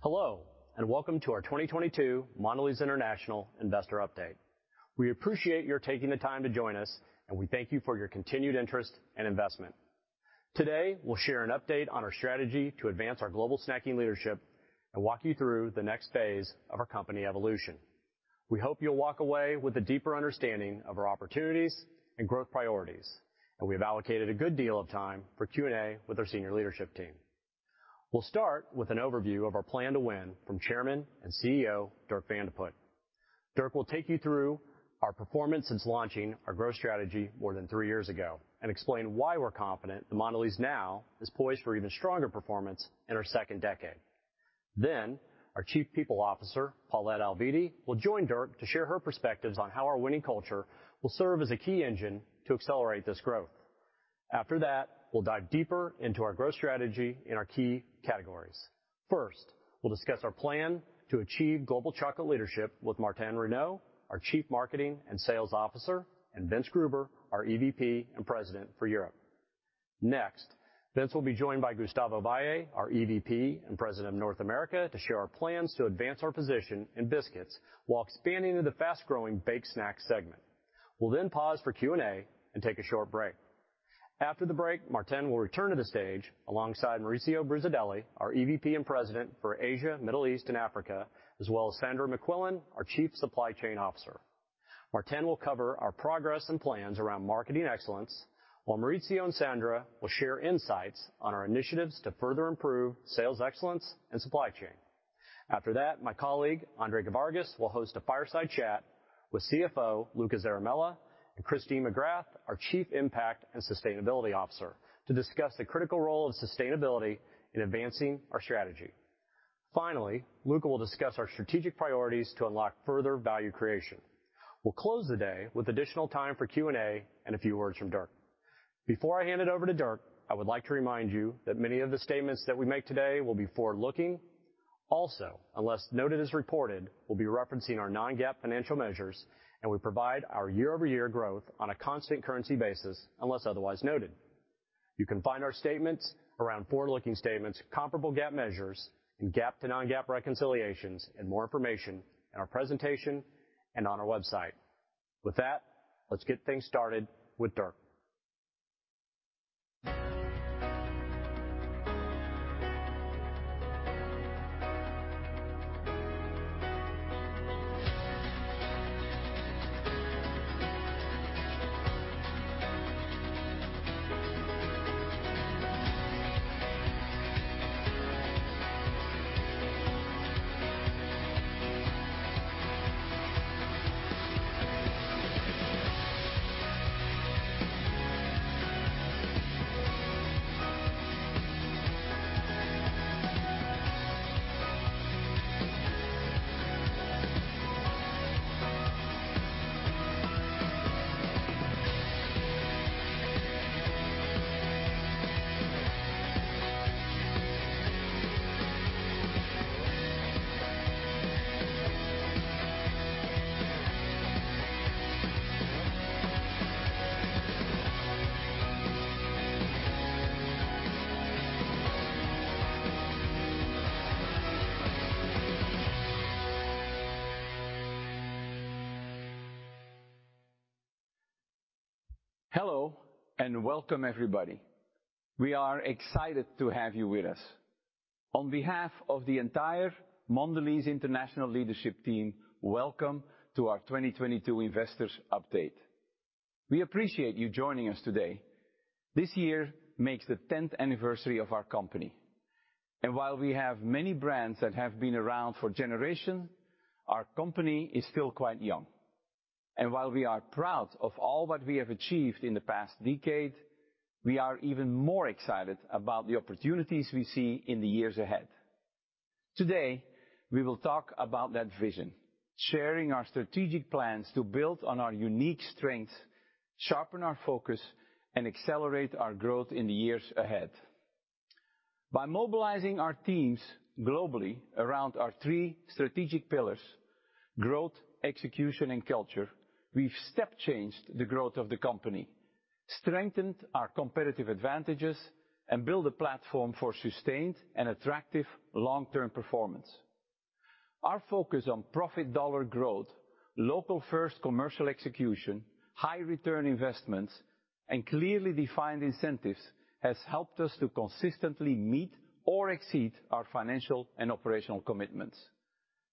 Hello, and welcome to our 2022 Mondelēz International Investor Update. We appreciate your taking the time to join us, and we thank you for your continued interest and investment. Today, we'll share an update on our strategy to advance our global snacking leadership and walk you through the next phase of our company evolution. We hope you'll walk away with a deeper understanding of our opportunities and growth priorities. We've allocated a good deal of time for Q&A with our senior leadership team. We'll start with an overview of our plan to win from Chairman and CEO, Dirk Van de Put. Dirk will take you through our performance since launching our growth strategy more than three years ago and explain why we're confident that Mondelēz now is poised for even stronger performance in our second decade. Our Chief People Officer, Paulette Alviti, will join Dirk to share her perspectives on how our winning culture will serve as a key engine to accelerate this growth. After that, we'll dive deeper into our growth strategy in our key categories. First, we'll discuss our plan to achieve global chocolate leadership with Martin Renaud, our Chief Marketing and Sales Officer, and Vinzenz Gruber, our EVP and President for Europe. Next, Vinzenz will be joined by Gustavo Valle, our EVP and President of North America, to share our plans to advance our position in biscuits while expanding to the fast-growing baked snacks segment. We'll then pause for Q&A and take a short break. After the break, Martin will return to the stage alongside Maurizio Brusadelli, our EVP and President for Asia, Middle East, and Africa, as well as Sandra MacQuillan, our Chief Supply Chain Officer. Martin will cover our progress and plans around marketing excellence, while Maurizio and Sandra will share insights on our initiatives to further improve sales excellence and supply chain. After that, my colleague, André Gevargiz, will host a fireside chat with CFO, Luca Zaramella, and Christine McGrath, our Chief Impact and Sustainability Officer, to discuss the critical role of sustainability in advancing our strategy. Finally, Luca will discuss our strategic priorities to unlock further value creation. We'll close the day with additional time for Q&A and a few words from Dirk. Before I hand it over to Dirk, I would like to remind you that many of the statements that we make today will be forward-looking. Also, unless noted as reported, we'll be referencing our non-GAAP financial measures, and we provide our year-over-year growth on a constant currency basis, unless otherwise noted. You can find our statements around forward-looking statements, comparable GAAP measures, and GAAP to non-GAAP reconciliations, and more information in our presentation and on our website. With that, let's get things started with Dirk. Hello, and welcome, everybody. We are excited to have you with us. On behalf of the entire Mondelēz International leadership team, welcome to our 2022 Investors Update. We appreciate you joining us today. This year makes the tenth anniversary of our company. While we have many brands that have been around for generations, our company is still quite young. While we are proud of all that we have achieved in the past decade, we are even more excited about the opportunities we see in the years ahead. Today, we will talk about that vision, sharing our strategic plans to build on our unique strengths, sharpen our focus, and accelerate our growth in the years ahead. By mobilizing our teams globally around our three strategic pillars, growth, execution, and culture, we've step changed the growth of the company, strengthened our competitive advantages, and built a platform for sustained and attractive long-term performance. Our focus on profit dollar growth, local first commercial execution, high return investments, and clearly defined incentives has helped us to consistently meet or exceed our financial and operational commitments.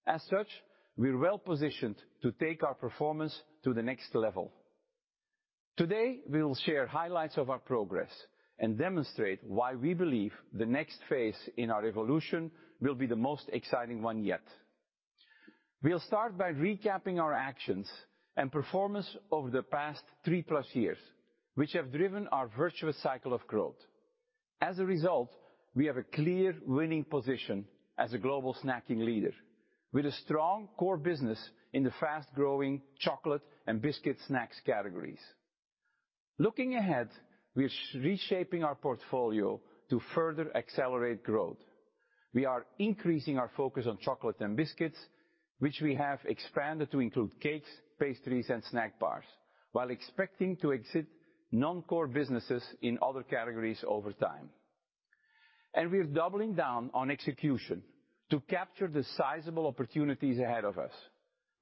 As such, we're well-positioned to take our performance to the next level. Today, we will share highlights of our progress and demonstrate why we believe the next phase in our evolution will be the most exciting one yet. We'll start by recapping our actions and performance over the past three-plus years, which have driven our virtuous cycle of growth. As a result, we have a clear winning position as a global snacking leader with a strong core business in the fast-growing chocolate and biscuit snacks categories. Looking ahead, we're reshaping our portfolio to further accelerate growth. We are increasing our focus on chocolate and biscuits, which we have expanded to include cakes, pastries, and snack bars, while expecting to exit non-core businesses in other categories over time. We're doubling down on execution to capture the sizable opportunities ahead of us.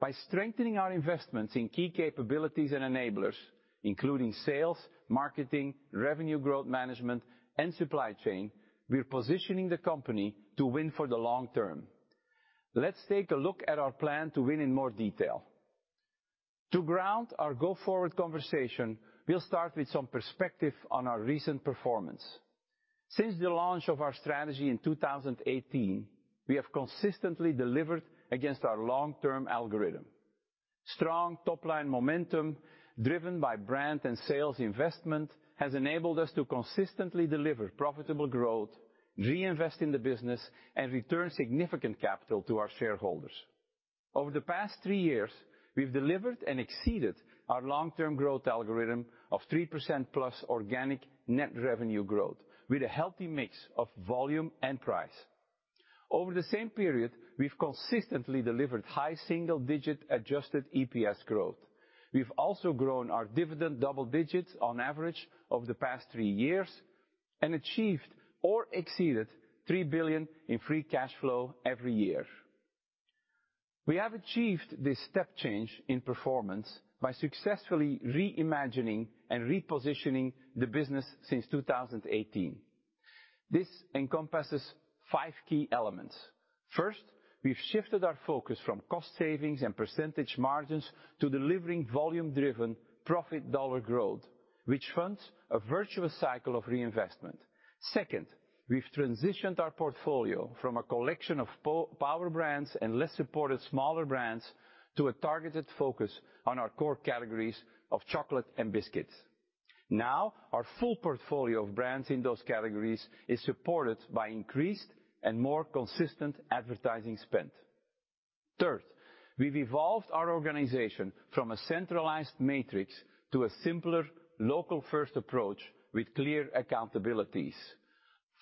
By strengthening our investments in key capabilities and enablers, including sales, marketing, revenue growth management, and supply chain, we're positioning the company to win for the long term. Let's take a look at our plan to win in more detail. To ground our go-forward conversation, we'll start with some perspective on our recent performance. Since the launch of our strategy in 2018, we have consistently delivered against our long-term algorithm. Strong top-line momentum driven by brand and sales investment has enabled us to consistently deliver profitable growth, reinvest in the business, and return significant capital to our shareholders. Over the past three years, we've delivered and exceeded our long-term growth algorithm of 3%+ organic net revenue growth with a healthy mix of volume and price. Over the same period, we've consistently delivered high single-digit Adjusted EPS growth. We've also grown our dividend double digits on average over the past three years and achieved or exceeded $3 billion in free cash flow every year. We have achieved this step change in performance by successfully reimagining and repositioning the business since 2018. This encompasses five key elements. First, we've shifted our focus from cost savings and percentage margins to delivering volume-driven profit dollar growth, which funds a virtuous cycle of reinvestment. Second, we've transitioned our portfolio from a collection of power brands and less supported smaller brands to a targeted focus on our core categories of chocolate and biscuits. Now, our full portfolio of brands in those categories is supported by increased and more consistent advertising spend. Third, we've evolved our organization from a centralized matrix to a simpler local-first approach with clear accountabilities.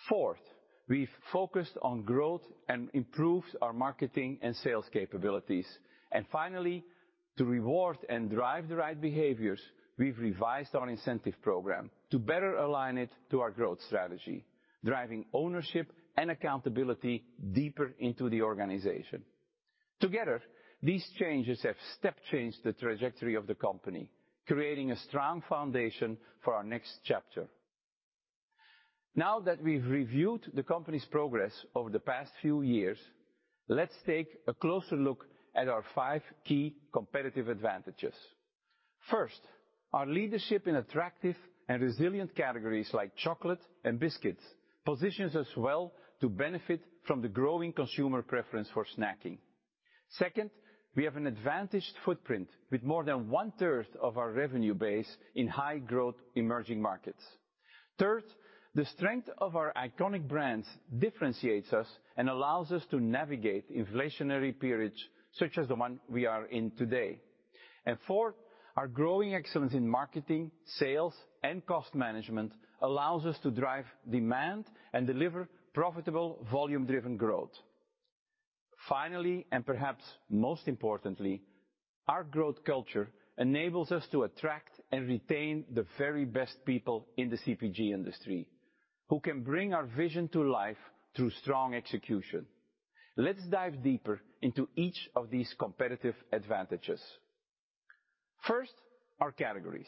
Fourth, we've focused on growth and improved our marketing and sales capabilities. Finally, to reward and drive the right behaviors, we've revised our incentive program to better align it to our growth strategy, driving ownership and accountability deeper into the organization. Together, these changes have step changed the trajectory of the company, creating a strong foundation for our next chapter. Now that we've reviewed the company's progress over the past few years, let's take a closer look at our five key competitive advantages. First, our leadership in attractive and resilient categories like chocolate and biscuits positions us well to benefit from the growing consumer preference for snacking. Second, we have an advantaged footprint with more than 1/3 of our revenue base in high-growth emerging markets. Third, the strength of our iconic brands differentiates us and allows us to navigate inflationary periods such as the one we are in today. And fourth, our growing excellence in marketing, sales, and cost management allows us to drive demand and deliver profitable volume-driven growth. Finally, and perhaps most importantly, our growth culture enables us to attract and retain the very best people in the CPG industry who can bring our vision to life through strong execution. Let's dive deeper into each of these competitive advantages. First, our categories.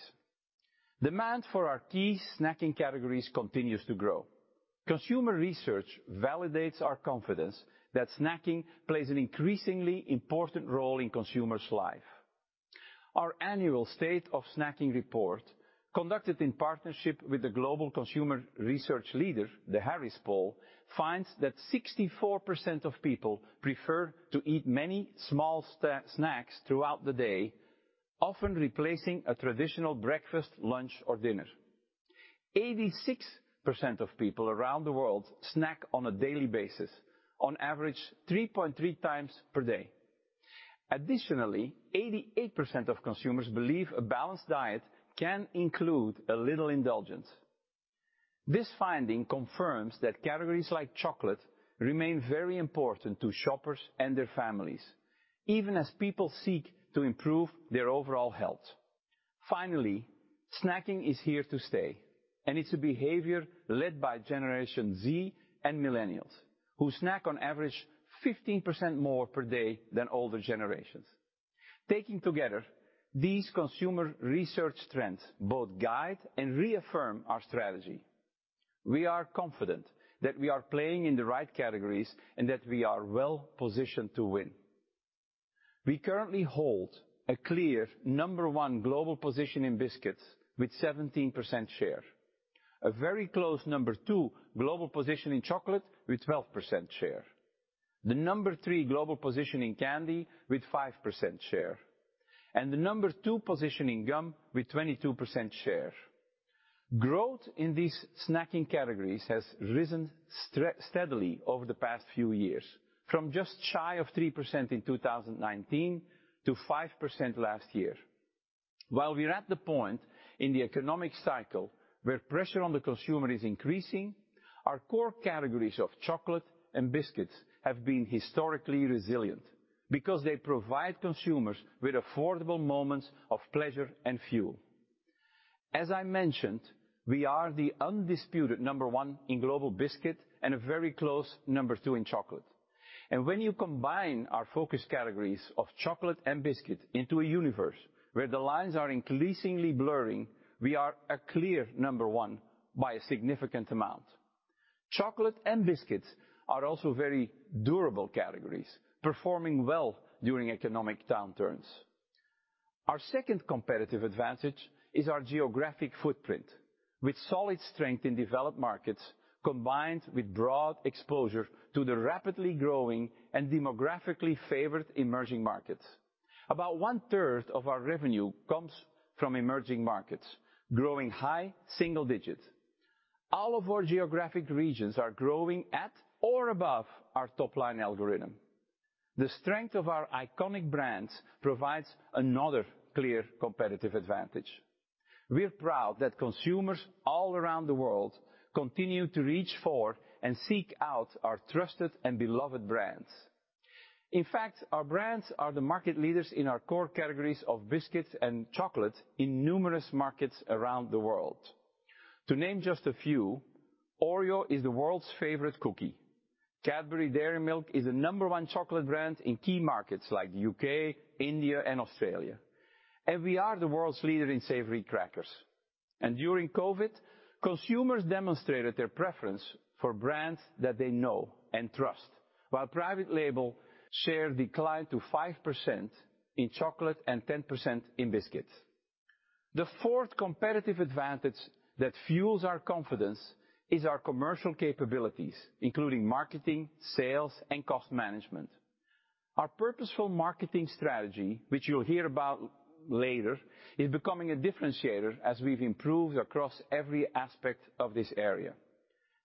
Demand for our key snacking categories continues to grow. Consumer research validates our confidence that snacking plays an increasingly important role in consumers' life. Our annual State of Snacking Report, conducted in partnership with the global consumer research leader, The Harris Poll, finds that 64% of people prefer to eat many small snacks throughout the day, often replacing a traditional breakfast, lunch, or dinner. 86% of people around the world snack on a daily basis, on average, 3.3x per day. Additionally, 88% of consumers believe a balanced diet can include a little indulgence. This finding confirms that categories like chocolate remain very important to shoppers and their families, even as people seek to improve their overall health. Finally, snacking is here to stay, and it's a behavior led by Generation Z and millennials, who snack on average 15% more per day than older generations. Taking together these consumer research trends both guide and reaffirm our strategy. We are confident that we are playing in the right categories and that we are well-positioned to win. We currently hold a clear number one global position in biscuits with 17% share, a very close number two global position in chocolate with 12% share, the number three global position in candy with 5% share, and the number two position in gum with 22% share. Growth in these snacking categories has risen steadily over the past few years from just shy of 3% in 2019 to 5% last year. While we're at the point in the economic cycle where pressure on the consumer is increasing, our core categories of chocolate and biscuits have been historically resilient. Because they provide consumers with affordable moments of pleasure and fuel. As I mentioned, we are the undisputed number one in global biscuits and a very close number two in chocolate. When you combine our focus categories of chocolate and biscuits into a universe where the lines are increasingly blurring, we are a clear number one by a significant amount. Chocolate and biscuits are also very durable categories, performing well during economic downturns. Our second competitive advantage is our geographic footprint, with solid strength in developed markets, combined with broad exposure to the rapidly growing and demographically favored emerging markets. About 1/3 of our revenue comes from emerging markets, growing high single-digit %. All of our geographic regions are growing at or above our top line algorithm. The strength of our iconic brands provides another clear competitive advantage. We're proud that consumers all around the world continue to reach for and seek out our trusted and beloved brands. In fact, our brands are the market leaders in our core categories of biscuits and chocolate in numerous markets around the world. To name just a few, Oreo is the world's favorite cookie. Cadbury Dairy Milk is the number one chocolate brand in key markets like the UK, India, and Australia. We are the world's leader in savory crackers. During COVID, consumers demonstrated their preference for brands that they know and trust, while private label share declined to 5% in chocolate and 10% in biscuits. The fourth competitive advantage that fuels our confidence is our commercial capabilities, including marketing, sales, and cost management. Our purposeful marketing strategy, which you'll hear about later, is becoming a differentiator as we've improved across every aspect of this area.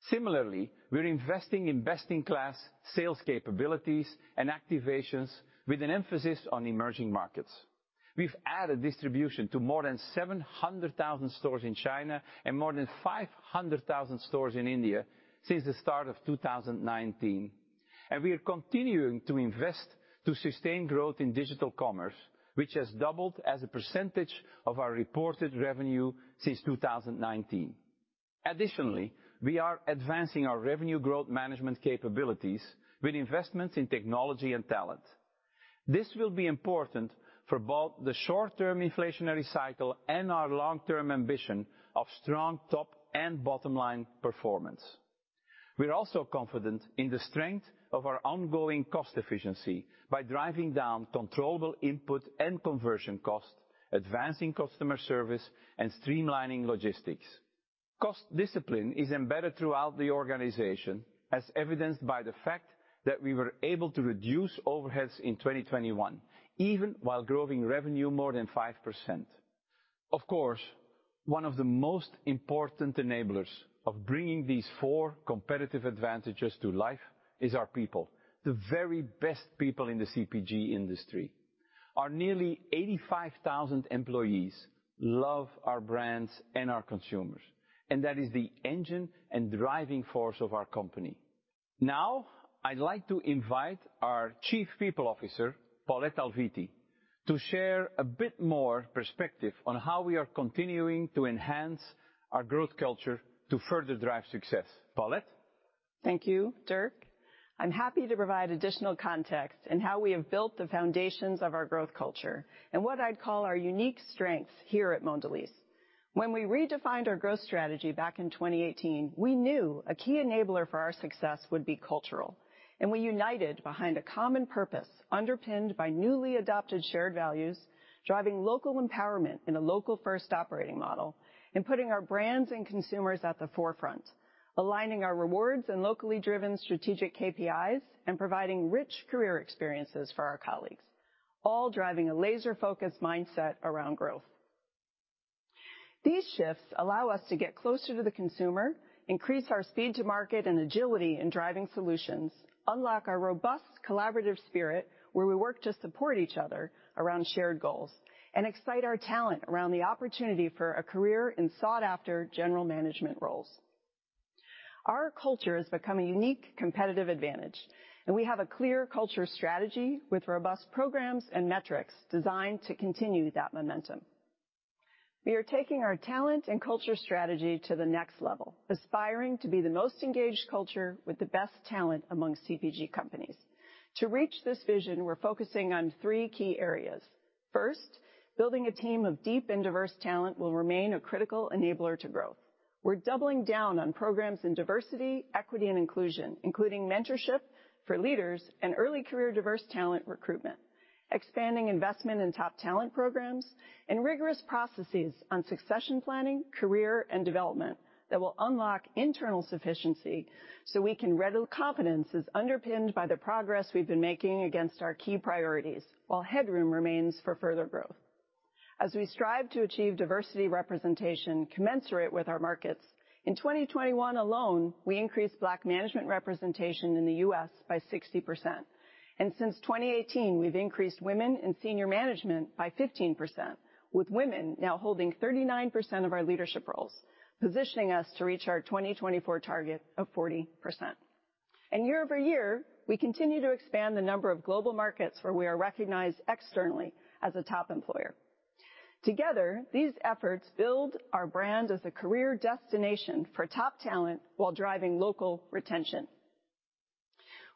Similarly, we're investing in best-in-class sales capabilities and activations with an emphasis on emerging markets. We've added distribution to more than 700,000 stores in China and more than 500,000 stores in India since the start of 2019. We are continuing to invest to sustain growth in digital commerce, which has doubled as a percentage of our reported revenue since 2019. Additionally, we are advancing our revenue growth management capabilities with investments in technology and talent. This will be important for both the short-term inflationary cycle and our long-term ambition of strong top and bottom line performance. We're also confident in the strength of our ongoing cost efficiency by driving down controllable input and conversion costs, advancing customer service, and streamlining logistics. Cost discipline is embedded throughout the organization, as evidenced by the fact that we were able to reduce overheads in 2021, even while growing revenue more than 5%. Of course, one of the most important enablers of bringing these four competitive advantages to life is our people, the very best people in the CPG industry. Our nearly 85,000 employees love our brands and our consumers, and that is the engine and driving force of our company. Now, I'd like to invite our Chief People Officer, Paulette Alviti, to share a bit more perspective on how we are continuing to enhance our growth culture to further drive success. Paulette? Thank you, Dirk. I'm happy to provide additional context in how we have built the foundations of our growth culture and what I'd call our unique strengths here at Mondelēz. When we redefined our growth strategy back in 2018, we knew a key enabler for our success would be cultural, and we united behind a common purpose underpinned by newly adopted shared values, driving local empowerment in a local-first operating model, and putting our brands and consumers at the forefront, aligning our rewards and locally driven strategic KPIs, and providing rich career experiences for our colleagues, all driving a laser-focused mindset around growth. These shifts allow us to get closer to the consumer, increase our speed to market and agility in driving solutions, unlock our robust collaborative spirit, where we work to support each other around shared goals, and excite our talent around the opportunity for a career in sought-after general management roles. Our culture has become a unique competitive advantage, and we have a clear culture strategy with robust programs and metrics designed to continue that momentum. We are taking our talent and culture strategy to the next level, aspiring to be the most engaged culture with the best talent among CPG companies. To reach this vision, we're focusing on three key areas. First, building a team of deep and diverse talent will remain a critical enabler to growth. We're doubling down on programs in diversity, equity, and inclusion, including mentorship for leaders and early career diverse talent recruitment, expanding investment in top talent programs, and rigorous processes on succession planning, career, and development that will unlock internal sufficiency so we can. Confidence is underpinned by the progress we've been making against our key priorities, while headroom remains for further growth. As we strive to achieve diversity representation commensurate with our markets, in 2021 alone, we increased Black management representation in the U.S. by 60%. Since 2018, we've increased women in senior management by 15%, with women now holding 39% of our leadership roles, positioning us to reach our 2024 target of 40%. Year over year, we continue to expand the number of global markets where we are recognized externally as a top employer. Together, these efforts build our brand as a career destination for top talent while driving local retention.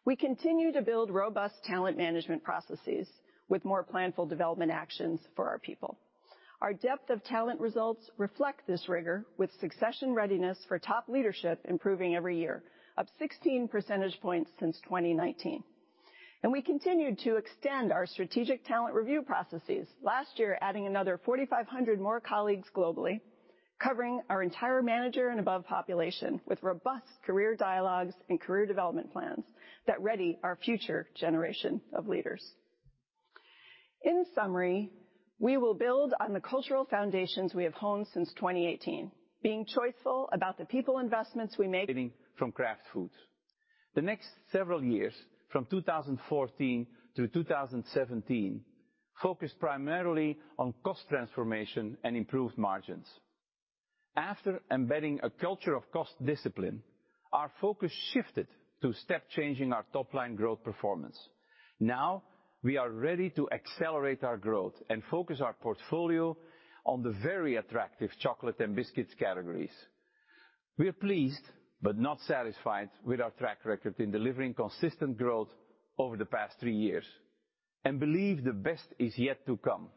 We continue to build robust talent management processes with more planful development actions for our people. Our depth of talent results reflect this rigor with succession readiness for top leadership improving every year, up 16 percentage points since 2019. We continued to extend our strategic talent review processes, last year adding another 4,500 more colleagues globally, covering our entire manager and above population with robust career dialogues and career development plans that ready our future generation of leaders. In summary, we will build on the cultural foundations we have honed since 2018, being choiceful about the people investments we make. From Kraft Foods. The next several years, from 2014 to 2017, focused primarily on cost transformation and improved margins. After embedding a culture of cost discipline, our focus shifted to step changing our top line growth performance. Now we are ready to accelerate our growth and focus our portfolio on the very attractive chocolate and biscuits categories. We are pleased but not satisfied with our track record in delivering consistent growth over the past three years and believe the best is yet to come.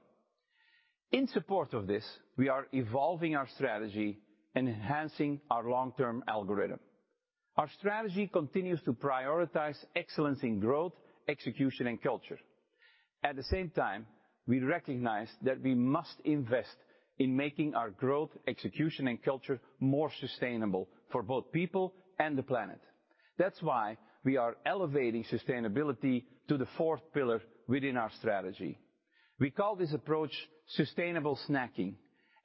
In support of this, we are evolving our strategy, enhancing our long-term algorithm. Our strategy continues to prioritize excellence in growth, execution and culture. At the same time, we recognize that we must invest in making our growth, execution and culture more sustainable for both people and the planet. That's why we are elevating sustainability to the fourth pillar within our strategy. We call this approach sustainable snacking,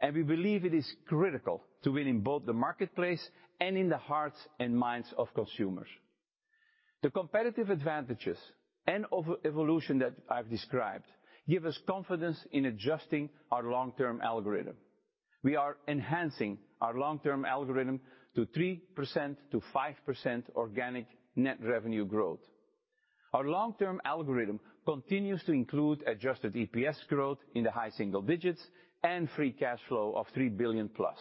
and we believe it is critical to win in both the marketplace and in the hearts and minds of consumers. The competitive advantages and evolution that I've described give us confidence in adjusting our long-term algorithm. We are enhancing our long-term algorithm to 3%-5% organic net revenue growth. Our long-term algorithm continues to include Adjusted EPS growth in the high single digits and free cash flow of $3 billion-plus.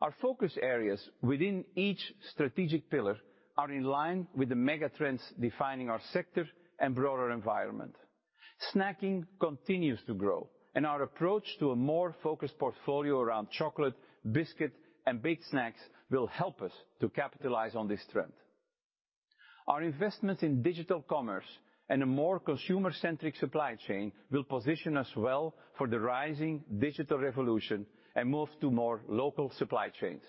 Our focus areas within each strategic pillar are in line with the mega trends defining our sector and broader environment. Snacking continues to grow, and our approach to a more focused portfolio around chocolate, biscuit, and baked snacks will help us to capitalize on this trend. Our investments in digital commerce and a more consumer-centric supply chain will position us well for the rising digital revolution and move to more local supply chains.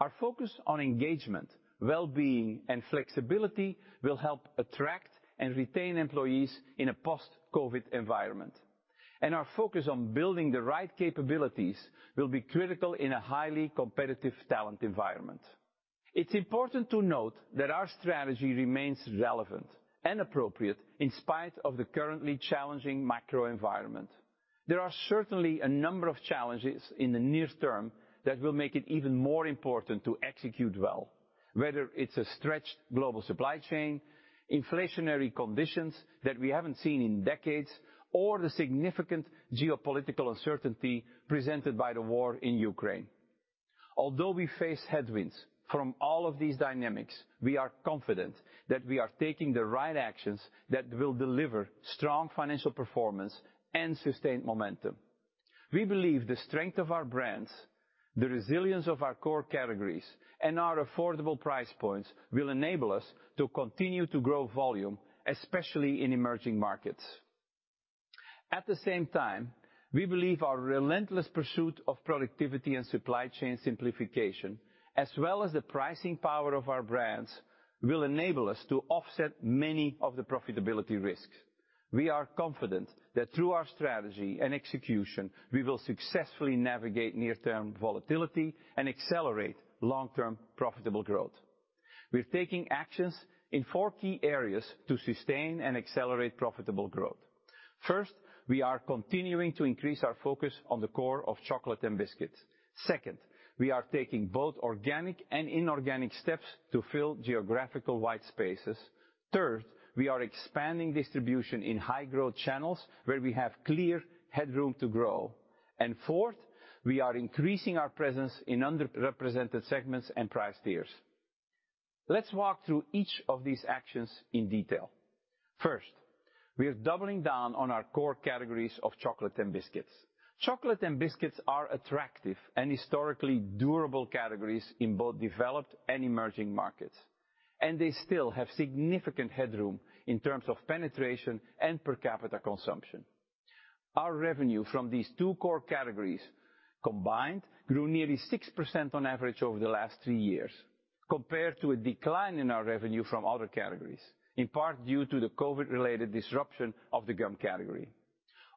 Our focus on engagement, wellbeing, and flexibility will help attract and retain employees in a post-COVID environment, and our focus on building the right capabilities will be critical in a highly competitive talent environment. It's important to note that our strategy remains relevant and appropriate in spite of the currently challenging macro environment. There are certainly a number of challenges in the near term that will make it even more important to execute well, whether it's a stretched global supply chain, inflationary conditions that we haven't seen in decades, or the significant geopolitical uncertainty presented by the war in Ukraine. Although we face headwinds from all of these dynamics, we are confident that we are taking the right actions that will deliver strong financial performance and sustained momentum. We believe the strength of our brands, the resilience of our core categories, and our affordable price points will enable us to continue to grow volume, especially in emerging markets. At the same time, we believe our relentless pursuit of productivity and supply chain simplification, as well as the pricing power of our brands, will enable us to offset many of the profitability risks. We are confident that through our strategy and execution, we will successfully navigate near-term volatility and accelerate long-term profitable growth. We're taking actions in four key areas to sustain and accelerate profitable growth. First, we are continuing to increase our focus on the core of chocolate and biscuits. Second, we are taking both organic and inorganic steps to fill geographical white spaces. Third, we are expanding distribution in high growth channels where we have clear headroom to grow. Fourth, we are increasing our presence in underrepresented segments and price tiers. Let's walk through each of these actions in detail. First, we are doubling down on our core categories of chocolate and biscuits. Chocolate and biscuits are attractive and historically durable categories in both developed and emerging markets, and they still have significant headroom in terms of penetration and per capita consumption. Our revenue from these two core categories combined grew nearly 6% on average over the last three years, compared to a decline in our revenue from other categories, in part due to the COVID-related disruption of the gum category.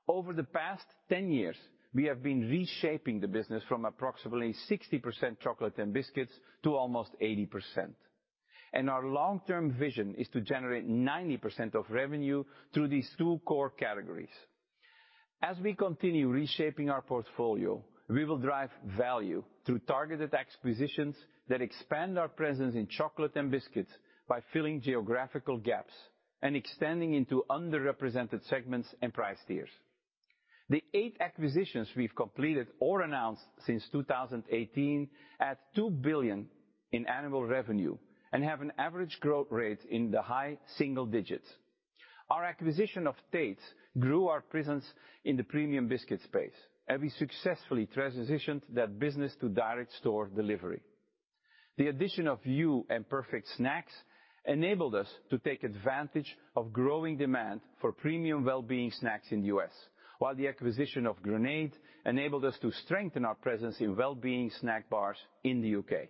Over the past 10 years, we have been reshaping the business from approximately 60% chocolate and biscuits to almost 80%. Our long-term vision is to generate 90% of revenue through these two core categories. As we continue reshaping our portfolio, we will drive value through targeted acquisitions that expand our presence in chocolate and biscuits by filling geographical gaps and extending into underrepresented segments and price tiers. The 8 acquisitions we've completed or announced since 2018 add $2 billion in annual revenue and have an average growth rate in the high single digits. Our acquisition of Tate grew our presence in the premium biscuit space, and we successfully transitioned that business to direct store delivery. The addition of Give & Go and Perfect Snacks enabled us to take advantage of growing demand for premium wellbeing snacks in the U.S., while the acquisition of Grenade enabled us to strengthen our presence in wellbeing snack bars in the U.K.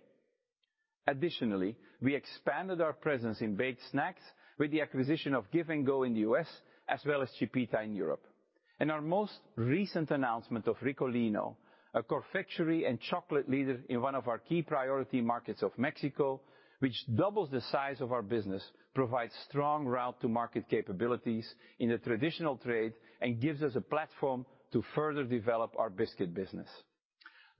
Additionally, we expanded our presence in baked snacks with the acquisition of Give & Go in the U.S. as well as Chipita in Europe. In our most recent announcement of Ricolino, a confectionery and chocolate leader in one of our key priority markets of Mexico, which doubles the size of our business, provides strong route to market capabilities in the traditional trade, and gives us a platform to further develop our biscuit business.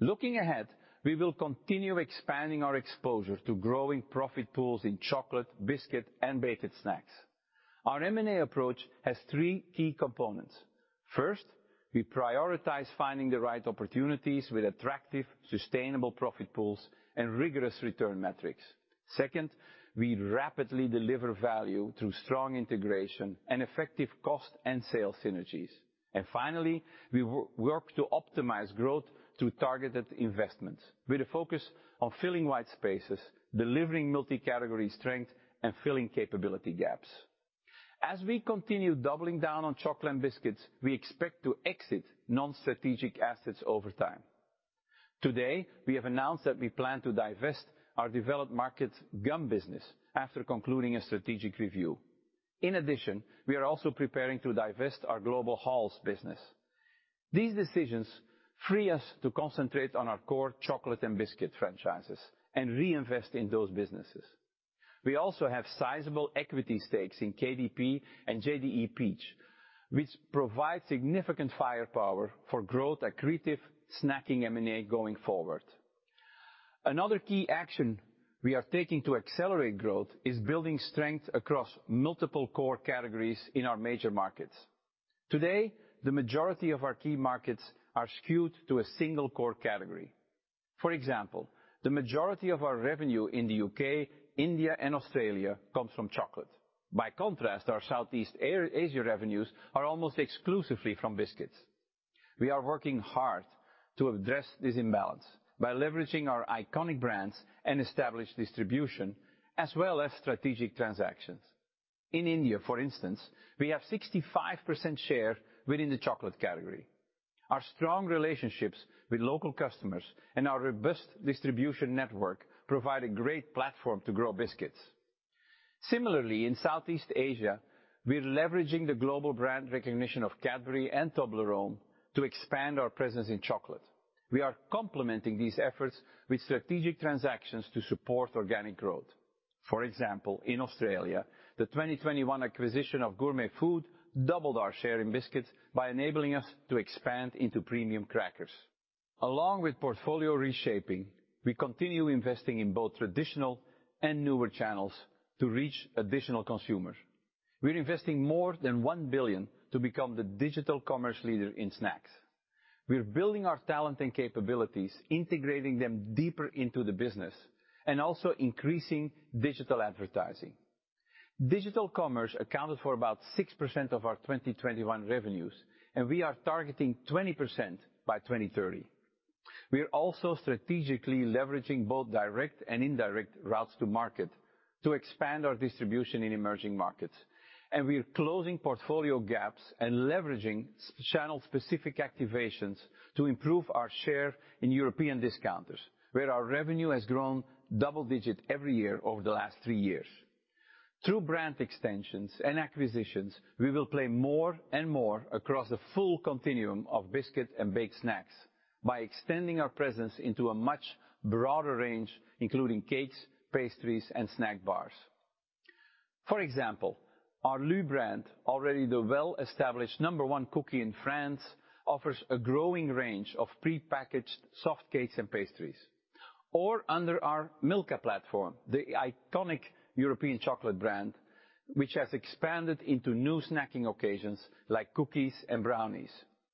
Looking ahead, we will continue expanding our exposure to growing profit pools in chocolate, biscuit, and baked snacks. Our M&A approach has three key components. First, we prioritize finding the right opportunities with attractive, sustainable profit pools and rigorous return metrics. Second, we rapidly deliver value through strong integration and effective cost and sales synergies. Finally, we work to optimize growth through targeted investments with a focus on filling white spaces, delivering multi-category strength, and filling capability gaps. As we continue doubling down on chocolate and biscuits, we expect to exit non-strategic assets over time. Today, we have announced that we plan to divest our developed markets gum business after concluding a strategic review. In addition, we are also preparing to divest our global Halls business. These decisions free us to concentrate on our core chocolate and biscuit franchises and reinvest in those businesses. We also have sizable equity stakes in KDP and JDE Peet's, which provide significant firepower for growth, accretive snacking M&A going forward. Another key action we are taking to accelerate growth is building strength across multiple core categories in our major markets. Today, the majority of our key markets are skewed to a single core category. For example, the majority of our revenue in the UK, India, and Australia comes from chocolate. By contrast, our Southeast Asia revenues are almost exclusively from biscuits. We are working hard to address this imbalance by leveraging our iconic brands and established distribution as well as strategic transactions. In India, for instance, we have 65% share within the chocolate category. Our strong relationships with local customers and our robust distribution network provide a great platform to grow biscuits. Similarly, in Southeast Asia, we're leveraging the global brand recognition of Cadbury and Toblerone to expand our presence in chocolate. We are complementing these efforts with strategic transactions to support organic growth. For example, in Australia, the 2021 acquisition of Gourmet Food doubled our share in biscuits by enabling us to expand into premium crackers. Along with portfolio reshaping, we continue investing in both traditional and newer channels to reach additional consumers. We're investing more than $1 billion to become the digital commerce leader in snacks. We're building our talent and capabilities, integrating them deeper into the business and also increasing digital advertising. Digital commerce accounted for about 6% of our 2021 revenues, and we are targeting 20% by 2030. We are also strategically leveraging both direct and indirect routes to market to expand our distribution in emerging markets. We're closing portfolio gaps and leveraging s-channel specific activations to improve our share in European discounters, where our revenue has grown double-digit every year over the last three years. Through brand extensions and acquisitions, we will play more and more across the full continuum of biscuit and baked snacks by extending our presence into a much broader range, including cakes, pastries, and snack bars. For example, our LU brand, already the well-established number one cookie in France, offers a growing range of prepackaged soft cakes and pastries. Under our Milka platform, the iconic European chocolate brand, which has expanded into new snacking occasions like cookies and brownies,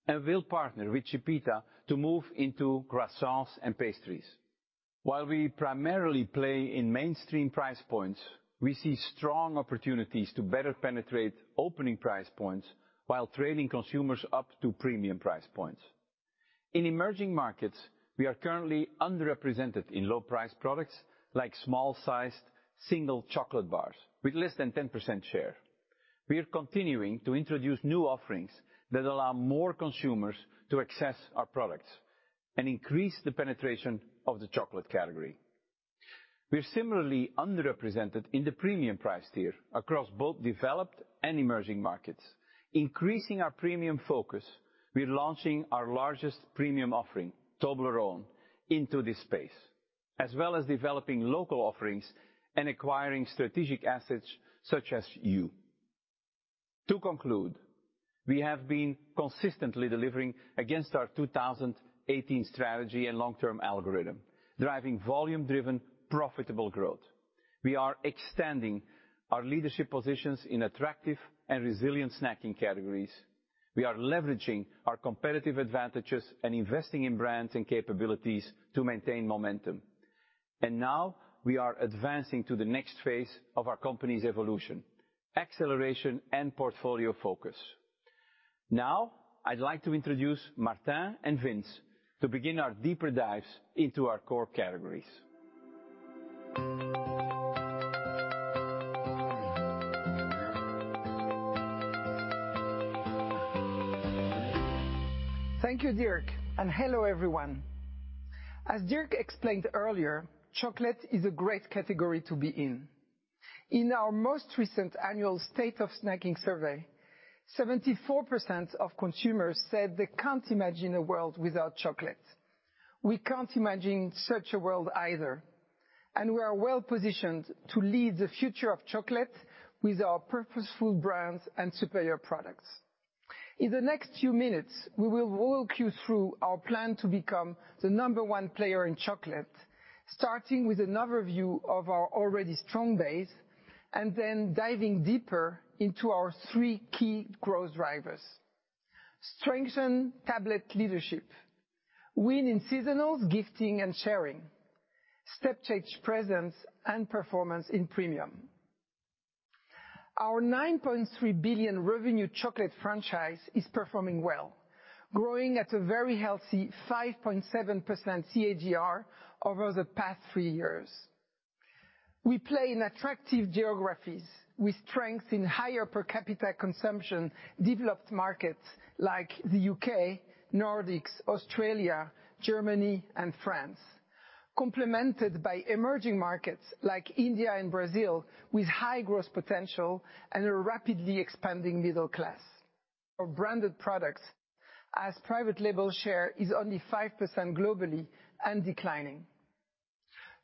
and will partner with Chipita to move into croissants and pastries. While we primarily play in mainstream price points, we see strong opportunities to better penetrate opening price points while trading consumers up to premium price points. In emerging markets, we are currently underrepresented in low-priced products like small-sized single chocolate bars with less than 10% share. We are continuing to introduce new offerings that allow more consumers to access our products and increase the penetration of the chocolate category. We're similarly underrepresented in the premium price tier across both developed and emerging markets. Increasing our premium focus, we're launching our largest premium offering, Toblerone, into this space, as well as developing local offerings and acquiring strategic assets such as Hu. To conclude, we have been consistently delivering against our 2018 strategy and long-term algorithm, driving volume-driven, profitable growth. We are extending our leadership positions in attractive and resilient snacking categories. We are leveraging our competitive advantages and investing in brands and capabilities to maintain momentum. Now we are advancing to the next phase of our company's evolution, acceleration, and portfolio focus. Now, I'd like to introduce Martin Renaud and Vinzenz Gruber to begin our deeper dives into our core categories. Thank you, Dirk, and hello everyone. As Dirk explained earlier, chocolate is a great category to be in. In our most recent annual State of Snacking Report, 74% of consumers said they can't imagine a world without chocolate. We can't imagine such a world either, and we are well-positioned to lead the future of chocolate with our purposeful brands and superior products. In the next few minutes, we will walk you through our plan to become the number one player in chocolate, starting with another view of our already strong base, and then diving deeper into our three key growth drivers. Strengthen tablet leadership, win in seasonals, gifting, and sharing, step-change presence and performance in premium. Our $9.3 billion revenue chocolate franchise is performing well, growing at a very healthy 5.7% CAGR over the past three years. We play in attractive geographies with strength in higher per capita consumption, developed markets like the U.K., Nordics, Australia, Germany, and France, complemented by emerging markets like India and Brazil with high growth potential and a rapidly expanding middle class. For branded products, the private label share is only 5% globally and is declining.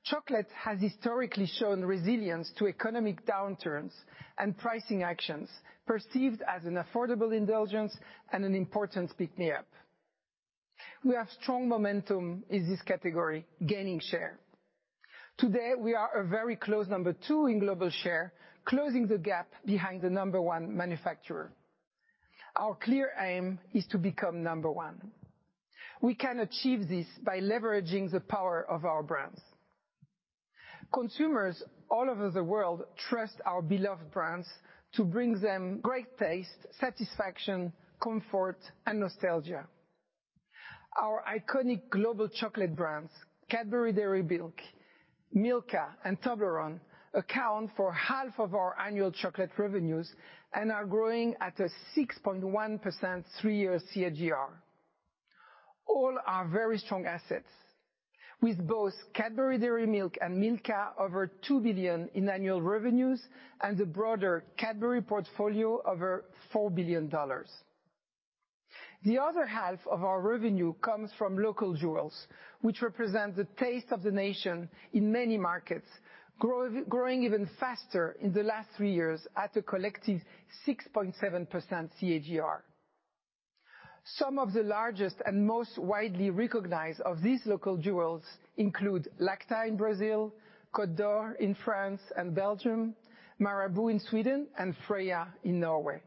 Chocolate has historically shown resilience to economic downturns and pricing actions, perceived as an affordable indulgence and an important pick-me-up. We have strong momentum in this category, gaining share. Today, we are a very close number two in global share, closing the gap behind the number one manufacturer. Our clear aim is to become number one. We can achieve this by leveraging the power of our brands. Consumers all over the world trust our beloved brands to bring them great taste, satisfaction, comfort, and nostalgia. Our iconic global chocolate brands, Cadbury Dairy Milk, Milka, and Toblerone, account for half of our annual chocolate revenues and are growing at a 6.1% three-year CAGR. All are very strong assets, with both Cadbury Dairy Milk and Milka over $2 billion in annual revenues, and the broader Cadbury portfolio over $4 billion. The other half of our revenue comes from local jewels, which represent the taste of the nation in many markets, growing even faster in the last three years at a collective 6.7% CAGR. Some of the largest and most widely recognized of these local jewels include Lacta in Brazil, Côte d'Or in France and Belgium, Marabou in Sweden, and Freia in Norway.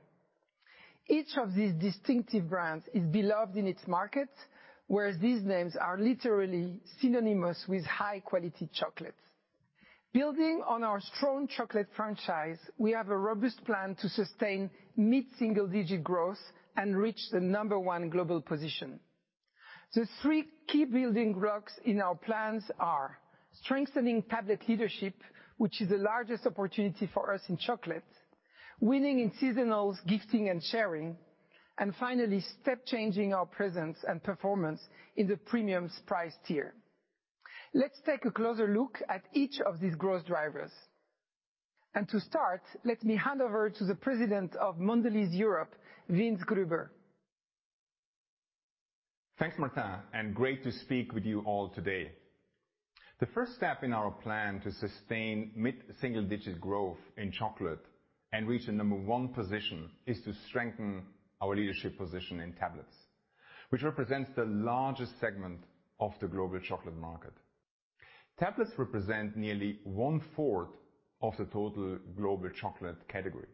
Each of these distinctive brands is beloved in its market, whereas these names are literally synonymous with high-quality chocolates. Building on our strong chocolate franchise, we have a robust plan to sustain mid-single-digit growth and reach the number one global position. The three key building blocks in our plans are strengthening tablet leadership, which is the largest opportunity for us in chocolate, winning in seasonals, gifting, and sharing, and finally, step changing our presence and performance in the premiums price tier. Let's take a closer look at each of these growth drivers. To start, let me hand over to the President of Mondelēz Europe, Vinzenz Gruber. Thanks, Martin, and great to speak with you all today. The first step in our plan to sustain mid-single-digit growth in chocolate and reach a number one position is to strengthen our leadership position in tablets, which represents the largest segment of the global chocolate market. Tablets represent nearly 1/4 of the total global chocolate category.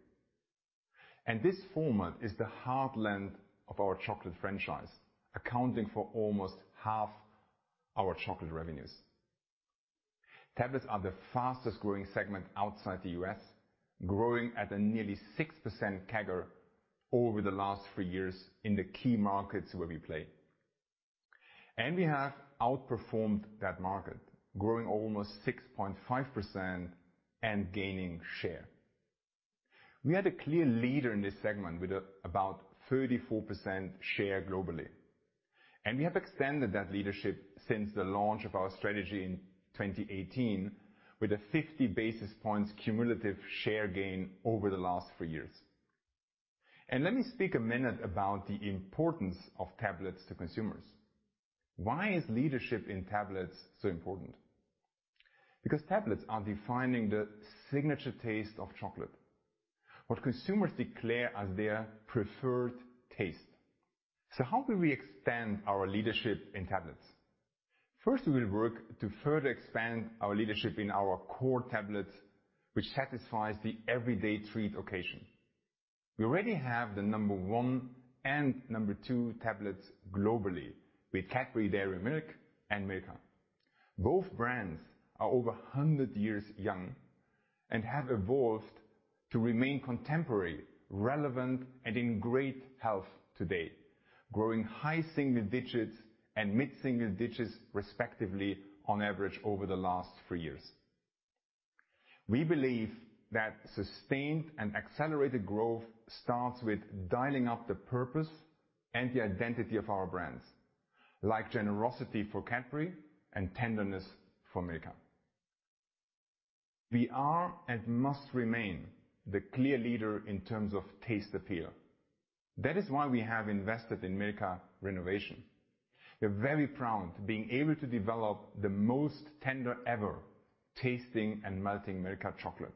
This format is the heartland of our chocolate franchise, accounting for almost 1/2 our chocolate revenues. Tablets are the fastest-growing segment outside the US, growing at a nearly 6% CAGR over the last three years in the key markets where we play. We have outperformed that market, growing almost 6.5% and gaining share. We are a clear leader in this segment with about 34% share globally. We have extended that leadership since the launch of our strategy in 2018, with a 50 basis points cumulative share gain over the last three years. Let me speak a minute about the importance of tablets to consumers. Why is leadership in tablets so important? Because tablets are defining the signature taste of chocolate, what consumers declare as their preferred taste. So how can we extend our leadership in tablets? First, we will work to further expand our leadership in our core tablets, which satisfy everyday treat occasions. We already have the number one and number two tablets globally with Cadbury Dairy Milk and Milka. Both brands are over 100 years old and have evolved to remain contemporary, relevant, and in great health today, growing high single digits and mid-single digits respectively on average over the last three years. We believe that sustained and accelerated growth starts with dialing up the purpose and the identity of our brands, like generosity for Cadbury and tenderness for Milka. We are, and must remain, the clear leader in terms of taste appeal. That is why we have invested in the Milka renovation. We're very proud of being able to develop the most tender ever tasting and melting Milka chocolate,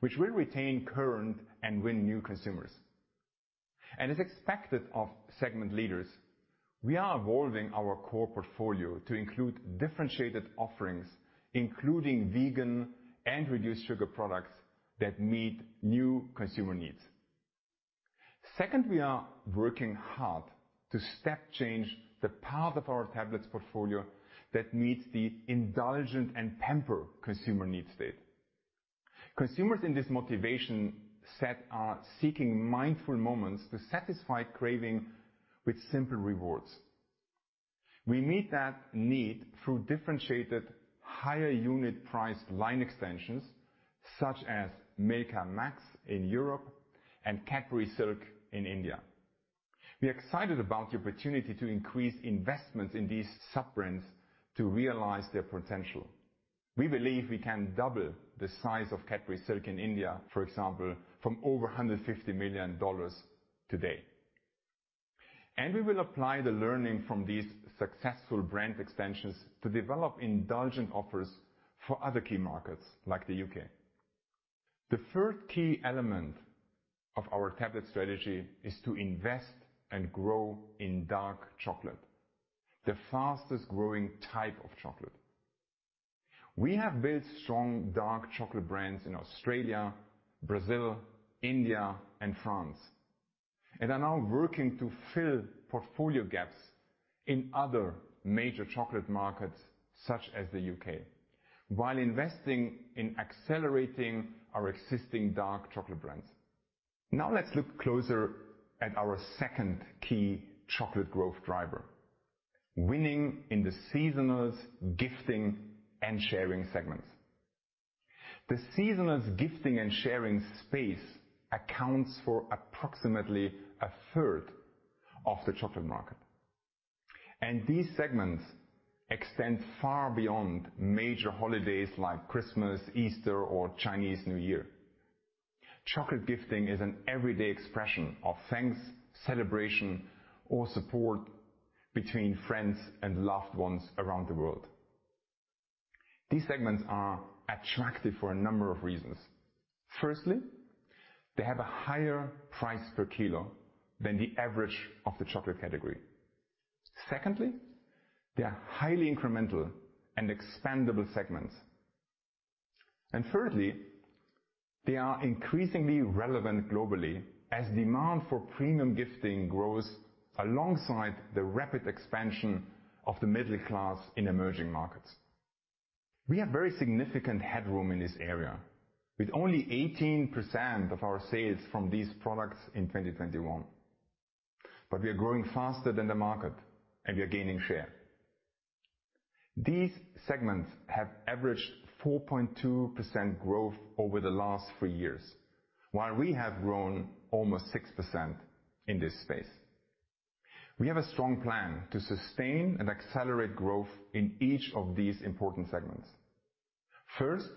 which will retain current and win new consumers. As expected of segment leaders, we are evolving our core portfolio to include differentiated offerings, including vegan and reduced sugar products that meet new consumer needs. Second, we are working hard to step change the path of our tablet portfolio that meets the indulgent and pamper consumer needs state. Consumers in this motivation set are seeking mindful moments to satisfy cravings with simple rewards. We meet that need through differentiated higher unit price line extensions, such as Milka Max in Europe and Cadbury Silk in India. We are excited about the opportunity to increase investments in these sub-brands to realize their potential. We believe we can double the size of Cadbury Silk in India, for example, from over $150 million today. We will apply the learning from these successful brand extensions to develop indulgent offers for other key markets, like the UK. The third key element of our tablet strategy is to invest and grow in dark chocolate, the fastest growing type of chocolate. We have built strong dark chocolate brands in Australia, Brazil, India, and France, and are now working to fill portfolio gaps in other major chocolate markets, such as the UK, while investing in accelerating our existing dark chocolate brands. Now let's look closer at our second key chocolate growth driver, winning in the seasonals, gifting, and sharing segments. The seasonals, gifting, and sharing space accounts for approximately a third of the chocolate market, and these segments extend far beyond major holidays like Christmas, Easter, or Chinese New Year. Chocolate gifting is an everyday expression of thanks, celebration, or support between friends and loved ones around the world. These segments are attractive for a number of reasons. Firstly, they have a higher price per kilo than the average of the chocolate category. Secondly, they are highly incremental and expandable segments. Thirdly, they are increasingly relevant globally as demand for premium gifting grows alongside the rapid expansion of the middle class in emerging markets. We have very significant headroom in this area, with only 18% of our sales from these products in 2021. We are growing faster than the market, and we are gaining share. These segments have averaged 4.2% growth over the last three years, while we have grown almost 6% in this space. We have a strong plan to sustain and accelerate growth in each of these important segments. First,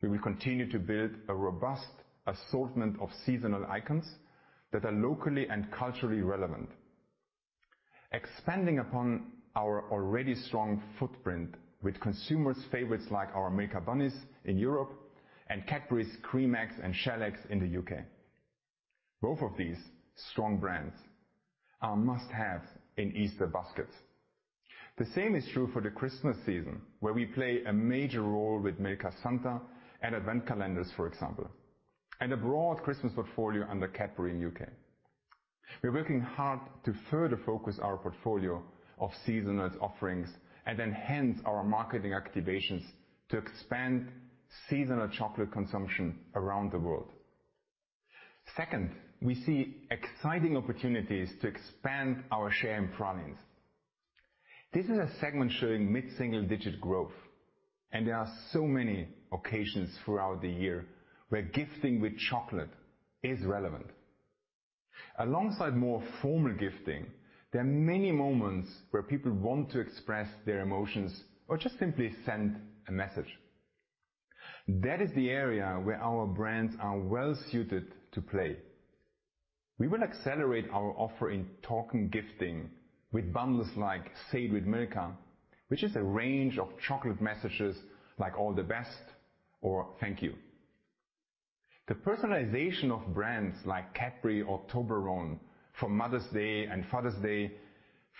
we will continue to build a robust assortment of seasonal icons that are locally and culturally relevant, expanding upon our already strong footprint with consumers' favorites like our Milka Bunnies in Europe and Cadbury Creme Eggs and Shell Eggs in the U.K. Both of these strong brands are must-haves in Easter baskets. The same is true for the Christmas season, where we play a major role with Milka Santa and Advent calendars, for example, and a broad Christmas portfolio under Cadbury in U.K. We are working hard to further focus our portfolio of seasonal offerings and enhance our marketing activations to expand seasonal chocolate consumption around the world. Second, we see exciting opportunities to expand our share in pralines. This is a segment showing mid-single-digit growth, and there are so many occasions throughout the year where gifting with chocolate is relevant. Alongside more formal gifting, there are many moments where people want to express their emotions or just simply send a message. That is the area where our brands are well suited to play. We will accelerate our offer in targeting gifting with bundles like Say It With Milka, which is a range of chocolate messages like all the best or thank you. The personalization of brands like Cadbury or Toblerone for Mother's Day and Father's Day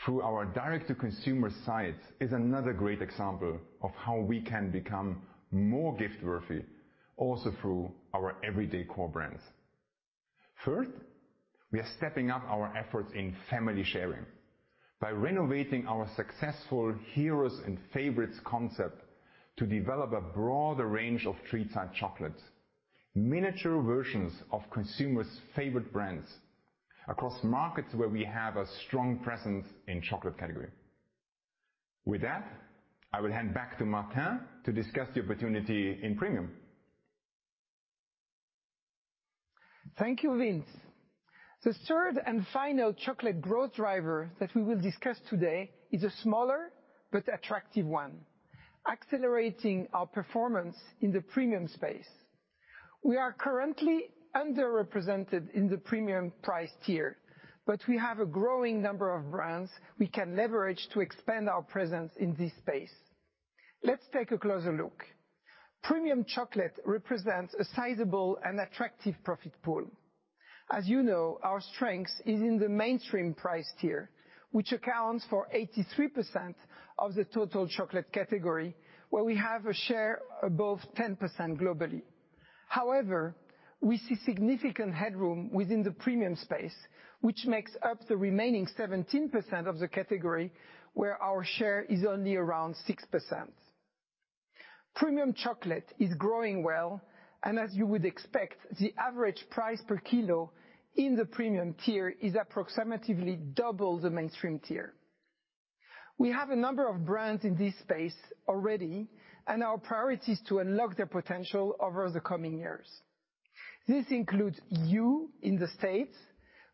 through our direct-to-consumer sites is another great example of how we can become more gift-worthy also through our everyday core brands. Third, we are stepping up our efforts in family sharing by renovating our successful Heroes and Favorites concept to develop a broader range of treat-sized chocolates, miniature versions of consumers' favorite brands across markets where we have a strong presence in chocolate category. With that, I will hand back to Martin to discuss the opportunity in premium. Thank you, Vinzenz. The third and final chocolate growth driver that we will discuss today is a smaller but attractive one, accelerating our performance in the premium space. We are currently underrepresented in the premium price tier, but we have a growing number of brands we can leverage to expand our presence in this space. Let's take a closer look. Premium chocolate represents a sizable and attractive profit pool. As you know, our strength is in the mainstream price tier, which accounts for 83% of the total chocolate category, where we have a share above 10% globally. However, we see significant headroom within the premium space, which makes up the remaining 17% of the category where our share is only around 6%. Premium chocolate is growing well, and as you would expect, the average price per kilo in the premium tier is approximately double the mainstream tier. We have a number of brands in this space already, and our priority is to unlock their potential over the coming years. This includes Hu in the States,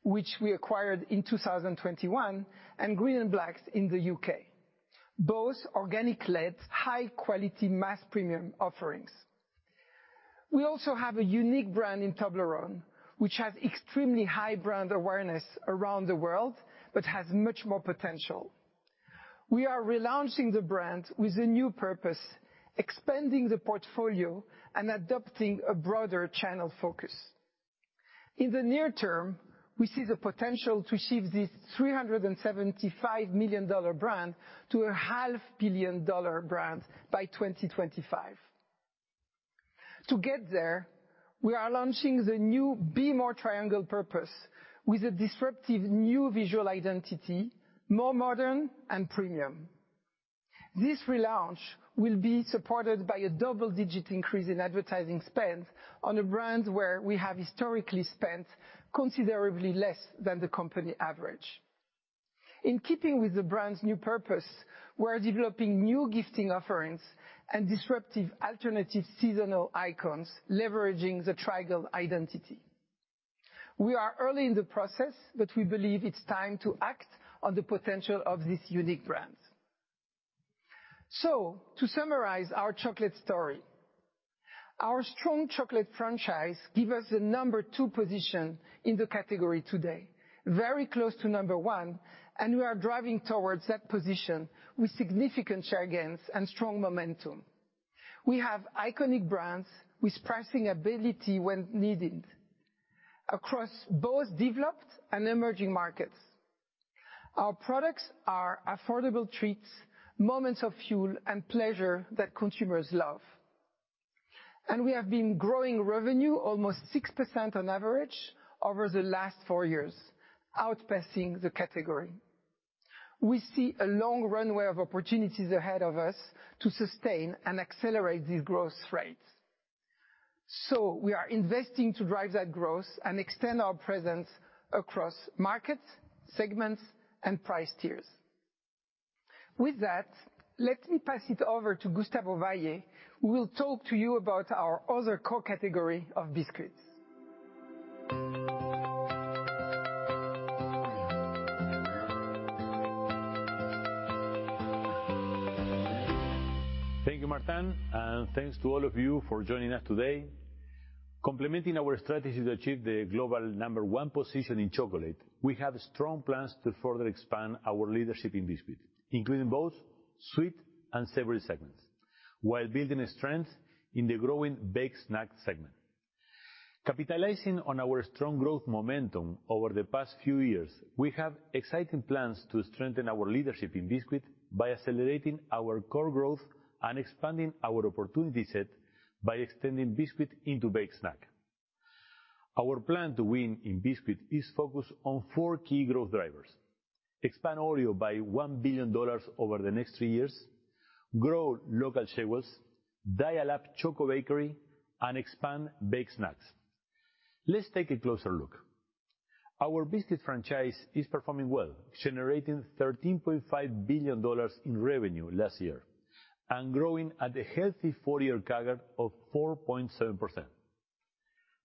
which we acquired in 2021, and Green & Black's in the U.K. Both organic-led, high-quality mass premium offerings. We also have a unique brand in Toblerone, which has extremely high brand awareness around the world but has much more potential. We are relaunching the brand with a new purpose, expanding the portfolio and adopting a broader channel focus. In the near term, we see the potential to shift this $375 million brand to a half billion-dollar brand by 2025. To get there, we are launching the new Be More Triangle purpose with a disruptive new visual identity, more modern and premium. This relaunch will be supported by a double-digit increase in advertising spend on a brand where we have historically spent considerably less than the company average. In keeping with the brand's new purpose, we are developing new gifting offerings and disruptive alternative seasonal icons leveraging the triangle identity. We are early in the process, but we believe it's time to act on the potential of this unique brand. To summarize our chocolate story, our strong chocolate franchise gives us the number two position in the category today, very close to number one, and we are driving towards that position with significant share gains and strong momentum. We have iconic brands with pricing ability when needed across both developed and emerging markets. Our products are affordable treats, moments of fuel and pleasure that consumers love. We have been growing revenue almost 6% on average over the last four years, outpacing the category. We see a long runway of opportunities ahead of us to sustain and accelerate these growth rates. We are investing to drive that growth and extend our presence across markets, segments, and price tiers. With that, let me pass it over to Gustavo Valle, who will talk to you about our other core category of biscuits. Thank you, Martin, and thanks to all of you for joining us today. Complementing our strategy to achieve the global number one position in chocolate, we have strong plans to further expand our leadership in biscuit, including both sweet and savory segments, while building strength in the growing baked snack segment. Capitalizing on our strong growth momentum over the past few years, we have exciting plans to strengthen our leadership in biscuit by accelerating our core growth and expanding our opportunity set by extending biscuit into baked snack. Our plan to win in biscuit is focused on four key growth drivers, expand Oreo by $1 billion over the next three years, grow local jewels, dial up Choco bakery, and expand baked snacks. Let's take a closer look. Our biscuit franchise is performing well, generating $13.5 billion in revenue last year, and growing at a healthy four-year CAGR of 4.7%.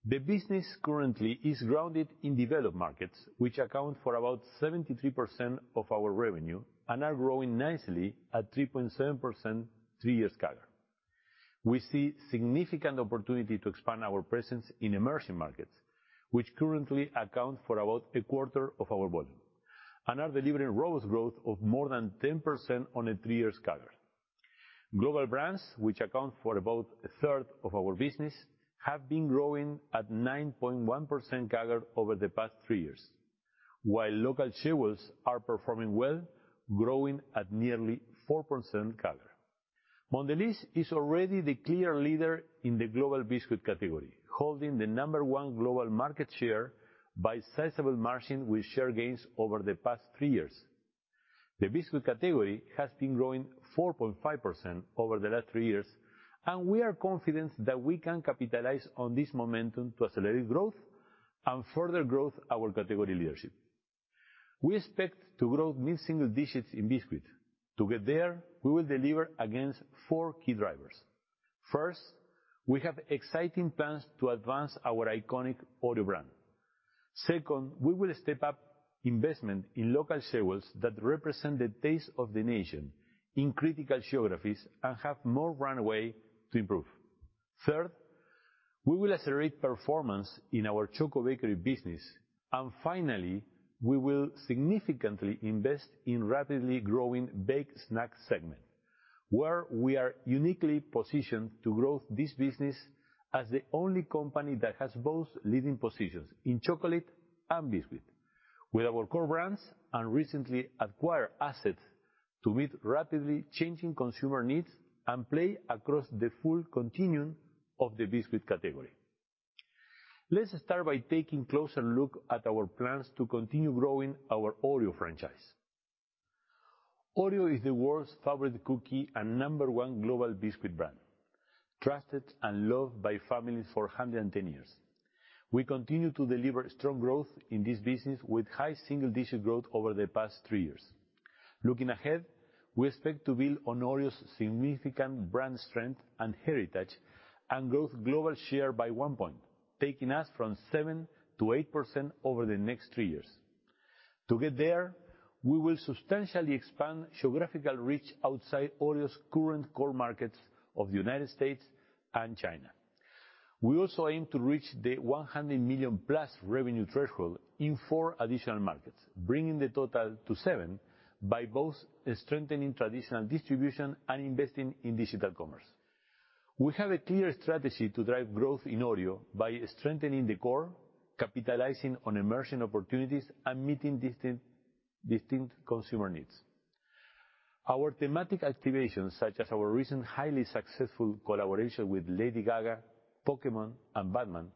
The business currently is grounded in developed markets, which account for about 73% of our revenue and are growing nicely at 3.7% three-year CAGR. We see a significant opportunity to expand our presence in emerging markets, which currently account for about a quarter of our volume and are delivering robust growth of more than 10% on a three-year CAGR. Global brands, which account for about a third of our business, have been growing at 9.1% CAGR over the past three years, while local jewels are performing well, growing at nearly 4% CAGR. Mondelēz is already the clear leader in the global biscuit category, holding the number one global market share by a sizable margin with share gains over the past three years. The biscuit category has been growing 4.5% over the last three years, and we are confident that we can capitalize on this momentum to accelerate growth and further grow our category leadership. We expect to grow mid-single digits in biscuit. To get there, we will deliver against four key drivers. First, we have exciting plans to advance our iconic Oreo brand. Second, we will step up investment in local jewels that represent the taste of the nation in critical geographies and have more runway to improve. Third, we will accelerate performance in our Choco bakery business. Finally, we will significantly invest in rapidly growing baked snack segment, where we are uniquely positioned to grow this business as the only company that has both leading positions in chocolate and biscuit with our core brands and recently acquired assets to meet rapidly changing consumer needs and play across the full continuum of the biscuit category. Let's start by taking closer look at our plans to continue growing our Oreo franchise. Oreo is the world's favorite cookie and number one global biscuit brand, trusted and loved by families for 110 years. We continue to deliver strong growth in this business with high single-digit growth over the past three years. Looking ahead, we expect to build on Oreo's significant brand strength and heritage and grow global share by 1 point, taking us from 7%-8% over the next three years. To get there, we will substantially expand geographical reach outside Oreo's current core markets of the United States and China. We also aim to reach the 100 million-plus revenue thresholds in four additional markets, bringing the total to seven by both strengthening traditional distribution and investing in digital commerce. We have a clear strategy to drive growth in Oreo by strengthening the core, capitalizing on emerging opportunities, and meeting distinct consumer needs. Our thematic activations, such as our recent highly successful collaboration with Lady Gaga, Pokémon, and Batman,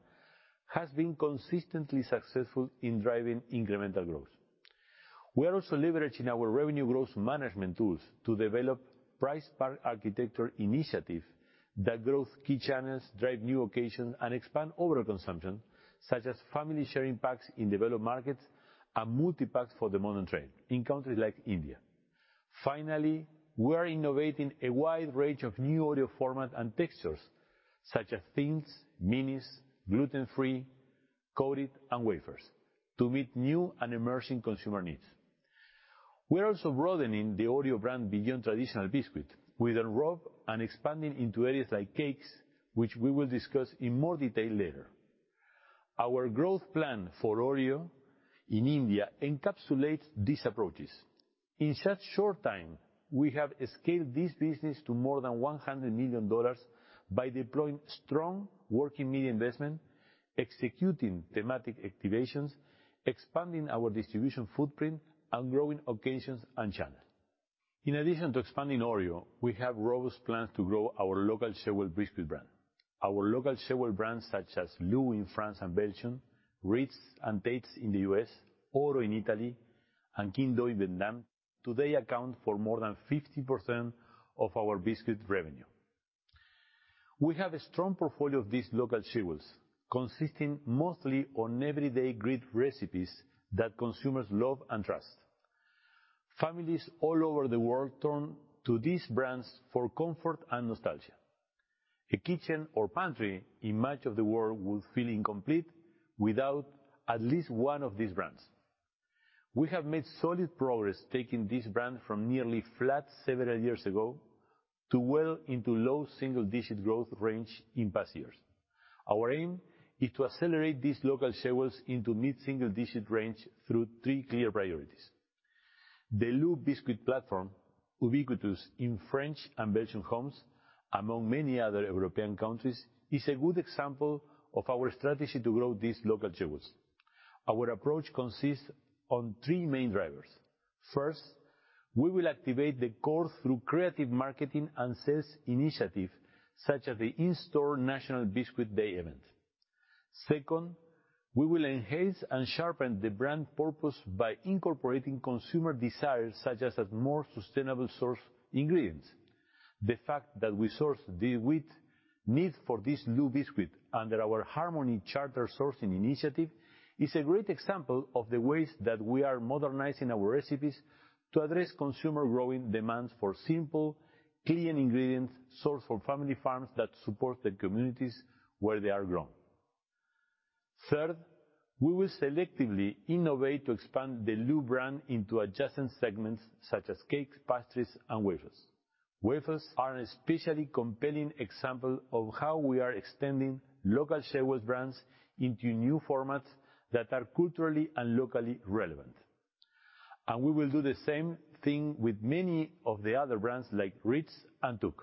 have been consistently successful in driving incremental growth. We are also leveraging our revenue growth management tools to develop price spark architecture initiative that grow key channels, drive new occasions, and expand overall consumption, such as family sharing packs in developed markets and multipacks for the modern trade in countries like India. Finally, we are innovating a wide range of new Oreo format and textures, such as thins, minis, gluten-free, coated, and wafers to meet new and emerging consumer needs. We are also broadening the Oreo brand beyond traditional biscuit with Unwrapped and expanding into areas like cakes, which we will discuss in more detail later. Our growth plan for Oreo in India encapsulates these approaches. In such short time, we have scaled this business to more than $100 million by deploying strong working media investment, executing thematic activations, expanding our distribution footprint, and growing occasions and channels. In addition to expanding Oreo, we have robust plans to grow our local jewel biscuit brand. Our local jewel brands such as LU in France and Belgium, Ritz and Tate's in the US, ORO in Italy, and Kinh Do in Vietnam today account for more than 50% of our biscuit revenue. We have a strong portfolio of these local jewels, consisting mostly of everyday great recipes that consumers love and trust. Families all over the world turn to these brands for comfort and nostalgia. A kitchen or pantry in much of the world will feel incomplete without at least one of these brands. We have made solid progress taking this brand from nearly flat several years ago to well into low single-digit growth range in past years. Our aim is to accelerate these local sales into mid-single digit range through three clear priorities. The LU biscuit platform, ubiquitous in French and Belgian homes, among many other European countries, is a good example of our strategy to grow these local jewels. Our approach consists of three main drivers. First, we will activate the core through creative marketing and sales initiatives such as the in-store National Biscuit Day event. Second, we will enhance and sharpen the brand purpose by incorporating consumer desires, such as sustainably sourced ingredients. The fact that we source the wheat needed for this LU biscuit under our Harmony Charter sourcing initiative is a great example of the ways that we are modernizing our recipes to address consumers' growing demands for simple, clean ingredients sourced from family farms that support the communities where they are grown. Third, we will selectively innovate to expand the LU brand into adjacent segments such as cakes, pastries, and wafers. Wafers are an especially compelling example of how we are extending local scale brands into new formats that are culturally and locally relevant. We will do the same thing with many of the other brands like Ritz and TUC.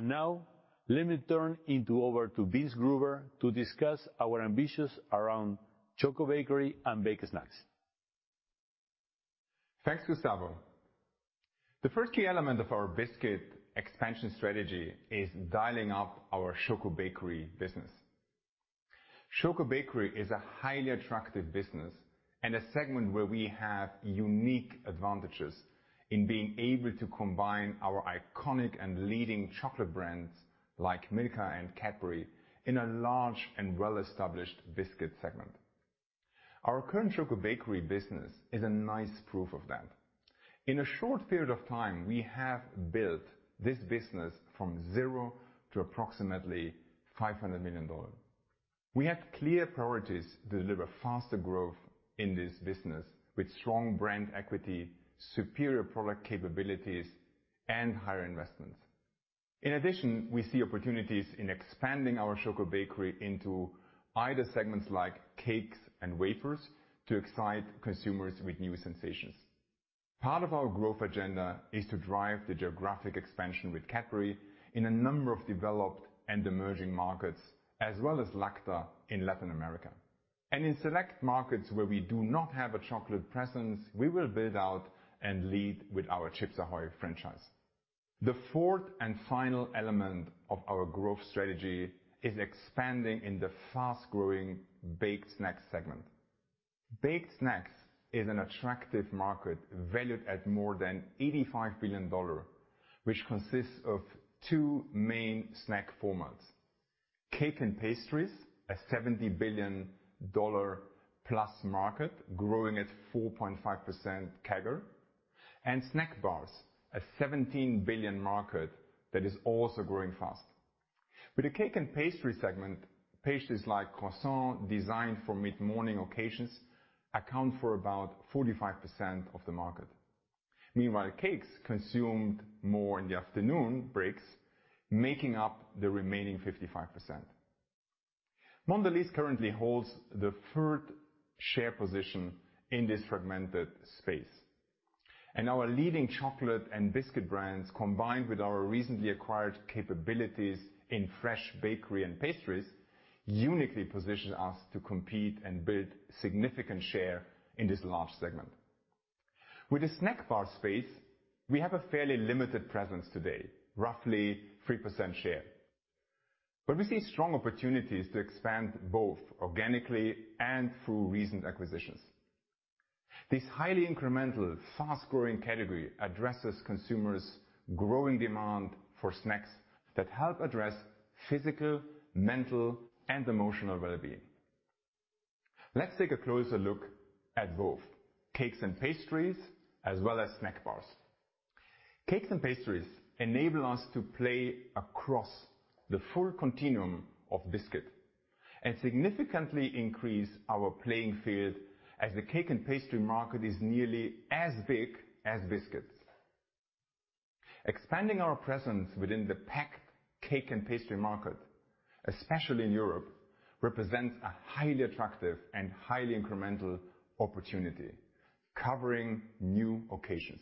Now, let me turn it over to Vinzenz Gruber to discuss our ambitions around Choco bakery and Baked Snacks. Thanks, Gustavo. The first key element of our biscuit expansion strategy is dialing up our Choco bakery business. Choco bakery is a highly attractive business and a segment where we have unique advantages in being able to combine our iconic and leading chocolate brands like Milka and Cadbury in a large and well-established biscuit segment. Our current Choco bakery business is a nice proof of that. In a short period of time, we have built this business from zero to approximately $500 million. We have clear priorities to deliver faster growth in this business with strong brand equity, superior product capabilities, and higher investments. In addition, we see opportunities in expanding our Choco bakery into either segment like cakes and wafers to excite consumers with new sensations. Part of our growth agenda is to drive the geographic expansion with Cadbury in a number of developed and emerging markets, as well as Lacta in Latin America. In select markets where we do not have a chocolate presence, we will build out and lead with our Chips Ahoy franchise. The fourth and final element of our growth strategy is expanding in the fast-growing baked snacks segment. Baked snacks is an attractive market valued at more than $85 billion, which consists of two main snack formats, cake and pastries, a $70 billion-plus market growing at 4.5% CAGR, and snack bars, a $17 billion market that is also growing fast. With the cake and pastry segment, pastries like croissant designed for mid-morning occasions account for about 45% of the market. Meanwhile, cakes consumed more in the afternoon breaks, making up the remaining 55%. Mondelēz currently holds the third share position in this fragmented space. Our leading chocolate and biscuit brands, combined with our recently acquired capabilities in fresh bakery and pastries, uniquely position us to compete and build significant share in this large segment. With the snack bar space, we have a fairly limited presence today, roughly 3% share. We see strong opportunities to expand both organically and through recent acquisitions. This highly incremental, fast-growing category addresses consumers' growing demand for snacks that help address physical, mental, and emotional well-being. Let's take a closer look at both cakes and pastries, as well as snack bars. Cakes and pastries enable us to play across the full continuum of biscuit and significantly increase our playing field as the cake and pastry market is nearly as big as biscuits. Expanding our presence within the packaged cake and pastry market, especially in Europe, represents a highly attractive and highly incremental opportunity, covering new occasions.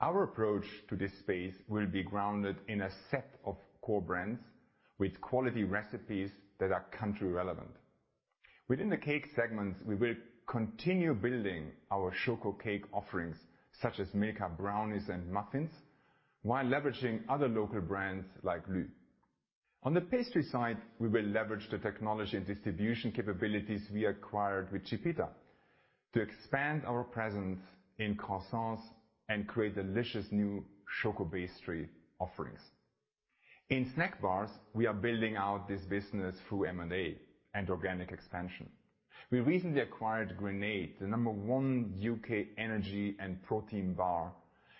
Our approach to this space will be grounded in a set of core brands with quality recipes that are country relevant. Within the cake segments, we will continue building our Choco cake offerings, such as Milka brownies and muffins, while leveraging other local brands like LU. On the pastry side, we will leverage the technology and distribution capabilities we acquired with Chipita to expand our presence in croissants and create delicious new Choco pastry offerings. In snack bars, we are building out this business through M&A and organic expansion. We recently acquired Grenade, the number one UK energy and protein bar,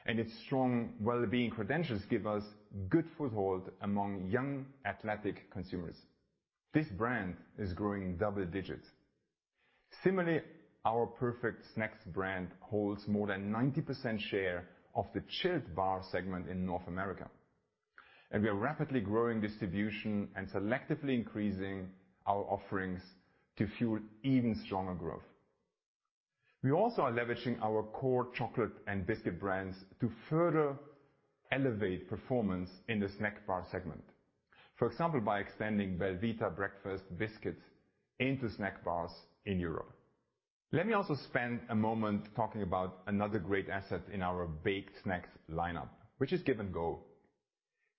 and its strong well-being credentials give us good foothold among young athletic consumers. This brand is growing double digits. Similarly, our Perfect Snacks brand holds more than 90% share of the chilled bar segment in North America. We are rapidly growing distribution and selectively increasing our offerings to fuel even stronger growth. We also are leveraging our core chocolate and biscuit brands to further elevate performance in the snack bar segment. For example, by expanding belVita breakfast biscuits into snack bars in Europe. Let me also spend a moment talking about another great asset in our baked snacks lineup, which is Give & Go.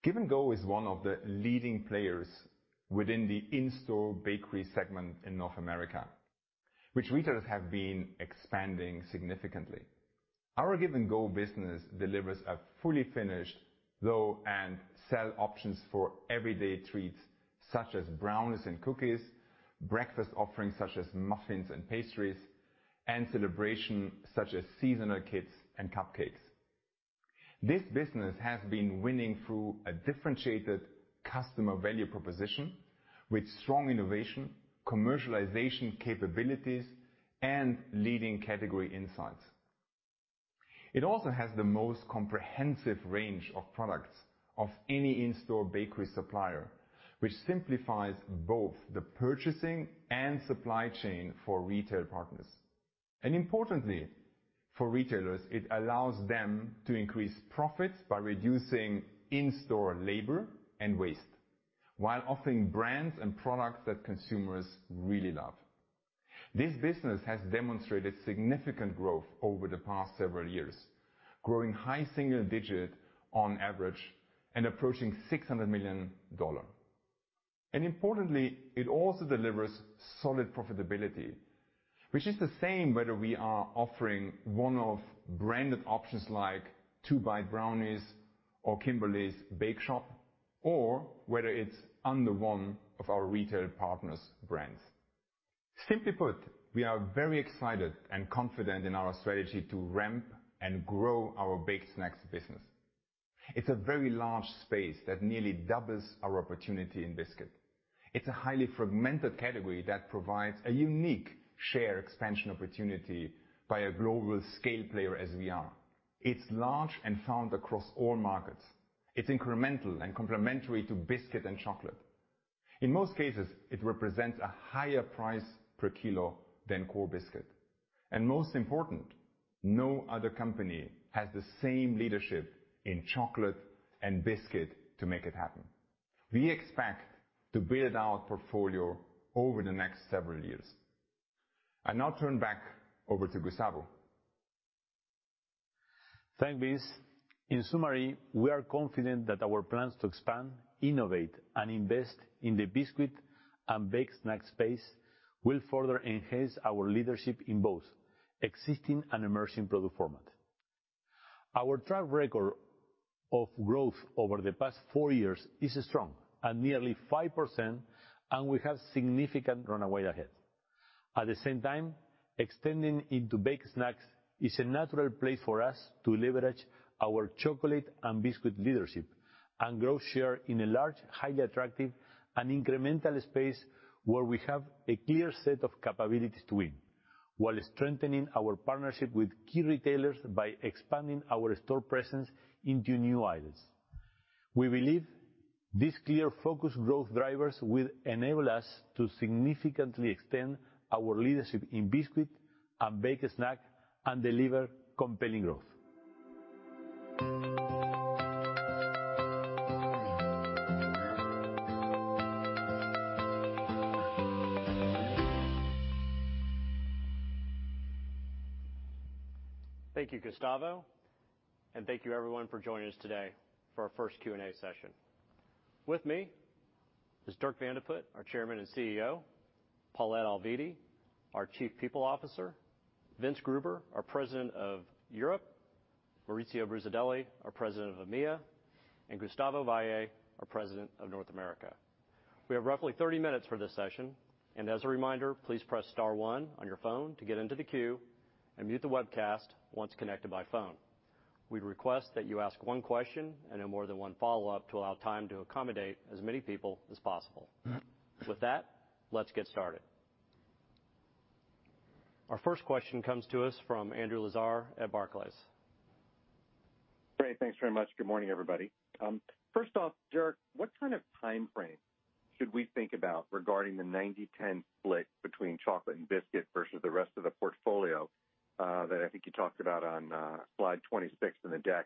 Give & Go is one of the leading players within the in-store bakery segment in North America, which retailers have been expanding significantly. Our Give & Go business delivers a fully finished dough and sell options for everyday treats such as brownies and cookies, breakfast offerings such as muffins and pastries, and celebration such as seasonal kits and cupcakes. This business has been winning through a differentiated customer value proposition with strong innovation, commercialization capabilities, and leading category insights. It also has the most comprehensive range of products of any in-store bakery supplier, which simplifies both the purchasing and supply chain for retail partners. Importantly, for retailers, it allows them to increase profits by reducing in-store labor and waste while offering brands and products that consumers really love. This business has demonstrated significant growth over the past several years, growing high single digit on average and approaching $600 million. Importantly, it also delivers solid profitability, which is the same whether we are offering one of branded options like Two-Bite brownies or Kimberley's Bakeshoppe, or whether it is under one of our retail partners' brands. Simply put, we are very excited and confident in our strategy to ramp and grow our baked snacks business. It's a very large space that nearly doubles our opportunity in biscuit. It's a highly fragmented category that provides a unique share expansion opportunity by a global scale player as we are. It's large and found across all markets. It's incremental and complementary to biscuit and chocolate. In most cases, it represents a higher price per kilo than core biscuit. Most important, no other company has the same leadership in chocolate and biscuit to make it happen. We expect to build our portfolio over the next several years. I now turn back over to Gustavo. Thanks, Vinzenz. In summary, we are confident that our plans to expand, innovate, and invest in the biscuit and baked snack space will further enhance our leadership in both existing and emerging product formats. Our track record of growth over the past four years is strong at nearly 5%, and we have a significant runway ahead. At the same time, extending into baked snacks is a natural place for us to leverage our chocolate and biscuit leadership and grow share in a large, highly attractive, and incremental space where we have a clear set of capabilities to win, while strengthening our partnership with key retailers by expanding our store presence into new aisles. We believe these clear focus growth drivers will enable us to significantly extend our leadership in biscuit and baked snack, and deliver compelling growth. Thank you, Gustavo, and thank you, everyone, for joining us today for our first Q&A session. With me is Dirk Van de Put, our Chairman and CEO, Paulette Alviti, our Chief People Officer, Vinzenz Gruber, our President of Europe, Maurizio Brusadelli, our President of EMEA, and Gustavo Valle, our President of North America. We have roughly 30 minutes for this session. As a reminder, please press star one on your phone to get into the queue and mute the webcast once connected by phone. We request that you ask one question and no more than one follow-up to allow time to accommodate as many people as possible. With that, let's get started. Our first question comes to us from Andrew Lazar at Barclays. Great. Thanks very much. Good morning, everybody. First off, Dirk, what kind of timeframe should we think about regarding the 90/10 split between chocolate and biscuit versus the rest of the portfolio, that I think you talked about on slide 26 in the deck?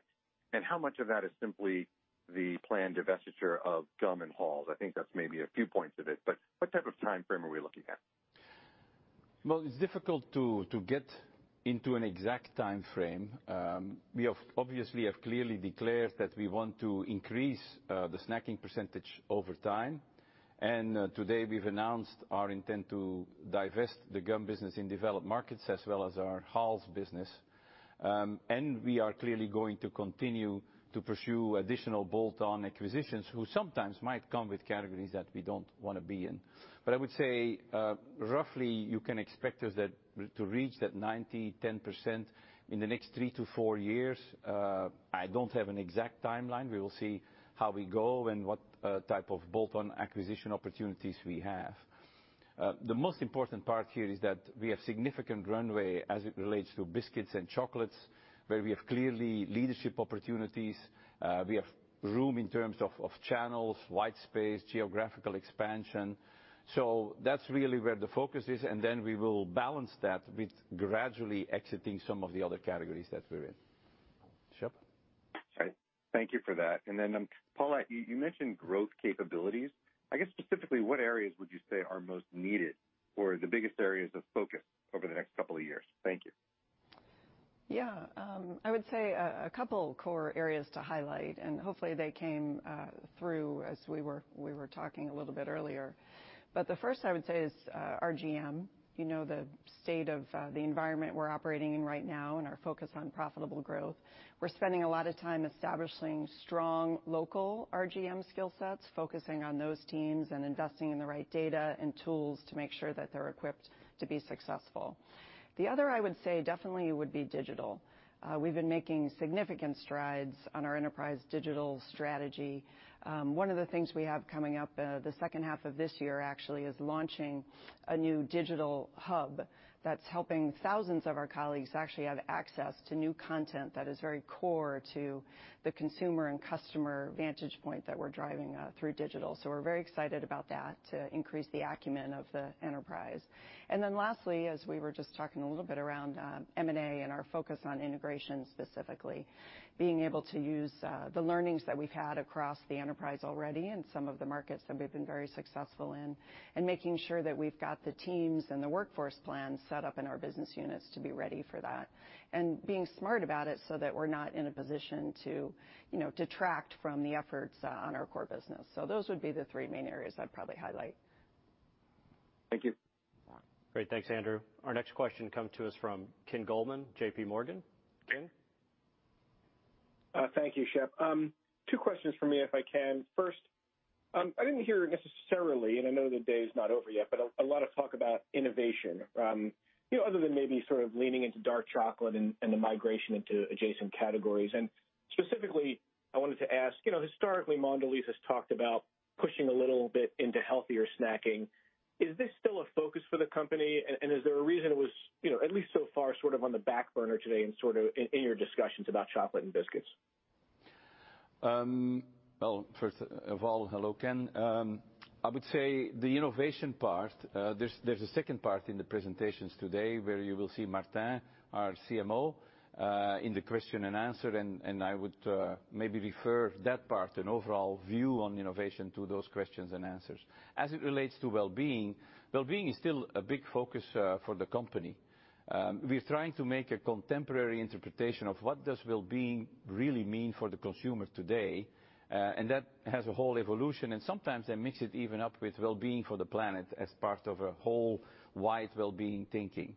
How much of that is simply the planned divestiture of gum and Halls? I think that's maybe a few points of it, but what type of timeframe are we looking at? Well, it's difficult to get into an exact timeframe. We have obviously clearly declared that we want to increase the snacking percentage over time. Today, we've announced our intent to divest the gum business in developed markets as well as our Halls business. We are clearly going to continue to pursue additional bolt-on acquisitions who sometimes might come with categories that we don't wanna be in. I would say roughly you can expect us to reach that 90-10% in the next three-four years. I don't have an exact timeline. We will see how we go and what type of bolt-on acquisition opportunities we have. The most important part here is that we have a significant runway as it relates to biscuits and chocolates, where we have clear leadership opportunities. We have room in terms of channels, white space, and geographical expansion. That's really where the focus is, and then we will balance that with gradually exiting some of the other categories that we're in. Andrew? Right. Thank you for that. Paulette, you mentioned growth capabilities. I guess specifically, what areas would you say are most needed or the biggest areas of focus over the next couple of years? Thank you. Yeah. I would say a couple core areas to highlight, and hopefully they came through as we were talking a little bit earlier. The first, I would say, is RGM. You know, the state of the environment we're operating in right now and our focus on profitable growth. We're spending a lot of time establishing strong local RGM skill sets, focusing on those teams and investing in the right data and tools to make sure that they're equipped to be successful. The other, I would say, definitely would be digital. We've been making significant strides on our enterprise digital strategy. One of the things we have coming up, the second half of this year actually is launching a new digital hub that's helping thousands of our colleagues actually have access to new content that is very core to the consumer and customer vantage point that we're driving through digital. We're very excited about that to increase the acumen of the enterprise. Lastly, as we were just talking a little bit around M&A and our focus on integration, specifically being able to use the learnings that we've had across the enterprise already and some of the markets that we've been very successful in, and making sure that we've got the teams and the workforce plan set up in our business units to be ready for that. Being smart about it so that we're not in a position to, you know, detract from the efforts on our core business. Those would be the three main areas I'd probably highlight. Thank you. Yeah. Great. Thanks, Andrew. Our next question comes to us from Ken Goldman, JPMorgan. Ken? Thank you, Shep. Two questions from me, if I can. First, I didn't hear necessarily, and I know the day is not over yet, but a lot of talk about innovation, you know, other than maybe sort of leaning into dark chocolate and the migration into adjacent categories. Specifically, I wanted to ask, you know, historically, Mondelēz has talked about pushing a little bit into healthier snacking. Is this still a focus for the company? And is there a reason it was, you know, at least so far, sort of on the back burner today and sort of in your discussions about chocolate and biscuits? Well, first of all, hello, Ken. I would say the innovation part, there's a second part in the presentations today where you will see Martin, our CMO, in the question and answer, and I would maybe refer that part and overall view on innovation to those questions and answers. As it relates to wellbeing is still a big focus for the company. We're trying to make a contemporary interpretation of what does wellbeing really mean for the consumer today, and that has a whole evolution, and sometimes they mix it even up with wellbeing for the planet as part of a whole wide wellbeing thinking.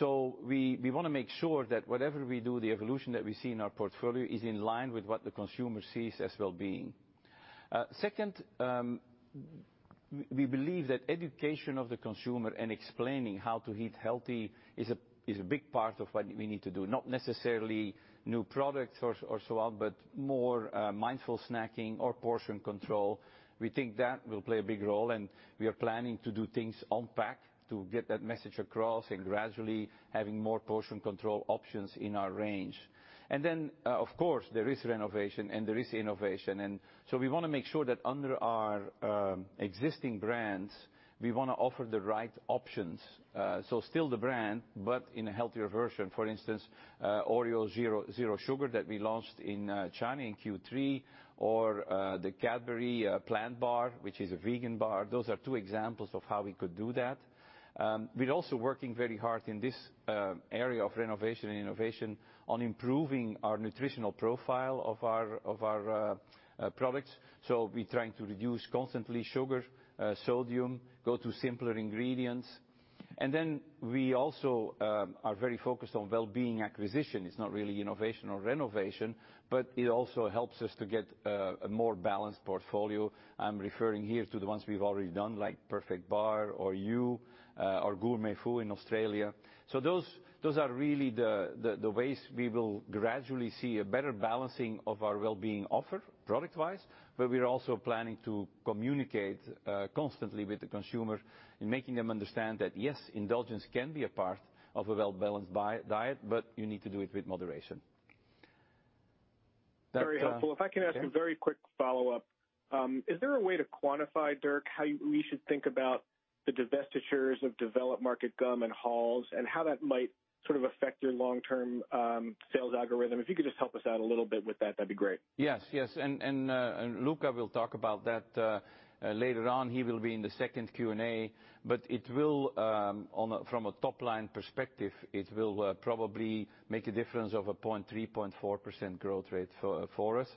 We wanna make sure that whatever we do, the evolution that we see in our portfolio is in line with what the consumer sees as wellbeing. Second, we believe that education of the consumer and explaining how to eat healthy is a big part of what we need to do. Not necessarily new products or so on, but more mindful snacking or portion control. We think that will play a big role, and we are planning to do things on pack to get that message across and gradually having more portion control options in our range. Then, of course, there is renovation and there is innovation. So we wanna make sure that under our existing brands, we wanna offer the right options. Still the brand, but in a healthier version. For instance, Oreo Zero, zero sugar that we launched in China in Q3 or the Cadbury Plant Bar, which is a vegan bar. Those are two examples of how we could do that. We're also working very hard in this area of renovation and innovation on improving our nutritional profile of our products. We're trying to reduce constantly sugar, sodium, go to simpler ingredients. We also are very focused on wellbeing acquisition. It's not really innovation or renovation, but it also helps us to get a more balanced portfolio. I'm referring here to the ones we've already done, like Perfect Bar or Hu, or Gourmet Food in Australia. Those are really the ways we will gradually see a better balancing of our wellbeing offer product-wise. We're also planning to communicate constantly with the consumer in making them understand that yes, indulgence can be a part of a well-balanced diet, but you need to do it with moderation. That Very helpful. Ken? If I can ask a very quick follow-up. Is there a way to quantify, Dirk, how we should think about the divestitures of developed market gum and Halls, and how that might sort of affect your long-term, sales algorithm? If you could just help us out a little bit with that'd be great. Yes. Yes. Luca will talk about that later on. He will be in the second Q&A. It will, from a top-line perspective, probably make a difference of 0.3%-0.4% growth rate for us.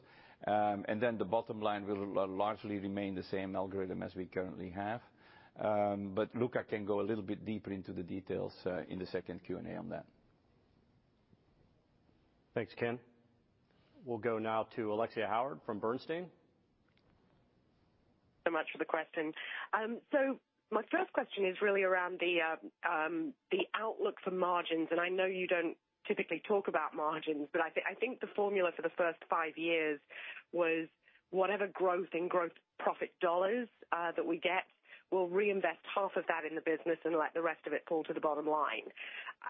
Then the bottom line will largely remain the same algorithm as we currently have. Luca can go a little bit deeper into the details in the second Q&A on that. Thanks, Ken. We'll go now to Alexia Howard from Bernstein. So much for the question. My first question is really around the outlook for margins. I know you don't typically talk about margins, but I think the formula for the first five years was whatever growth in gross profit dollars that we get, we'll reinvest half of that in the business and let the rest of it fall to the bottom line.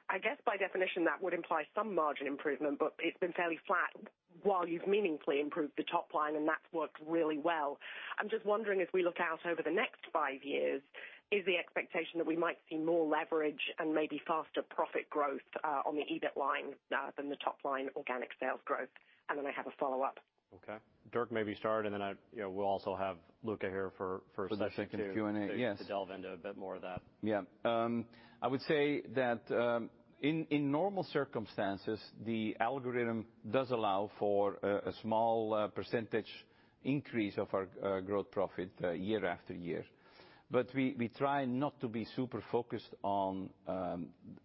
I guess by definition, that would imply some margin improvement, but it's been fairly flat while you've meaningfully improved the top line, and that's worked really well. I'm just wondering, as we look out over the next five years, is the expectation that we might see more leverage and maybe faster profit growth on the EBIT line than the top line organic sales growth? I have a follow-up. Okay. Dirk, maybe start, and then you know, we'll also have Luca here for a session too. For the second Q&A. Yes. To delve into a bit more of that. Yeah. I would say that in normal circumstances, the algorithm does allow for a small percentage increase of our gross profit year after year. We try not to be super focused on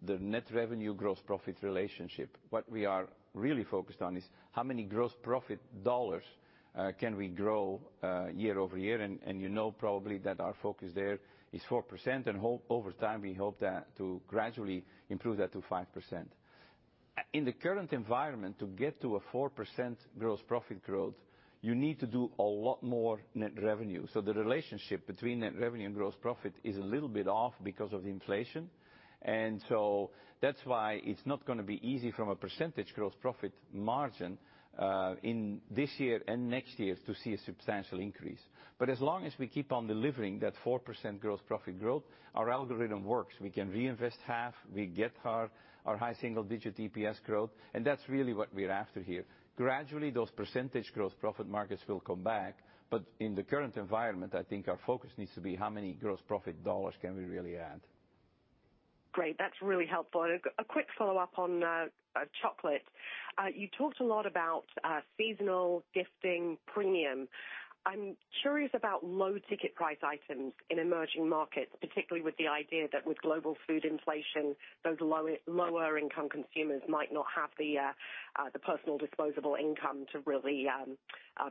the net revenue, gross profit relationship. What we are really focused on is how many gross profit dollars can we grow year-over-year. You know, probably our focus there is 4%, and we hope over time to gradually improve that to 5%. In the current environment, to get to a 4% gross profit growth, you need to do a lot more net revenue. The relationship between net revenue and gross profit is a little bit off because of the inflation. That's why it's not gonna be easy from a percentage gross profit margin in this year and next year to see a substantial increase. As long as we keep on delivering that 4% gross profit growth, our algorithm works. We can reinvest half, we get our high single-digit EPS growth, and that's really what we're after here. Gradually, those percentage gross profit margins will come back, but in the current environment, I think our focus needs to be how many gross profit dollars can we really add. Great. That's really helpful. Quick follow-up on chocolate. You talked a lot about seasonal gifting premium. I'm curious about low ticket price items in emerging markets, particularly with the idea that with global food inflation, those lower-income consumers might not have the personal disposable income to really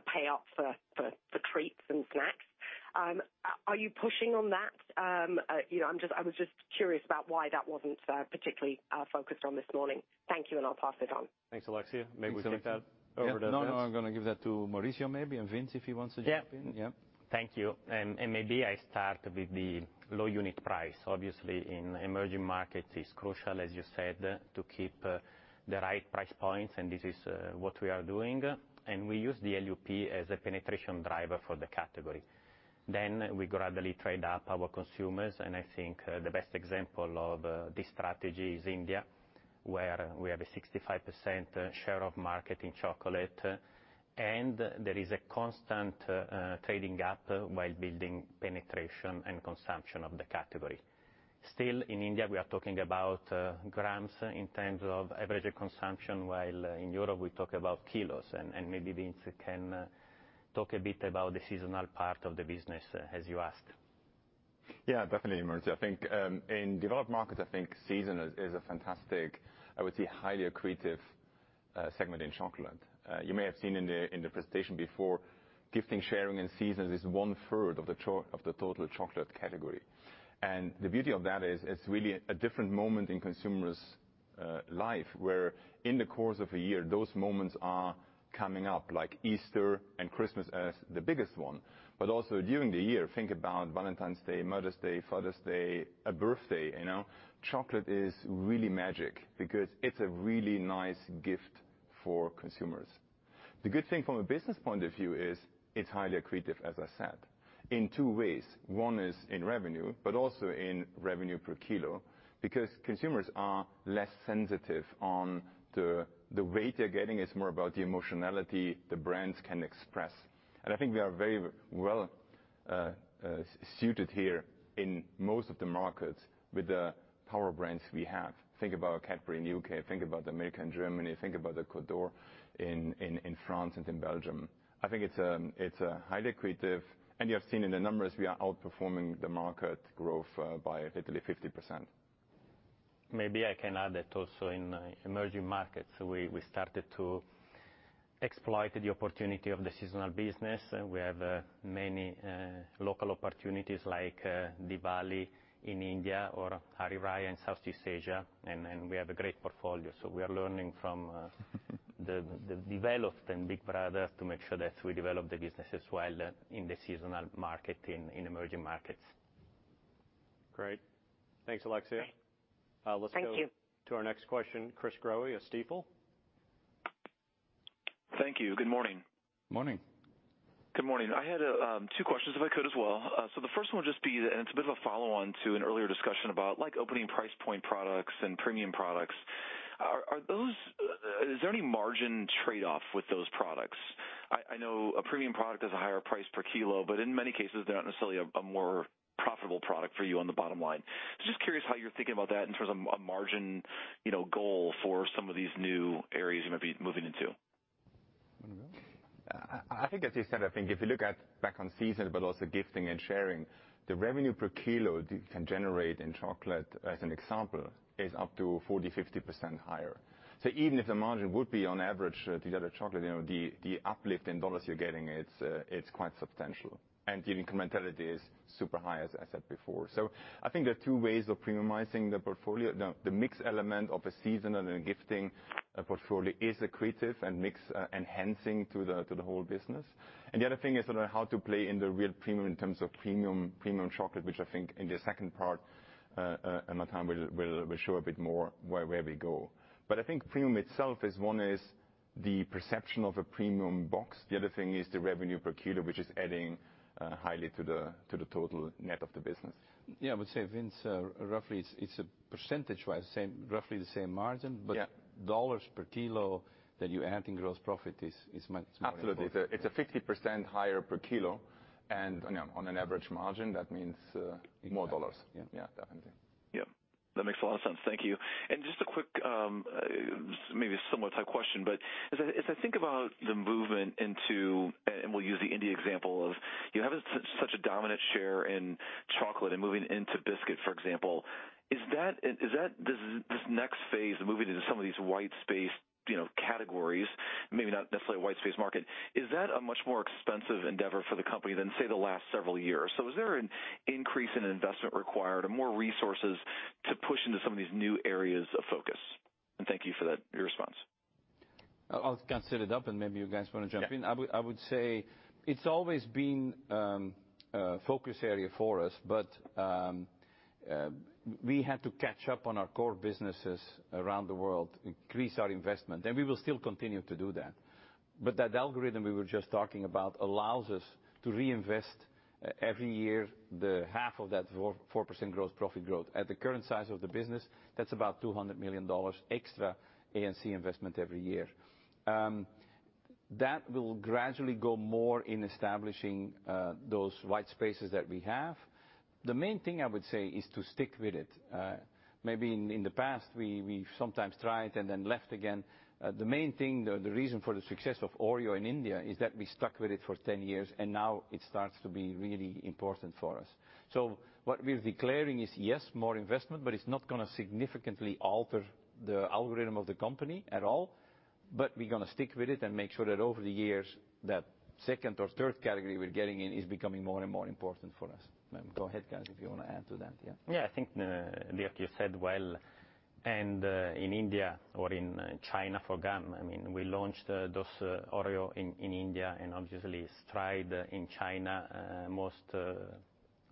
pay up for treats and snacks. Are you pushing on that? You know, I'm just curious about why that wasn't particularly focused on this morning. Thank you, and I'll pass it on. Thanks, Alexia. Maybe we take that over to Vinzenz. No, no, I'm gonna give that to Maurizio maybe, and Vinzenz, if he wants to jump in. Yeah. Yeah. Thank you. Maybe I start with the low unit price. Obviously, in emerging markets, it's crucial, as you said, to keep the right price points, and this is what we are doing. We use the LU as a penetration driver for the category. Then we gradually trade up our consumers, and I think the best example of this strategy is India, where we have a 65% share of market in chocolate, and there is a constant trading up while building penetration and consumption of the category. Still, in India, we are talking about grams in terms of average consumption, while in Europe we talk about kilos. Maybe Vinzenz can talk a bit about the seasonal part of the business, as you asked. Yeah, definitely, Maurizio. I think in developed markets, I think season is a fantastic. I would say highly accretive segment in chocolate. You may have seen in the presentation before, gifting, sharing, and seasons is 1/3 of the total chocolate category. The beauty of that is it's really a different moment in consumers' life, where in the course of a year, those moments are coming up, like Easter and Christmas as the biggest one. Also during the year, think about Valentine's Day, Mother's Day, Father's Day, a birthday, you know? Chocolate is really magic because it's a really nice gift for consumers. The good thing from a business point of view is it's highly accretive, as I said, in two ways. One is in revenue, but also in revenue per kilo. Because consumers are less sensitive on the weight they're getting. It's more about the emotionality the brands can express. I think we are very well suited here in most of the markets with the power brands we have. Think about Cadbury in the U.K., think about the Milka in Germany, think about the Côte d'Or in France and in Belgium. I think it's a highly accretive, and you have seen in the numbers we are outperforming the market growth by literally 50%. Maybe I can add that also in emerging markets, we started to exploit the opportunity of the seasonal business. We have many local opportunities like Diwali in India or Hari Raya in Southeast Asia, and we have a great portfolio. We are learning from the developed and big brother to make sure that we develop the business as well in the seasonal market in emerging markets. Great. Thanks, Alexia. Great. Thank you. Let's go to our next question. Chris Growe, Stifel. Thank you. Good morning. Morning. Good morning. I had two questions if I could as well. The first one will just be, and it's a bit of a follow-on to an earlier discussion about like opening price point products and premium products. Is there any margin trade-off with those products? I know a premium product has a higher price per kilo, but in many cases, they're not necessarily a more profitable product for you on the bottom line. Just curious how you're thinking about that in terms of a margin, you know, goal for some of these new areas you're gonna be moving into. I think as you said, I think if you look back on seasonal, but also gifting and sharing, the revenue per kilo you can generate in chocolate, as an example, is up to 40, 50% higher. Even if the margin would be on average than the other chocolate, you know, the uplift in $ you're getting, it's quite substantial. The incrementality is super high, as I said before. I think there are two ways of premiumizing the portfolio. The mix element of a seasonal and a gifting portfolio is accretive and mix enhancing to the whole business. The other thing is how to play in the real premium in terms of premium chocolate, which I think in the second part, Martin Renaud will show a bit more where we go. I think premium itself is one is the perception of a premium box. The other thing is the revenue per kilo, which is adding highly to the total net of the business. Yeah. I would say, Vinzenz, roughly it's a percentage-wise same, roughly the same margin. Yeah. Dollars per kilo that you add in gross profit is much more important. Absolutely. It's a 50% higher per kilo and- Yeah. on an average margin, that means, more dollars. Yeah. Yeah, definitely. Yeah. That makes a lot of sense. Thank you. Just a quick, maybe a similar type question, but as I think about the movement into and we'll use the India example of you having such a dominant share in chocolate and moving into biscuit, for example. Is that. Is that this next phase of moving into some of these white space, you know, categories, maybe not necessarily a white space market. Is that a much more expensive endeavor for the company than, say, the last several years? Is there an increase in investment required or more resources to push into some of these new areas of focus? Thank you for that, your response. I'll kind of set it up, and maybe you guys wanna jump in. Yeah. I would say it's always been a focus area for us, but we had to catch up on our core businesses around the world, increase our investment, and we will still continue to do that. That algorithm we were just talking about allows us to reinvest every year the half of that 4% growth, profit growth. At the current size of the business, that's about $200 million extra A&C investment every year. That will gradually go more in establishing those white spaces that we have. The main thing I would say is to stick with it. Maybe in the past, we've sometimes tried and then left again. The main thing, the reason for the success of Oreo in India is that we stuck with it for 10 years, and now it starts to be really important for us. What we're declaring is, yes, more investment, but it's not gonna significantly alter the algorithm of the company at all. We're gonna stick with it and make sure that over the years, that second or third category we're getting in is becoming more and more important for us. Go ahead, guys, if you wanna add to that. Yeah. Yeah. I think, Dirk, you said well, and, in India or in China, for gum, I mean, we launched those Oreo in India and obviously Stride in China, most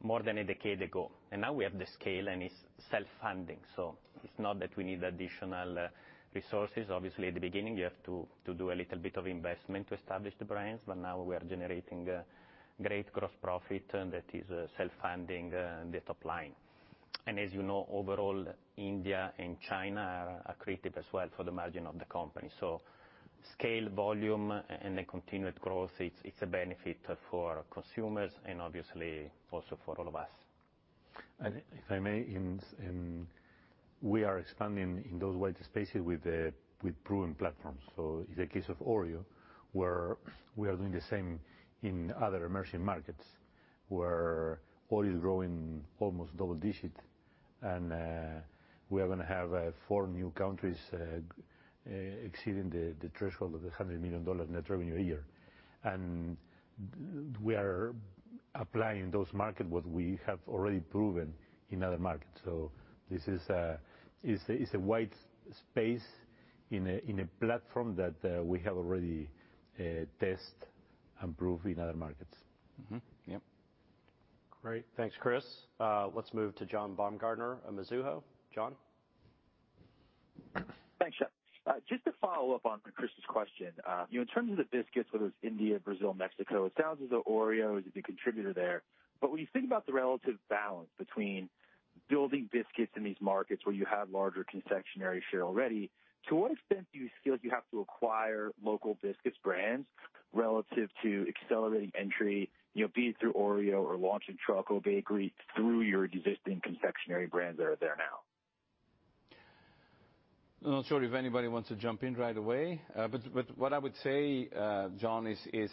more than a decade ago. Now we have the scale, and it's self-funding, so it's not that we need additional resources. Obviously, at the beginning, you have to do a little bit of investment to establish the brands, but now we are generating great gross profit, and that is self-funding the top line. As you know, overall, India and China are accretive as well for the margin of the company. Scale, volume and the continued growth, it's a benefit for consumers and obviously also for all of us. If I may, we are expanding in those white spaces with proven platforms. In the case of Oreo, where we are doing the same in other emerging markets, where Oreo is growing almost double-digit. We are gonna have four new countries exceeding the threshold of the $100 million net revenue a year. We are applying those market what we have already proven in other markets. This is a wide space in a platform that we have already test and prove in other markets. Mm-hmm. Yep. Great. Thanks, Chris. Let's move to John Baumgartner of Mizuho. John? Thanks, Shep. Just to follow up on Chris's question. You know, in terms of the biscuits, whether it's India, Brazil, Mexico, it sounds as though Oreo is a big contributor there. But when you think about the relative balance between building biscuits in these markets where you have larger confectionery share already, to what extent do you feel like you have to acquire local biscuit brands relative to accelerating entry, you know, be it through Oreo or launching Choco bakery through your existing confectionery brands that are there now? Not sure if anybody wants to jump in right away. But what I would say, John, is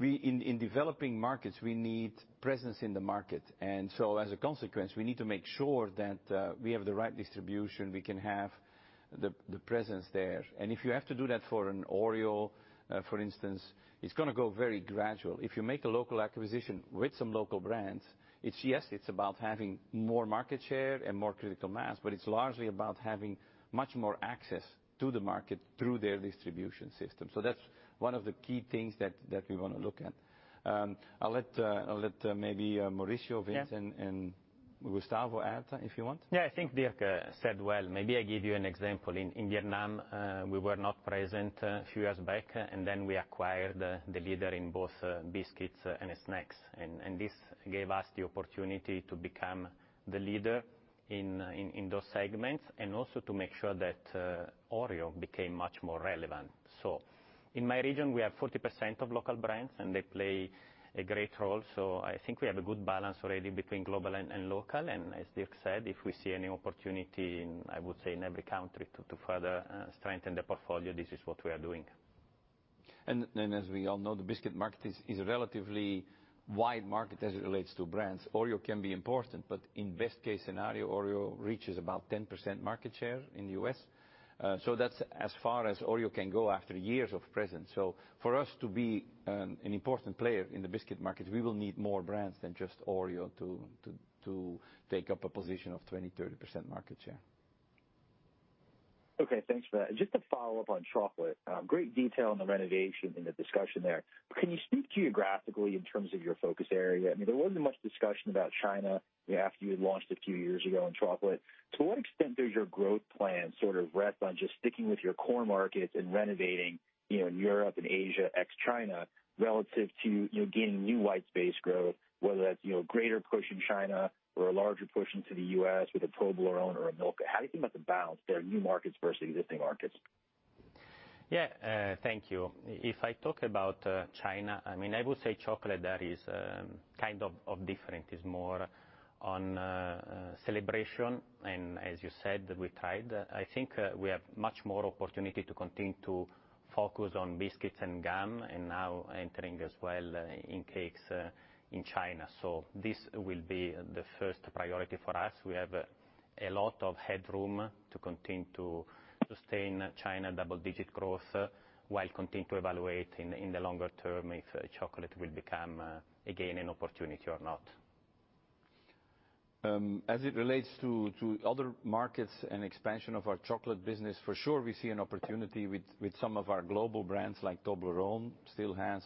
in developing markets, we need presence in the market. As a consequence, we need to make sure that we have the right distribution, we can have the presence there. If you have to do that for an Oreo, for instance, it's gonna go very gradual. If you make a local acquisition with some local brands, it's yes, it's about having more market share and more critical mass, but it's largely about having much more access to the market through their distribution system. That's one of the key things that we wanna look at. I'll let maybe Maurizio, Vinzenz, and Gustavo add, if you want. Yeah, I think Dirk said well. Maybe I give you an example. In Vietnam, we were not present a few years back, and then we acquired the leader in both biscuits and snacks. This gave us the opportunity to become the leader in those segments and also to make sure that Oreo became much more relevant. In my region, we have 40% of local brands, and they play a great role. I think we have a good balance already between global and local. As Dirk said, if we see any opportunity in, I would say, in every country to further strengthen the portfolio, this is what we are doing. As we all know, the biscuit market is a relatively wide market as it relates to brands. Oreo can be important, but in best case scenario, Oreo reaches about 10% market share in the U.S. That's as far as Oreo can go after years of presence. For us to be an important player in the biscuit market, we will need more brands than just Oreo to take up a position of 20%-30% market share. Okay. Thanks for that. Just to follow up on chocolate, great detail on the renovation in the discussion there. But can you speak geographically in terms of your focus area? I mean, there wasn't much discussion about China after you had launched a few years ago in chocolate. To what extent does your growth plan sort of rest on just sticking with your core markets and renovating, you know, in Europe and Asia, ex-China, relative to, you know, gaining new white space growth, whether that's, you know, a greater push in China or a larger push into the U.S. with a Toblerone or a Milka? How do you think about the balance there, new markets versus existing markets? Yeah, thank you. If I talk about China, I mean, I would say chocolate there is kind of different. It's more on celebration and as you said, we tried. I think we have much more opportunity to continue to focus on biscuits and gum, and now entering as well in cakes in China. This will be the first priority for us. We have a lot of headroom to continue to sustain China double-digit growth while continue to evaluate in the longer term if chocolate will become again an opportunity or not. As it relates to other markets and expansion of our chocolate business, for sure we see an opportunity with some of our global brands like Toblerone still has,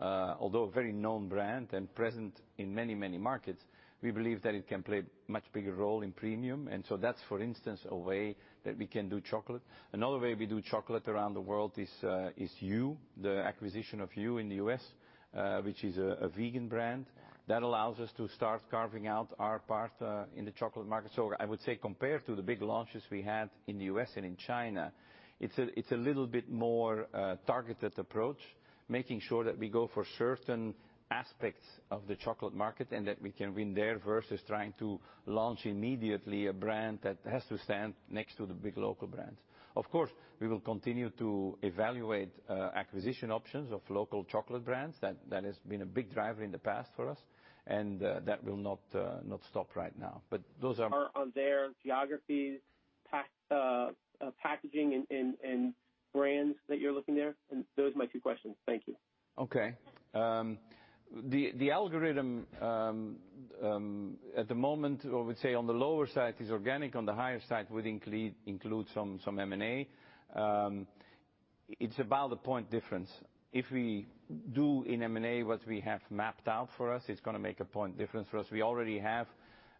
although a very known brand and present in many, many markets, we believe that it can play much bigger role in premium. That's, for instance, a way that we can do chocolate. Another way we do chocolate around the world is Hu. The acquisition of Hu in the U.S., which is a vegan brand that allows us to start carving out our part in the chocolate market. I would say compared to the big launches we had in the U.S. and in China, it's a little bit more targeted approach, making sure that we go for certain aspects of the chocolate market and that we can win there versus trying to launch immediately a brand that has to stand next to the big local brands. Of course, we will continue to evaluate acquisition options of local chocolate brands. That has been a big driver in the past for us, and that will not stop right now. Those are on their geographies, packaging and brands that you're looking there? Those are my two questions. Thank you. Okay. The algorithm at the moment, I would say on the lower side is organic, on the higher side would include some M&A. It's about a point difference. If we do in M&A what we have mapped out for us, it's gonna make a point difference for us. We already have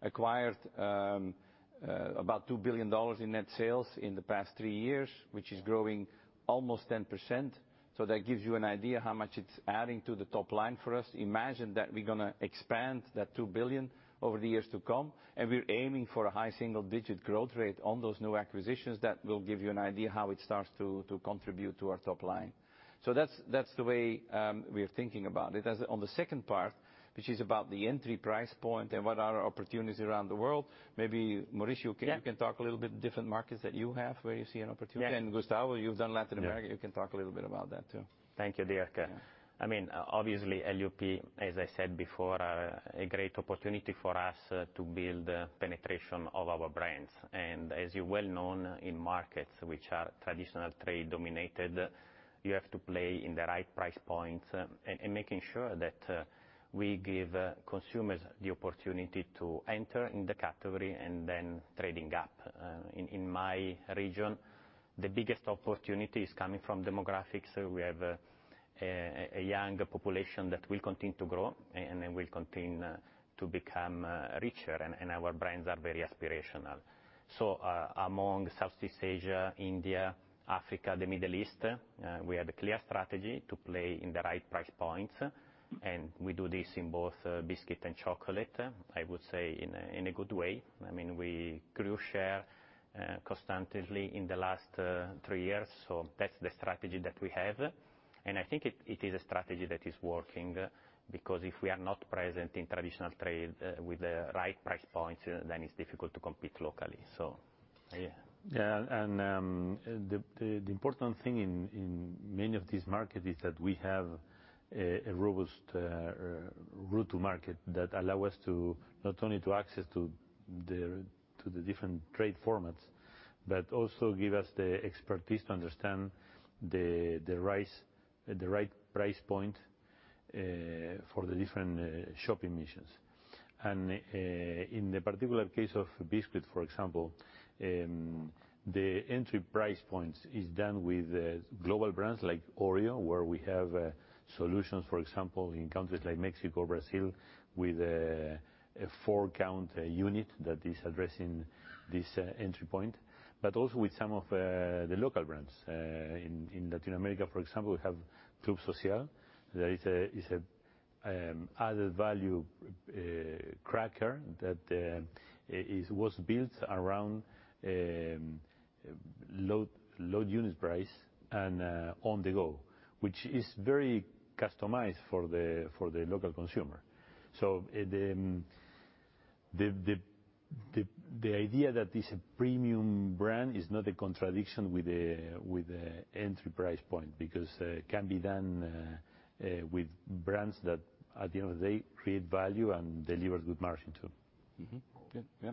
acquired about $2 billion in net sales in the past three years, which is growing almost 10%. That gives you an idea how much it's adding to the top line for us. Imagine that we're gonna expand that $2 billion over the years to come, and we're aiming for a high single digit growth rate on those new acquisitions. That will give you an idea how it starts to contribute to our top line. That's the way we are thinking about it. As for the second part, which is about the entry price point and what are our opportunities around the world, maybe Maurizio- Yeah. You can talk a little bit about different markets that you have, where you see an opportunity. Yeah. Gustavo, you've done Latin America. Yeah. You can talk a little bit about that too. Thank you, Dirk. I mean, obviously LU, as I said before, are a great opportunity for us to build penetration of our brands. As you're well-known in markets which are traditional trade dominated, you have to play in the right price points and making sure that we give consumers the opportunity to enter in the category and then trading up. In my region, the biggest opportunity is coming from demographics. We have a young population that will continue to grow and then will continue to become richer, and our brands are very aspirational. Among Southeast Asia, India, Africa, the Middle East, we have a clear strategy to play in the right price points, and we do this in both biscuit and chocolate, I would say in a good way. I mean, we grew share constantly in the last three years, so that's the strategy that we have. I think it is a strategy that is working because if we are not present in traditional trade with the right price points, then it's difficult to compete locally. Yeah. Yeah. The important thing in many of these markets is that we have a robust route to market that allow us to not only access the different trade formats, but also give us the expertise to understand the right price point for the different shopping missions. In the particular case of biscuit, for example, the entry price points is done with global brands like Oreo, where we have solutions, for example, in countries like Mexico, Brazil, with a four-count unit that is addressing this entry point. Also with some of the local brands. In Latin America, for example, we have Club Social. That is added value cracker that was built around low unit price and on the go, which is very customized for the local consumer. The idea that it's a premium brand is not a contradiction with the entry price point, because it can be done with brands that at the end of the day create value and deliver good margin too. Mm-hmm. Yeah. Yeah.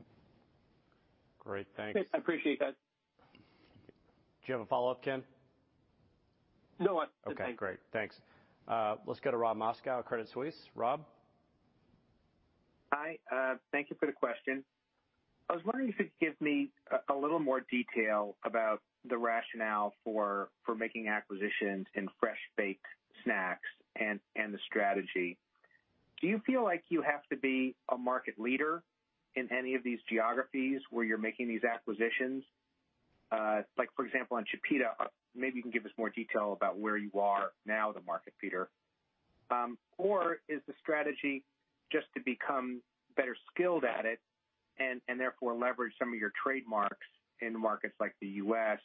Great. Thanks. I appreciate that. Do you have a follow-up, Ken? No, I'm done. Thank you. Okay, great. Thanks. Let's go to Rob Moskow at Credit Suisse. Rob? Hi, thank you for the question. I was wondering if you could give me a little more detail about the rationale for making acquisitions in fresh-baked snacks and the strategy. Do you feel like you have to be a market leader in any of these geographies where you're making these acquisitions? Like, for example, on Chipita, maybe you can give us more detail about where you are now in the market, Peter. Or is the strategy just to become better skilled at it and therefore leverage some of your trademarks in markets like the U.S.,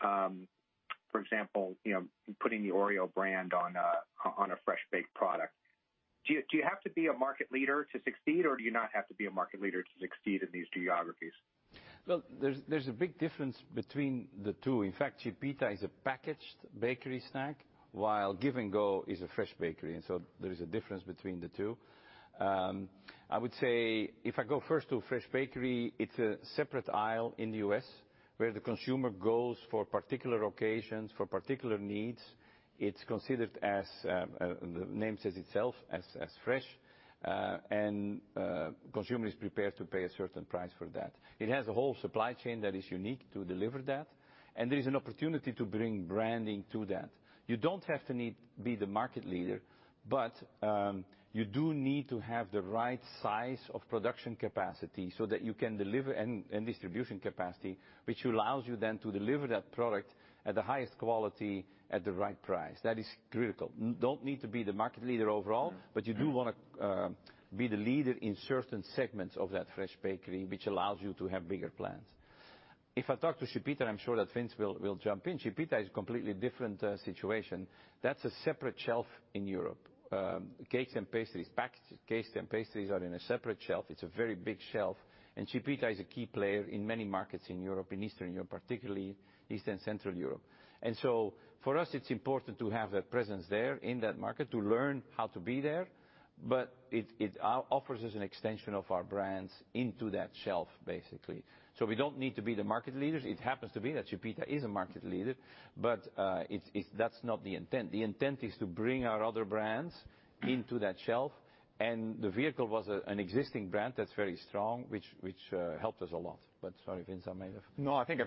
for example, you know, putting the Oreo brand on a fresh-baked product? Do you have to be a market leader to succeed, or do you not have to be a market leader to succeed in these geographies? Well, there's a big difference between the two. In fact, Chipita is a packaged bakery snack, while Give & Go is a fresh bakery, and so there is a difference between the two. I would say if I go first to fresh bakery, it's a separate aisle in the U.S. where the consumer goes for particular occasions, for particular needs. It's considered as the name says itself, as fresh. Consumer is prepared to pay a certain price for that. It has a whole supply chain that is unique to deliver that, and there is an opportunity to bring branding to that. You don't have to need. be the market leader, but you do need to have the right size of production capacity so that you can deliver and distribution capacity, which allows you then to deliver that product at the highest quality at the right price. That is critical. Don't need to be the market leader overall, but you do wanna be the leader in certain segments of that fresh bakery, which allows you to have bigger plants. If I talk to Chipita, I'm sure that Vinzenz will jump in. Chipita is completely different situation. That's a separate shelf in Europe. Cakes and pastries, packed cakes and pastries are in a separate shelf. It's a very big shelf, and Chipita is a key player in many markets in Europe, in Eastern Europe, particularly Eastern Central Europe. For us, it's important to have that presence there in that market to learn how to be there, but it offers us an extension of our brands into that shelf, basically. We don't need to be the market leaders. It happens to be that Chipita is a market leader, but that's not the intent. The intent is to bring our other brands into that shelf, and the vehicle was an existing brand that's very strong, which helped us a lot. Sorry, Vinzenz, I may have- No, I think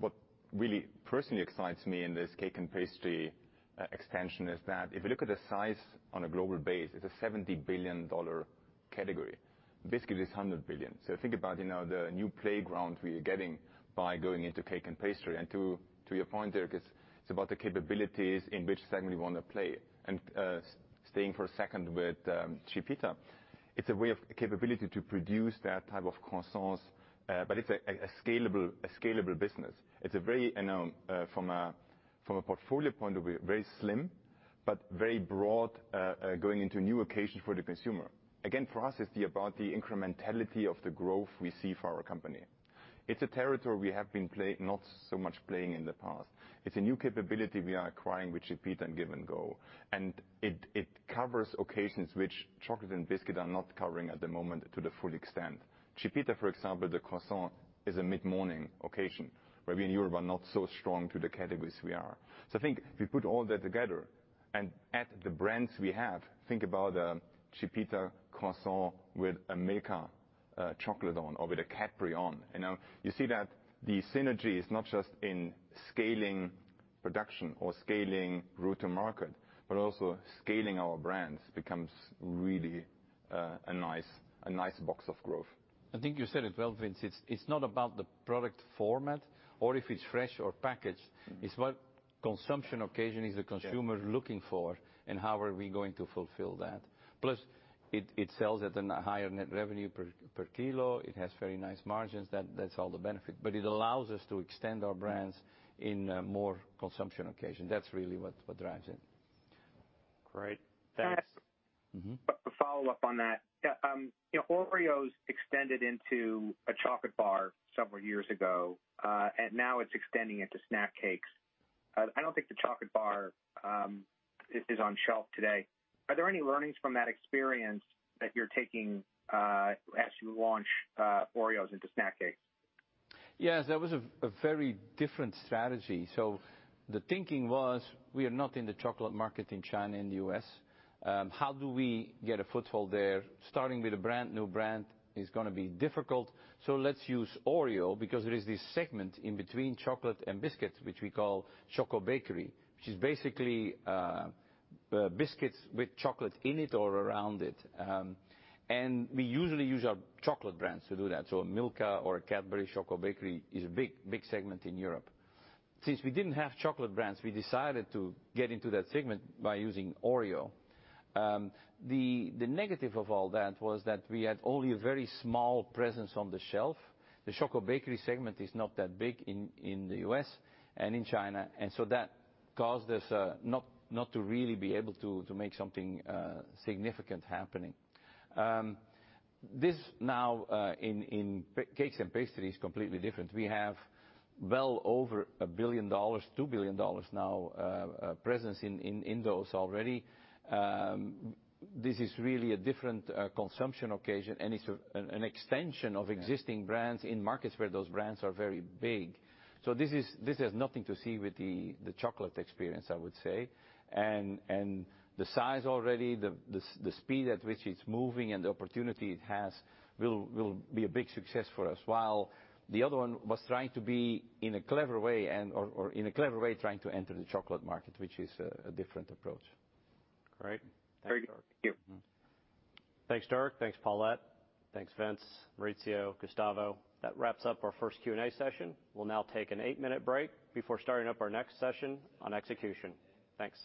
what really personally excites me in this cake and pastry extension is that if you look at the size on a global base, it's a $70 billion category. Biscuit is $100 billion. Think about, you know, the new playground we are getting by going into cake and pastry. To your point, Dirk, it's about the capabilities in which segment we wanna play. Staying for a second with Chipita, it's a way of capability to produce that type of croissants, but it's a scalable business. It's a very, you know, from a portfolio point of view, very slim, but very broad, going into new occasions for the consumer. Again, for us, it's about the incrementality of the growth we see for our company. It's a territory we have been not so much playing in the past. It's a new capability we are acquiring with Chipita and Give & Go. It covers occasions which chocolate and biscuit are not covering at the moment to the full extent. Chipita, for example, the croissant is a mid-morning occasion where we in Europe are not so strong in the categories we are. I think if we put all that together and add the brands we have, think about a Chipita croissant with a Milka chocolate on or with a Cadbury on. You know, you see that the synergy is not just in scaling production or scaling route to market, but also scaling our brands becomes really, a nice box of growth. I think you said it well, Vinzenz. It's not about the product format or if it's fresh or packaged. It's what consumption occasion is the consumer looking for and how are we going to fulfill that. Plus, it sells at a higher net revenue per kilo. It has very nice margins. That's all the benefit. But it allows us to extend our brands in more consumption occasion. That's really what drives it. Great. Thanks. Mm-hmm. A follow-up on that. You know, Oreo has extended into a chocolate bar several years ago, and now it's extending into snack cakes. I don't think the chocolate bar is on shelf today. Are there any learnings from that experience that you're taking as you launch Oreos into snack cakes? Yes, that was a very different strategy. The thinking was, we are not in the chocolate market in China and U.S. How do we get a foothold there? Starting with a brand new brand is gonna be difficult, so let's use Oreo because there is this segment in between chocolate and biscuits, which we call cocoa bakery, which is basically biscuits with chocolate in it or around it. We usually use our chocolate brands to do that. A Milka or a Cadbury cocoa bakery is a big, big segment in Europe. Since we didn't have chocolate brands, we decided to get into that segment by using Oreo. The negative of all that was that we had only a very small presence on the shelf. The cocoa bakery segment is not that big in the U.S. and in China. That caused us not to really be able to make something significant happening. This now in cakes and pastries is completely different. We have well over $1 billion, $2 billion now presence in those already. This is really a different consumption occasion, and it's an extension of existing brands in markets where those brands are very big. This is, this has nothing to do with the chocolate experience, I would say. The size already, the speed at which it's moving and the opportunity it has will be a big success for us, while the other one was trying in a clever way to enter the chocolate market, which is a different approach. Great. Thank you. Thanks, Derek. Thanks, Paulette. Thanks, Vinzenz, Maurizio, Gustavo. That wraps up our first Q&A session. We'll now take an 8-minute break before starting up our next session on execution. Thanks.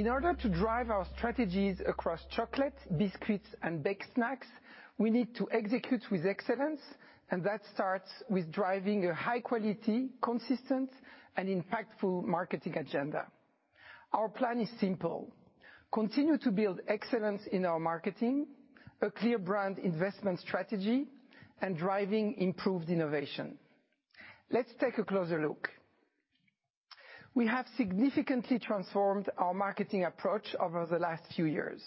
In order to drive our strategies across chocolate, biscuits, and baked snacks, we need to execute with excellence, and that starts with driving a high quality, consistent, and impactful marketing agenda. Our plan is simple. Continue to build excellence in our marketing, a clear brand investment strategy, and driving improved innovation. Let's take a closer look. We have significantly transformed our marketing approach over the last few years.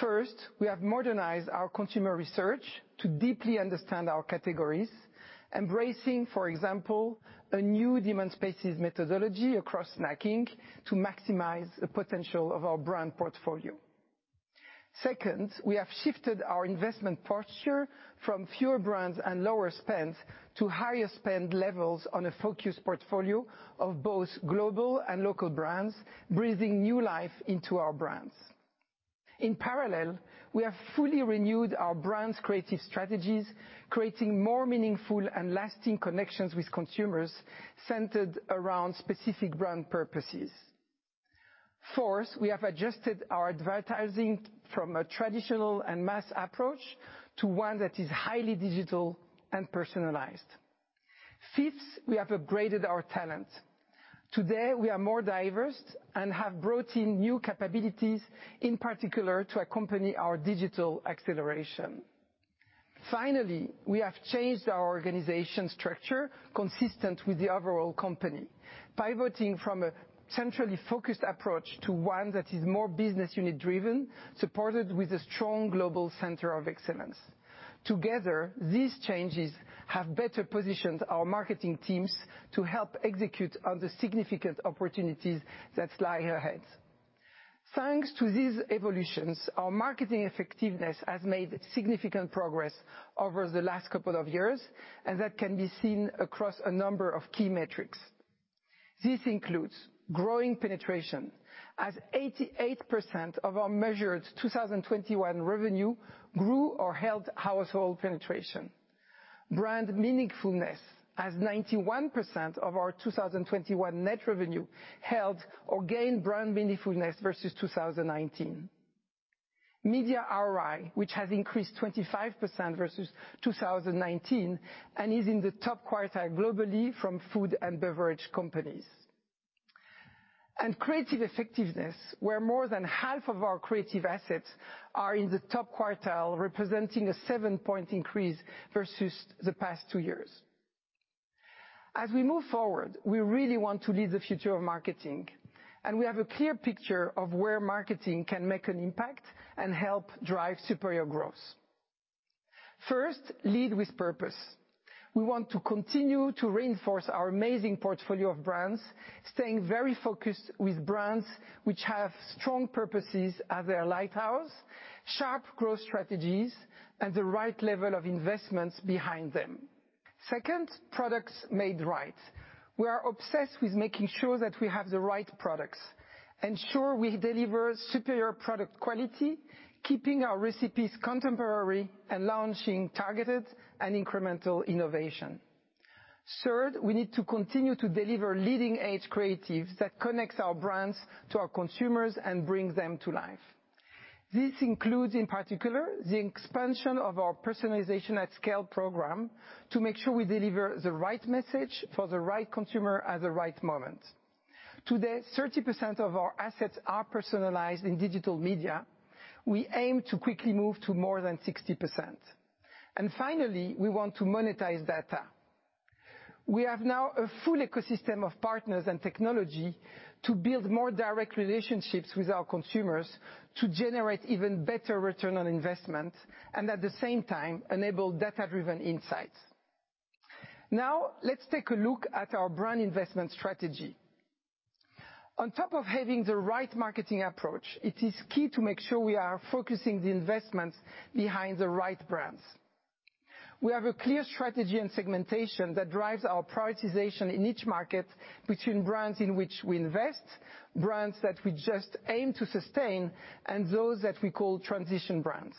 First, we have modernized our consumer research to deeply understand our categories, embracing, for example, a new demand spaces methodology across snacking to maximize the potential of our brand portfolio. Second, we have shifted our investment posture from fewer brands and lower spend to higher spend levels on a focused portfolio of both global and local brands, breathing new life into our brands. In parallel, we have fully renewed our brands' creative strategies, creating more meaningful and lasting connections with consumers centered around specific brand purposes. Fourth, we have adjusted our advertising from a traditional and mass approach to one that is highly digital and personalized. Fifth, we have upgraded our talent. Today, we are more diverse and have brought in new capabilities, in particular to accompany our digital acceleration. Finally, we have changed our organization structure consistent with the overall company, pivoting from a centrally focused approach to one that is more business unit driven, supported with a strong global center of excellence. Together, these changes have better positioned our marketing teams to help execute on the significant opportunities that lie ahead. Thanks to these evolutions, our marketing effectiveness has made significant progress over the last couple of years, and that can be seen across a number of key metrics. This includes growing penetration, as 88% of our measured 2021 revenue grew or held household penetration. Brand meaningfulness, as 91% of our 2021 net revenue held or gained brand meaningfulness versus 2019. Media ROI, which has increased 25% versus 2019 and is in the top quartile globally for food and beverage companies. Creative effectiveness, where more than half of our creative assets are in the top quartile, representing a seven point increase versus the past two years. As we move forward, we really want to lead the future of marketing, and we have a clear picture of where marketing can make an impact and help drive superior growth. First, lead with purpose. We want to continue to reinforce our amazing portfolio of brands, staying very focused with brands which have strong purposes as their lighthouse, sharp growth strategies, and the right level of investments behind them. Second, products made right. We are obsessed with making sure that we have the right products, ensure we deliver superior product quality, keeping our recipes contemporary, and launching targeted and incremental innovation. Third, we need to continue to deliver leading-edge creative that connects our brands to our consumers and brings them to life. This includes, in particular, the expansion of our personalization and scale program to make sure we deliver the right message for the right consumer at the right moment. Today, 30% of our assets are personalized in digital media. We aim to quickly move to more than 60%. Finally, we want to monetize data. We have now a full ecosystem of partners and technology to build more direct relationships with our consumers to generate even better return on investment and, at the same time, enable data-driven insights. Now let's take a look at our brand investment strategy. On top of having the right marketing approach, it is key to make sure we are focusing the investments behind the right brands. We have a clear strategy and segmentation that drives our prioritization in each market between brands in which we invest, brands that we just aim to sustain, and those that we call transition brands.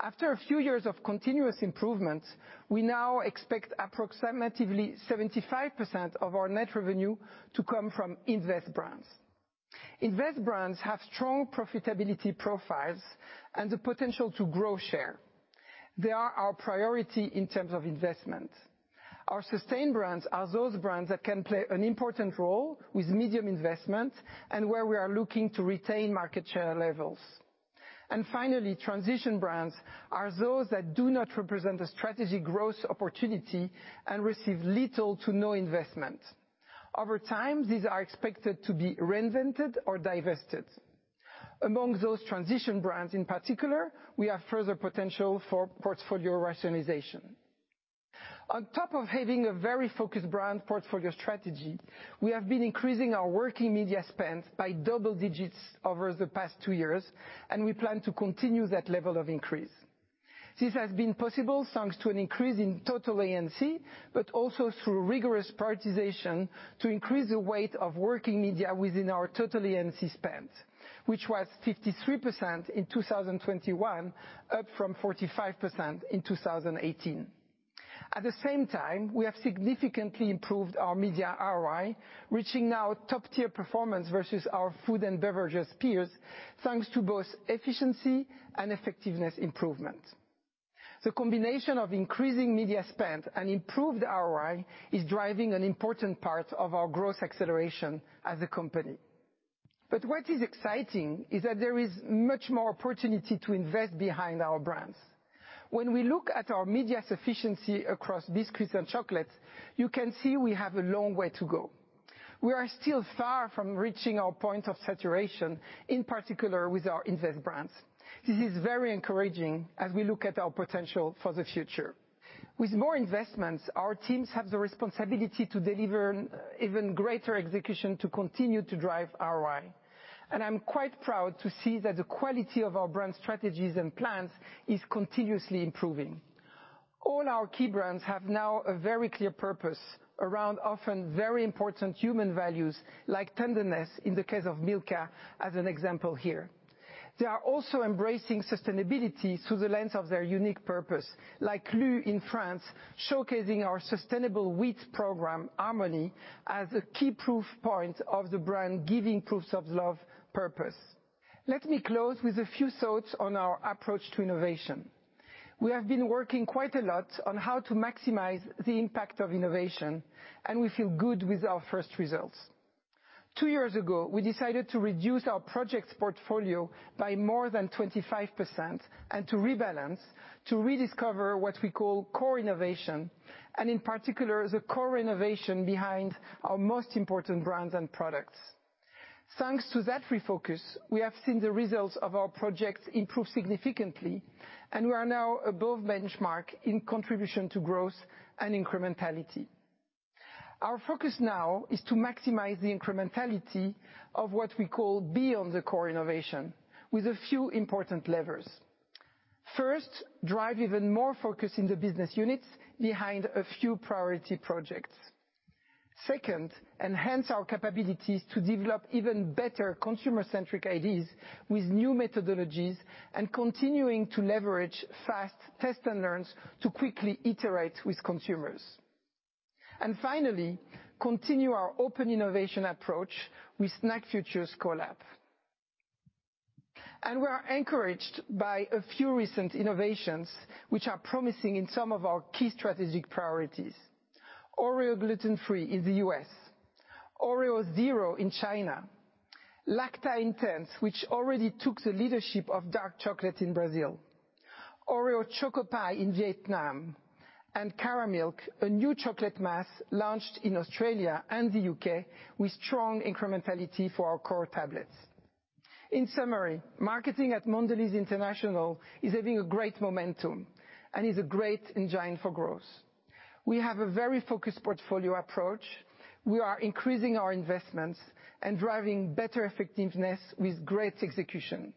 After a few years of continuous improvement, we now expect approximately 75% of our net revenue to come from invest brands. Invest brands have strong profitability profiles and the potential to grow share. They are our priority in terms of investment. Our sustain brands are those brands that can play an important role with medium investment and where we are looking to retain market share levels. Finally, transition brands are those that do not represent a strategy growth opportunity and receive little to no investment. Over time, these are expected to be reinvented or divested. Among those transition brands in particular, we have further potential for portfolio rationalization. On top of having a very focused brand portfolio strategy, we have been increasing our working media spend by double digits over the past two years, and we plan to continue that level of increase. This has been possible thanks to an increase in total A&C, but also through rigorous prioritization to increase the weight of working media within our total A&C spend, which was 53% in 2021, up from 45% in 2018. At the same time, we have significantly improved our media ROI, reaching now top-tier performance versus our food and beverages peers, thanks to both efficiency and effectiveness improvement. The combination of increasing media spend and improved ROI is driving an important part of our growth acceleration as a company. What is exciting is that there is much more opportunity to invest behind our brands. When we look at our media sufficiency across biscuits and chocolates, you can see we have a long way to go. We are still far from reaching our point of saturation, in particular with our invest brands. This is very encouraging as we look at our potential for the future. With more investments, our teams have the responsibility to deliver even greater execution to continue to drive ROI, and I'm quite proud to see that the quality of our brand strategies and plans is continuously improving. All our key brands have now a very clear purpose around often very important human values, like tenderness in the case of Milka as an example here. They are also embracing sustainability through the lens of their unique purpose, like LU in France, showcasing our sustainable wheat program, Harmony, as a key proof point of the brand giving proofs of love purpose. Let me close with a few thoughts on our approach to innovation. We have been working quite a lot on how to maximize the impact of innovation, and we feel good with our first results. Two years ago, we decided to reduce our projects portfolio by more than 25% and to rebalance, to rediscover what we call core innovation, and in particular, the core innovation behind our most important brands and products. Thanks to that refocus, we have seen the results of our projects improve significantly, and we are now above benchmark in contribution to growth and incrementality. Our focus now is to maximize the incrementality of what we call beyond the core innovation with a few important levers. First, drive even more focus in the business units behind a few priority projects. Second, enhance our capabilities to develop even better consumer-centric ideas with new methodologies and continuing to leverage fast test and learns to quickly iterate with consumers. Finally, continue our open innovation approach with SnackFutures CoLab. We are encouraged by a few recent innovations which are promising in some of our key strategic priorities. OREO Gluten Free in the US, Oreo Zero in China, Lacta Intense, which already took the leadership of dark chocolate in Brazil, Oreo Chocolate Pie in Vietnam, and Caramilk, a new chocolate mass launched in Australia and the UK with strong incrementality for our core tablets. In summary, marketing at Mondelēz International is having a great momentum and is a great engine for growth. We have a very focused portfolio approach. We are increasing our investments and driving better effectiveness with great execution.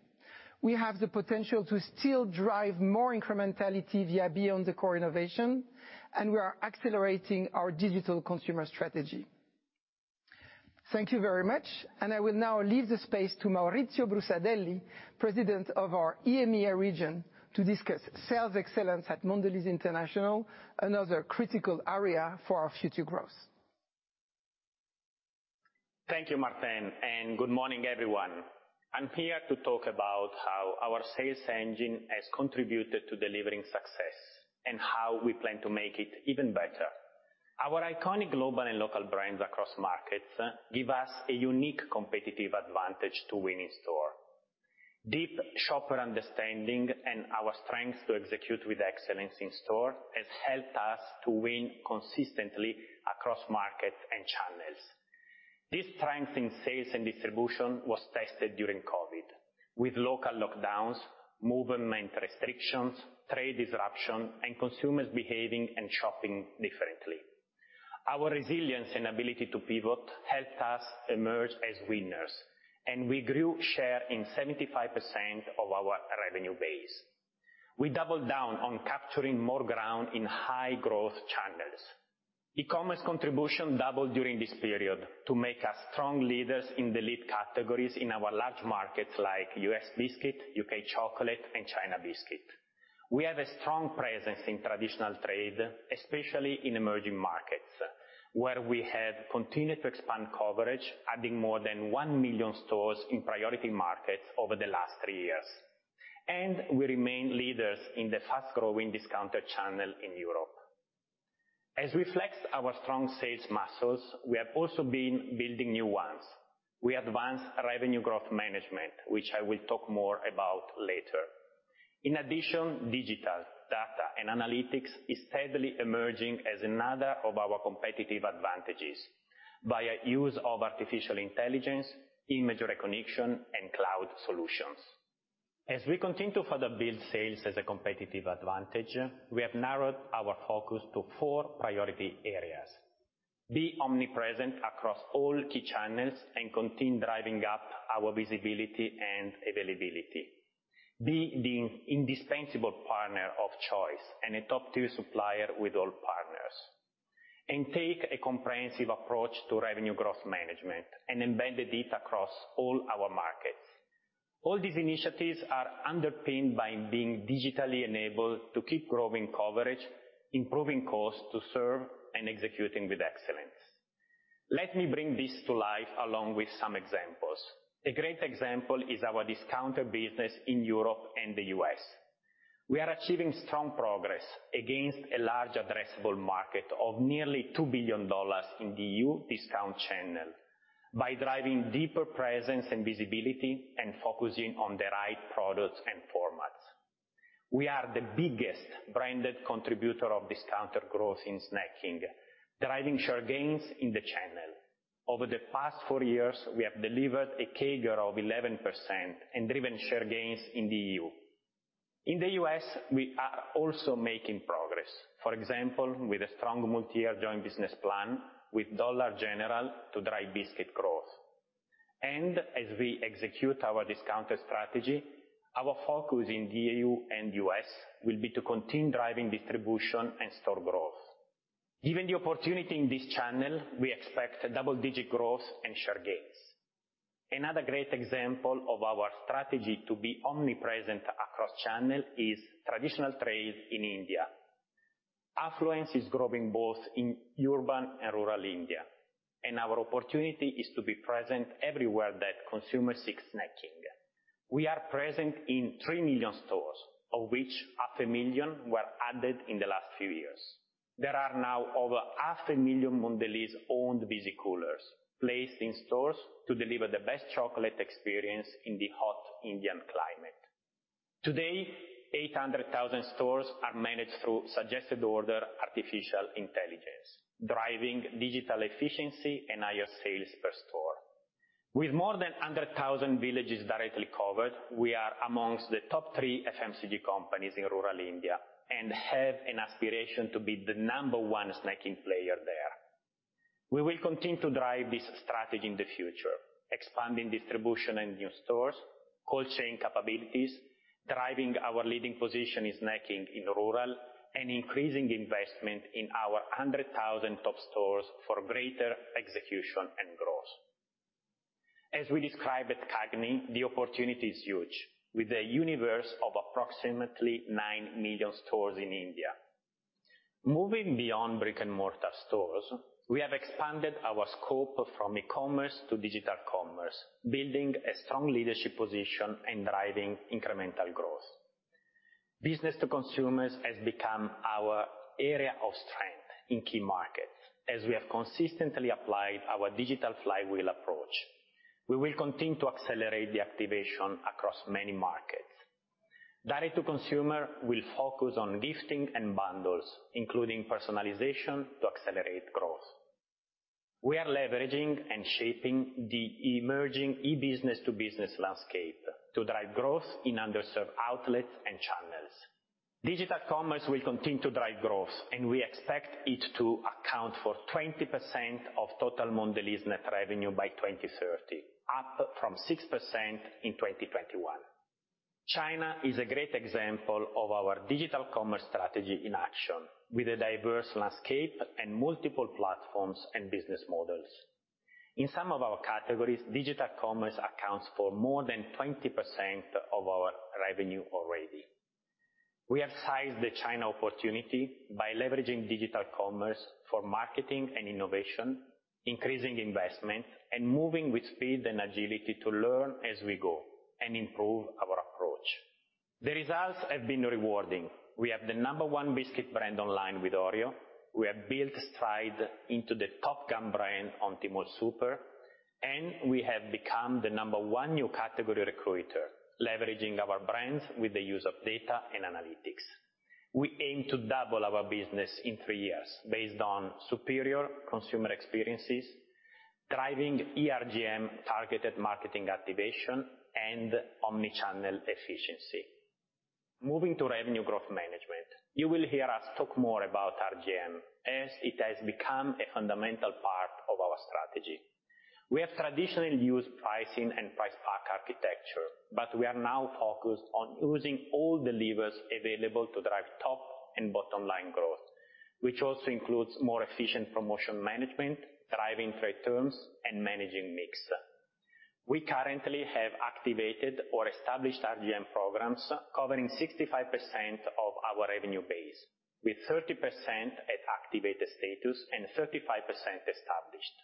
We have the potential to still drive more incrementality via beyond the core innovation, and we are accelerating our digital consumer strategy. Thank you very much, and I will now leave the space to Maurizio Brusadelli, President of our EMEA region, to discuss sales excellence at Mondelēz International, another critical area for our future growth. Thank you, Martin, and good morning, everyone. I'm here to talk about how our sales engine has contributed to delivering success, and how we plan to make it even better. Our iconic global and local brands across markets give us a unique competitive advantage to win in store. Deep shopper understanding and our strengths to execute with excellence in store has helped us to win consistently across markets and channels. This strength in sales and distribution was tested during COVID, with local lockdowns, movement restrictions, trade disruption, and consumers behaving and shopping differently. Our resilience and ability to pivot helped us emerge as winners, and we grew share in 75% of our revenue base. We doubled down on capturing more ground in high-growth channels. E-commerce contribution doubled during this period to make us strong leaders in the lead categories in our large markets like U.S. biscuit, U.K. chocolate, and China biscuit. We have a strong presence in traditional trade, especially in emerging markets, where we have continued to expand coverage, adding more than 1 million stores in priority markets over the last three years. We remain leaders in the fast-growing discounter channel in Europe. As we flex our strong sales muscles, we have also been building new ones. We advanced revenue growth management, which I will talk more about later. In addition, digital data and analytics is steadily emerging as another of our competitive advantages via use of artificial intelligence, image recognition, and cloud solutions. As we continue to further build sales as a competitive advantage, we have narrowed our focus to four priority areas. Be omnipresent across all key channels and continue driving up our visibility and availability. Be the indispensable partner of choice and a top-tier supplier with all partners. Take a comprehensive approach to revenue growth management and embed the data across all our markets. All these initiatives are underpinned by being digitally enabled to keep growing coverage, improving cost to serve, and executing with excellence. Let me bring this to life along with some examples. A great example is our discounter business in Europe and the US. We are achieving strong progress against a large addressable market of nearly $2 billion in the EU discount channel by driving deeper presence and visibility and focusing on the right products and formats. We are the biggest branded contributor of discounter growth in snacking, driving share gains in the channel. Over the past four years, we have delivered a CAGR of 11% and driven share gains in the EU. In the US, we are also making progress, for example, with a strong multi-year joint business plan with Dollar General to drive biscuit growth. As we execute our discount strategy, our focus in the EU and US will be to continue driving distribution and store growth. Given the opportunity in this channel, we expect double-digit growth and share gains. Another great example of our strategy to be omnipresent across channel is traditional trade in India. Affluence is growing both in urban and rural India, and our opportunity is to be present everywhere that consumers seek snacking. We are present in 3 million stores, of which 500,000 were added in the last few years. There are now over 500,000 Mondelēz-owned Visi Coolers placed in stores to deliver the best chocolate experience in the hot Indian climate. Today, 800,000 stores are managed through suggested order artificial intelligence, driving digital efficiency and higher sales per store. With more than 100,000 villages directly covered, we are among the top three FMCG companies in rural India and have an aspiration to be the number one snacking player there. We will continue to drive this strategy in the future, expanding distribution in new stores, cold chain capabilities, driving our leading position in snacking in rural, and increasing investment in our 100,000 top stores for greater execution and growth. As we described at CAGNY, the opportunity is huge, with a universe of approximately 9 million stores in India. Moving beyond brick-and-mortar stores, we have expanded our scope from e-commerce to digital commerce, building a strong leadership position and driving incremental growth. Business to consumers has become our area of strength in key markets, as we have consistently applied our digital flywheel approach. We will continue to accelerate the activation across many markets. Direct-to-consumer will focus on gifting and bundles, including personalization to accelerate growth. We are leveraging and shaping the emerging e-business-to-business landscape to drive growth in underserved outlets and channels. Digital commerce will continue to drive growth, and we expect it to account for 20% of total Mondelēz net revenue by 2030, up from 6% in 2021. China is a great example of our digital commerce strategy in action, with a diverse landscape and multiple platforms and business models. In some of our categories, digital commerce accounts for more than 20% of our revenue already. We have sized the China opportunity by leveraging digital commerce for marketing and innovation, increasing investment, and moving with speed and agility to learn as we go and improve our approach. The results have been rewarding. We have the number one biscuit brand online with Oreo. We have built Stride into the top gun brand on Tmall Super, and we have become the number one new category recruiter, leveraging our brands with the use of data and analytics. We aim to double our business in three years based on superior consumer experiences, driving eRGM targeted marketing activation and omni-channel efficiency. Moving to revenue growth management. You will hear us talk more about RGM as it has become a fundamental part of our strategy. We have traditionally used pricing and price pack architecture, but we are now focused on using all the levers available to drive top and bottom line growth, which also includes more efficient promotion management, driving trade terms, and managing mix. We currently have activated or established RGM programs covering 65% of our revenue base, with 30% at activated status and 35% established.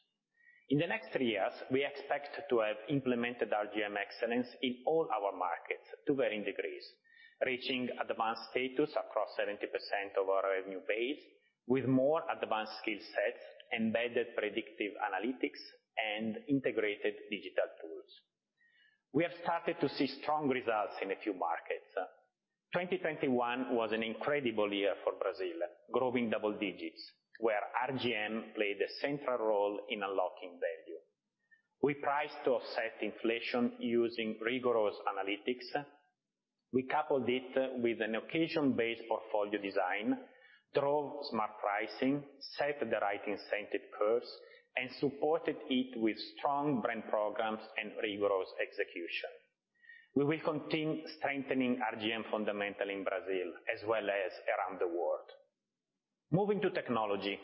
In the next three years, we expect to have implemented RGM excellence in all our markets to varying degrees, reaching advanced status across 70% of our revenue base with more advanced skill sets, embedded predictive analytics, and integrated digital tools. We have started to see strong results in a few markets. 2021 was an incredible year for Brazil, growing double digits, where RGM played a central role in unlocking value. We priced to offset inflation using rigorous analytics. We coupled it with an occasion-based portfolio design, drove smart pricing, set the right incentive course, and supported it with strong brand programs and rigorous execution. We will continue strengthening RGM fundamentals in Brazil as well as around the world. Moving to technology.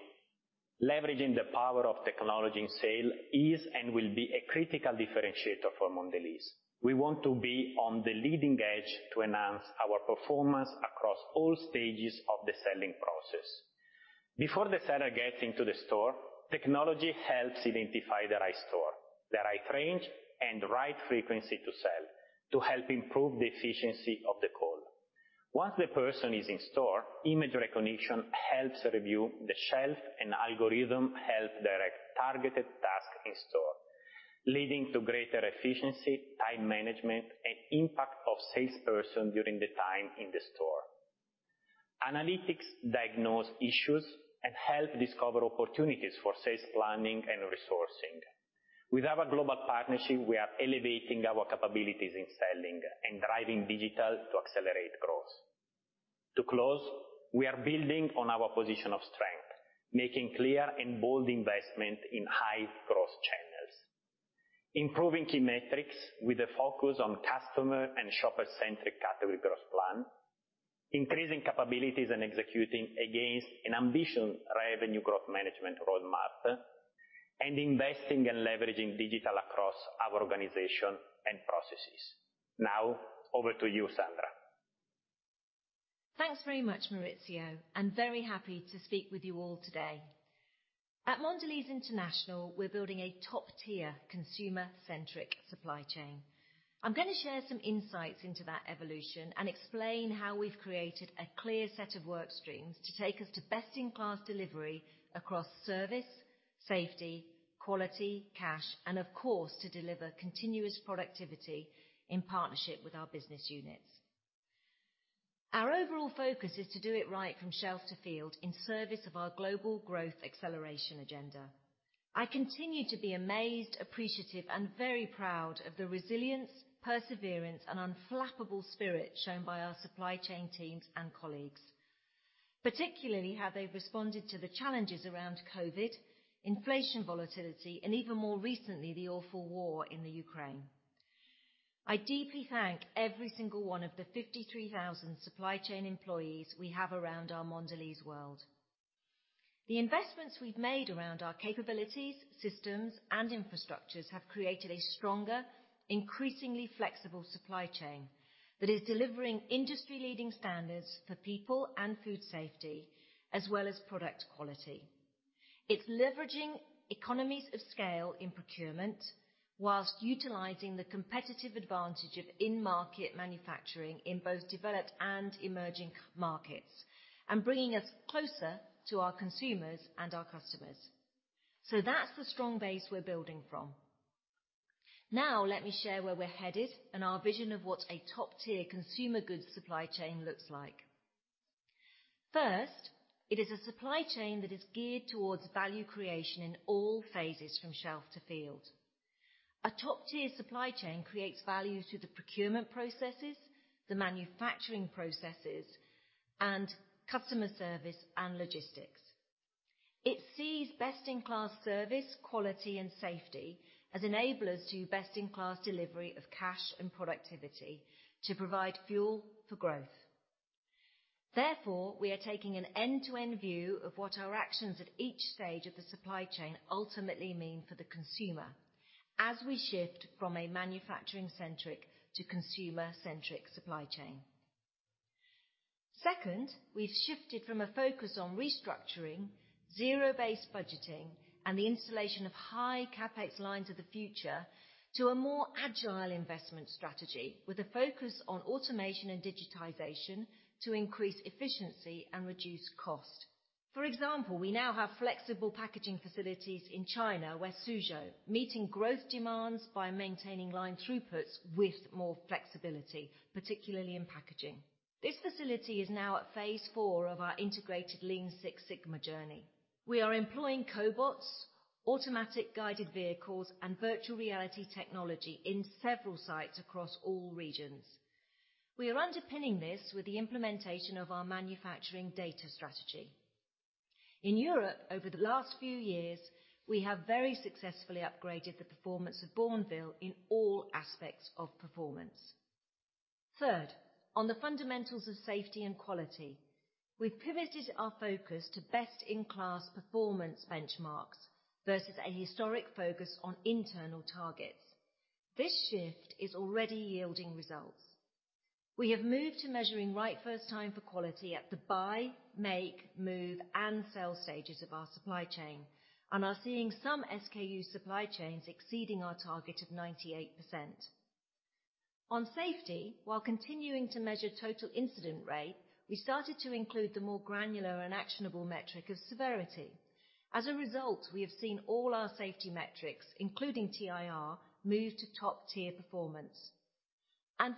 Leveraging the power of technology in sales is and will be a critical differentiator for Mondelēz. We want to be on the leading edge to enhance our performance across all stages of the selling process. Before the seller gets into the store, technology helps identify the right store, the right range, and the right frequency to sell to help improve the efficiency of the call. Once the person is in store, image recognition helps review the shelf and algorithms help direct targeted tasks in store, leading to greater efficiency, time management, and impact of salesperson during the time in the store. Analytics diagnose issues and help discover opportunities for sales planning and resourcing. With our global partnership, we are elevating our capabilities in selling and driving digital to accelerate growth. To close, we are building on our position of strength, making clear and bold investment in high growth channels, improving key metrics with a focus on customer and shopper-centric category growth plan, increasing capabilities and executing against an ambitious revenue growth management roadmap, and investing and leveraging digital across our organization and processes. Now, over to you, Sandra. Thanks very much, Maurizio, and very happy to speak with you all today. At Mondelēz International, we're building a top-tier consumer-centric supply chain. I'm gonna share some insights into that evolution and explain how we've created a clear set of work streams to take us to best-in-class delivery across service, safety, quality, cash, and of course, to deliver continuous productivity in partnership with our business units. Our overall focus is to do it right from shelf to field in service of our global growth acceleration agenda. I continue to be amazed, appreciative, and very proud of the resilience, perseverance, and unflappable spirit shown by our supply chain teams and colleagues, particularly how they've responded to the challenges around COVID, inflation volatility, and even more recently, the awful war in the Ukraine. I deeply thank every single one of the 53,000 supply chain employees we have around our Mondelēz world. The investments we've made around our capabilities, systems, and infrastructures have created a stronger, increasingly flexible supply chain that is delivering industry-leading standards for people and food safety, as well as product quality. It's leveraging economies of scale in procurement while utilizing the competitive advantage of in-market manufacturing in both developed and emerging markets, and bringing us closer to our consumers and our customers. That's the strong base we're building from. Now, let me share where we're headed and our vision of what a top-tier consumer goods supply chain looks like. First, it is a supply chain that is geared towards value creation in all phases from shelf to field. A top-tier supply chain creates value through the procurement processes, the manufacturing processes, and customer service and logistics. It sees best-in-class service, quality, and safety as enablers to best-in-class delivery of cash and productivity to provide fuel for growth. Therefore, we are taking an end-to-end view of what our actions at each stage of the supply chain ultimately mean for the consumer as we shift from a manufacturing-centric to consumer centric supply chain. Second, we've shifted from a focus on restructuring, zero-based budgeting, and the installation of high CapEx lines of the future to a more agile investment strategy with a focus on automation and digitization to increase efficiency and reduce cost. For example, we now have flexible packaging facilities in China, where Suzhou meets growth demands by maintaining line throughputs with more flexibility, particularly in packaging. This facility is now at phase four of our integrated Lean Six Sigma journey. We are employing cobots, automatic guided vehicles, and virtual reality technology in several sites across all regions. We are underpinning this with the implementation of our manufacturing data strategy. In Europe, over the last few years, we have very successfully upgraded the performance of Bournville in all aspects of performance. Third, on the fundamentals of safety and quality, we've pivoted our focus to best-in-class performance benchmarks versus a historic focus on internal targets. This shift is already yielding results. We have moved to measuring right first time for quality at the buy, make, move, and sell stages of our supply chain, and are seeing some SKU supply chains exceeding our target of 98%. On safety, while continuing to measure total incident rate, we started to include the more granular and actionable metric of severity. As a result, we have seen all our safety metrics, including TIR, move to top-tier performance.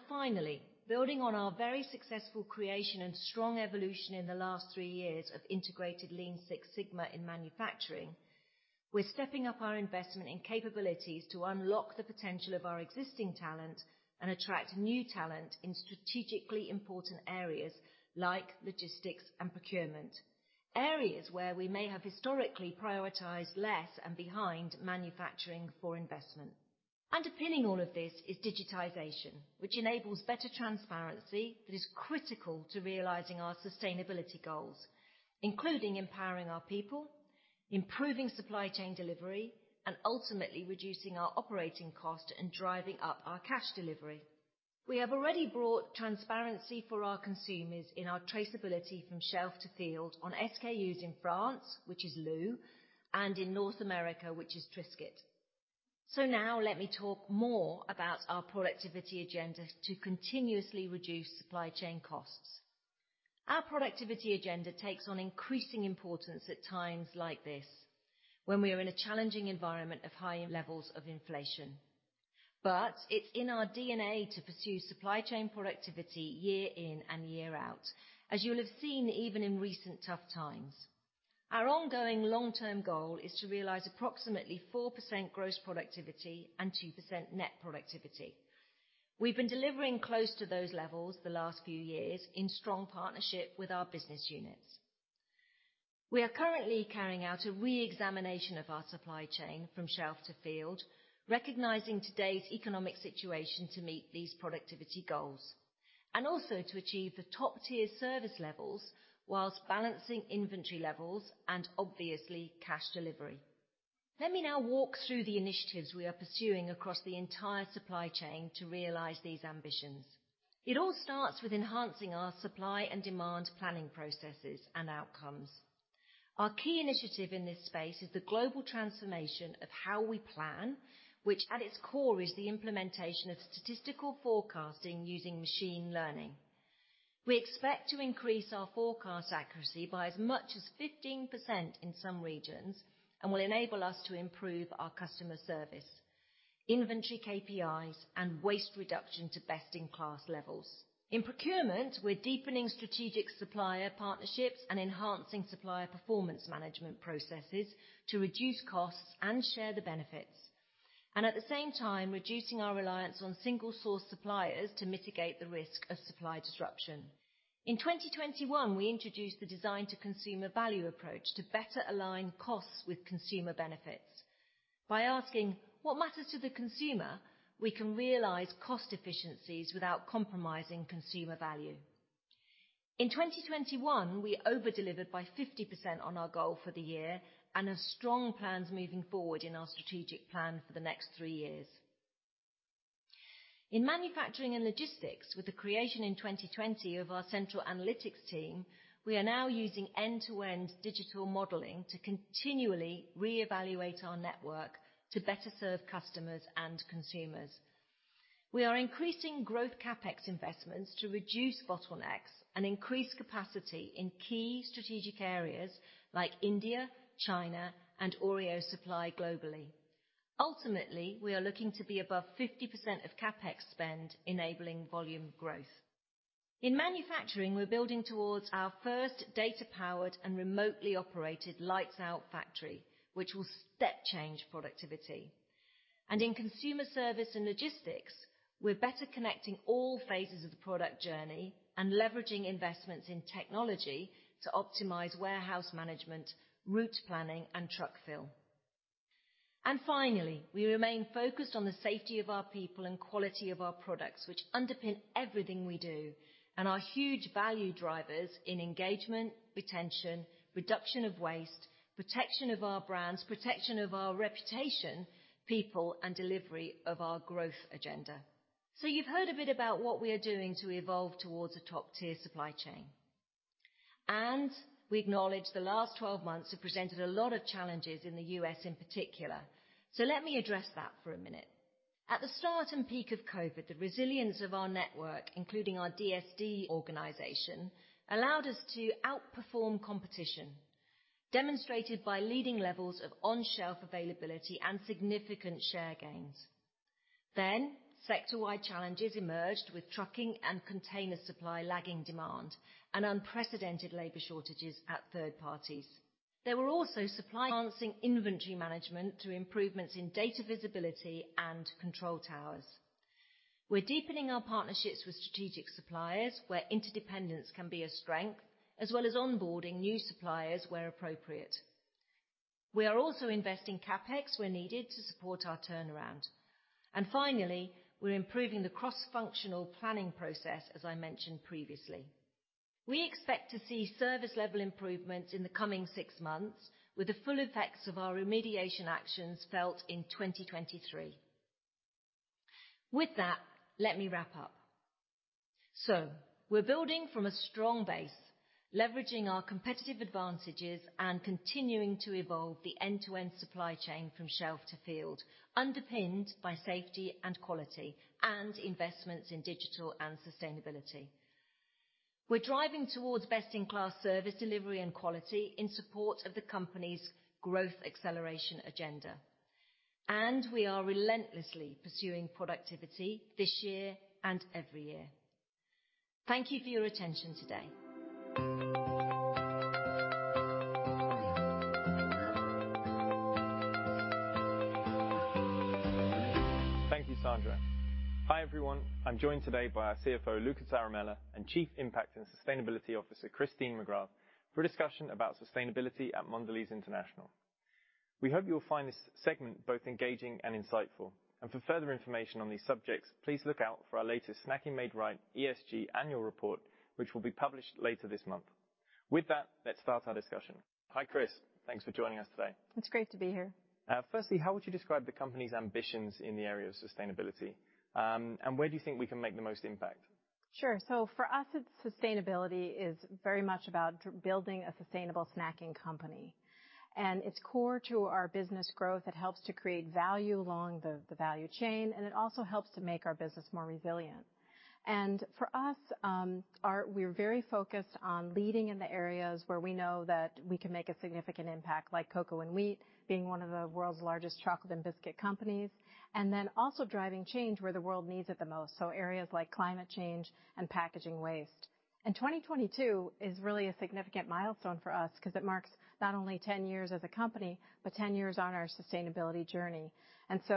Finally, building on our very successful creation and strong evolution in the last three years of integrated Lean Six Sigma in manufacturing, we're stepping up our investment in capabilities to unlock the potential of our existing talent and attract new talent in strategically important areas like logistics and procurement, areas where we may have historically prioritized less and behind manufacturing for investment. Underpinning all of this is digitization, which enables better transparency that is critical to realizing our sustainability goals, including empowering our people, improving supply chain delivery, and ultimately reducing our operating cost and driving up our cash delivery. We have already brought transparency for our consumers in our traceability from shelf to field on SKUs in France, which is LU, and in North America, which is Triscuit. Now let me talk more about our productivity agenda to continuously reduce supply chain costs. Our productivity agenda takes on increasing importance at times like this when we are in a challenging environment of high levels of inflation. It's in our DNA to pursue supply chain productivity year in and year out, as you'll have seen even in recent tough times. Our ongoing long-term goal is to realize approximately 4% gross productivity and 2% net productivity. We've been delivering close to those levels the last few years in strong partnership with our business units. We are currently carrying out a re-examination of our supply chain from shelf to field, recognizing today's economic situation to meet these productivity goals, and also to achieve the top-tier service levels while balancing inventory levels and obviously cash delivery. Let me now walk through the initiatives we are pursuing across the entire supply chain to realize these ambitions. It all starts with enhancing our supply and demand planning processes and outcomes. Our key initiative in this space is the global transformation of how we plan, which at its core is the implementation of statistical forecasting using machine learning. We expect to increase our forecast accuracy by as much as 15% in some regions and will enable us to improve our customer service, inventory KPIs, and waste reduction to best-in-class levels. In procurement, we're deepening strategic supplier partnerships and enhancing supplier performance management processes to reduce costs and share the benefits, and at the same time, reducing our reliance on single source suppliers to mitigate the risk of supply disruption. In 2021, we introduced the design to consumer value approach to better align costs with consumer benefits. By asking what matters to the consumer, we can realize cost efficiencies without compromising consumer value. In 2021, we over-delivered by 50% on our goal for the year and have strong plans moving forward in our strategic plan for the next three years. In manufacturing and logistics, with the creation in 2020 of our central analytics team, we are now using end-to-end digital modeling to continually reevaluate our network to better serve customers and consumers. We are increasing growth CapEx investments to reduce bottlenecks and increase capacity in key strategic areas like India, China, and Oreo Supply globally. Ultimately, we are looking to be above 50% of CapEx spend, enabling volume growth. In manufacturing, we're building towards our first data-powered and remotely operated lights out factory, which will step change productivity. In consumer service and logistics, we're better connecting all phases of the product journey and leveraging investments in technology to optimize warehouse management, route planning, and truck fill. Finally, we remain focused on the safety of our people and quality of our products, which underpin everything we do and are huge value drivers in engagement, retention, reduction of waste, protection of our brands, protection of our reputation, people, and delivery of our growth agenda. You've heard a bit about what we are doing to evolve towards a top-tier supply chain. We acknowledge the last 12 months have presented a lot of challenges in the U.S. in particular. Let me address that for a minute. At the start and peak of COVID, the resilience of our network, including our DSD organization, allowed us to outperform competition, demonstrated by leading levels of on-shelf availability and significant share gains. Sector-wide challenges emerged with trucking and container supply lagging demand and unprecedented labor shortages at third parties. There were also supply inventory management through improvements in data visibility and control towers. We're deepening our partnerships with strategic suppliers, where interdependence can be a strength, as well as onboarding new suppliers where appropriate. We are also investing CapEx where needed to support our turnaround. Finally, we're improving the cross-functional planning process, as I mentioned previously. We expect to see service level improvements in the coming six months, with the full effects of our remediation actions felt in 2023. With that, let me wrap up. We're building from a strong base, leveraging our competitive advantages and continuing to evolve the end-to-end supply chain from shelf to field, underpinned by safety and quality and investments in digital and sustainability. We're driving towards best-in-class service delivery and quality in support of the company's growth acceleration agenda. We are relentlessly pursuing productivity this year and every year. Thank you for your attention today. Thank you, Sandra. Hi, everyone. I'm joined today by our CFO, Luca Zaramella, and Chief Impact and Sustainability Officer, Christine McGrath, for a discussion about sustainability at Mondelēz International. We hope you'll find this segment both engaging and insightful. For further information on these subjects, please look out for our latest Snacking Made Right ESG Annual Report, which will be published later this month. With that, let's start our discussion. Hi, Chris. Thanks for joining us today. It's great to be here. Firstly, how would you describe the company's ambitions in the area of sustainability? Where do you think we can make the most impact? Sure. For us, it's sustainability is very much about building a sustainable snacking company. It's core to our business growth. It helps to create value along the value chain, and it also helps to make our business more resilient. For us, we're very focused on leading in the areas where we know that we can make a significant impact, like cocoa and wheat, being one of the world's largest chocolate and biscuit companies, and then also driving change where the world needs it the most, so areas like climate change and packaging waste. 2022 is really a significant milestone for us because it marks not only 10 years as a company, but 10 years on our sustainability journey.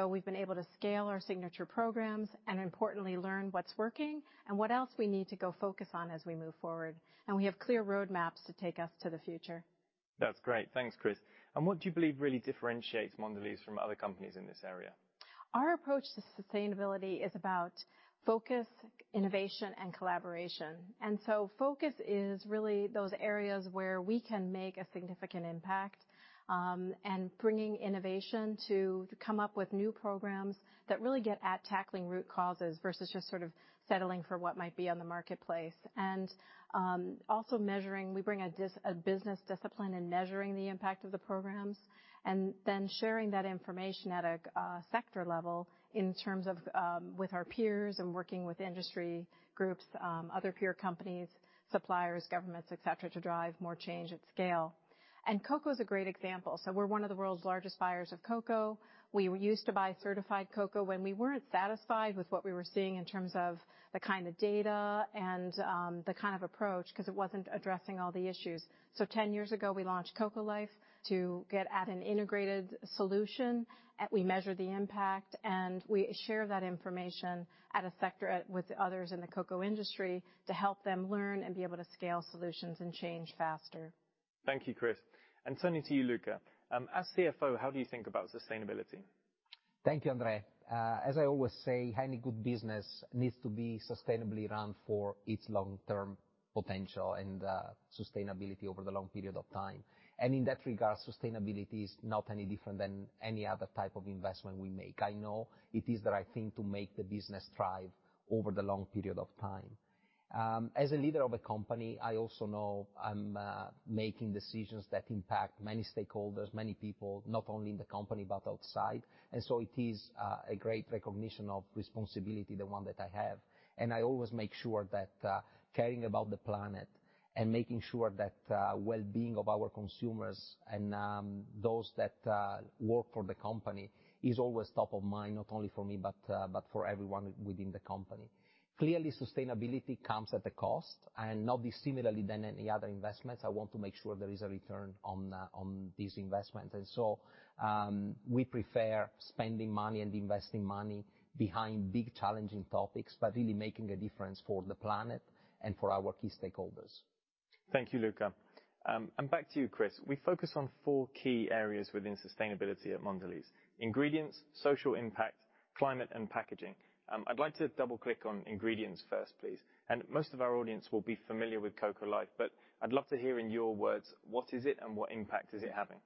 We've been able to scale our signature programs and importantly, learn what's working and what else we need to go focus on as we move forward. We have clear roadmaps to take us to the future. That's great. Thanks, Chris. What do you believe really differentiates Mondelēz from other companies in this area? Our approach to sustainability is about focus, innovation, and collaboration. Focus is really those areas where we can make a significant impact, and bringing innovation to come up with new programs that really get at tackling root causes versus just sort of settling for what might be on the marketplace. Also measuring. We bring a business discipline in measuring the impact of the programs and then sharing that information at a sector level in terms of with our peers and working with industry groups, other peer companies, suppliers, governments, et cetera, to drive more change at scale. Cocoa is a great example. We're one of the world's largest buyers of cocoa. We used to buy certified cocoa when we weren't satisfied with what we were seeing in terms of the kind of data and the kind of approach, 'cause it wasn't addressing all the issues. 10 years ago, we launched Cocoa Life to get at an integrated solution. We measure the impact and we share that information at a sector with others in the cocoa industry to help them learn and be able to scale solutions and change faster. Thank you, Chris. Turning to you, Luca. As CFO, how do you think about sustainability? Thank you, André. As I always say, any good business needs to be sustainably run for its long-term potential and sustainability over the long period of time. In that regard, sustainability is not any different than any other type of investment we make. I know it is the right thing to make the business thrive over the long period of time. As a leader of a company, I also know I'm making decisions that impact many stakeholders, many people, not only in the company, but outside. It is a great recognition of responsibility, the one that I have. I always make sure that caring about the planet and making sure that well-being of our consumers and those that work for the company is always top of mind, not only for me, but for everyone within the company. Clearly, sustainability comes at a cost and not similarly than any other investments. I want to make sure there is a return on these investments. We prefer spending money and investing money behind big challenging topics, but really making a difference for the planet and for our key stakeholders. Thank you, Luca. Back to you, Chris. We focus on four key areas within sustainability at Mondelēz, ingredients, social impact, climate, and packaging. I'd like to double-click on ingredients first, please. Most of our audience will be familiar with Cocoa Life, but I'd love to hear in your words what is it and what impact is it having.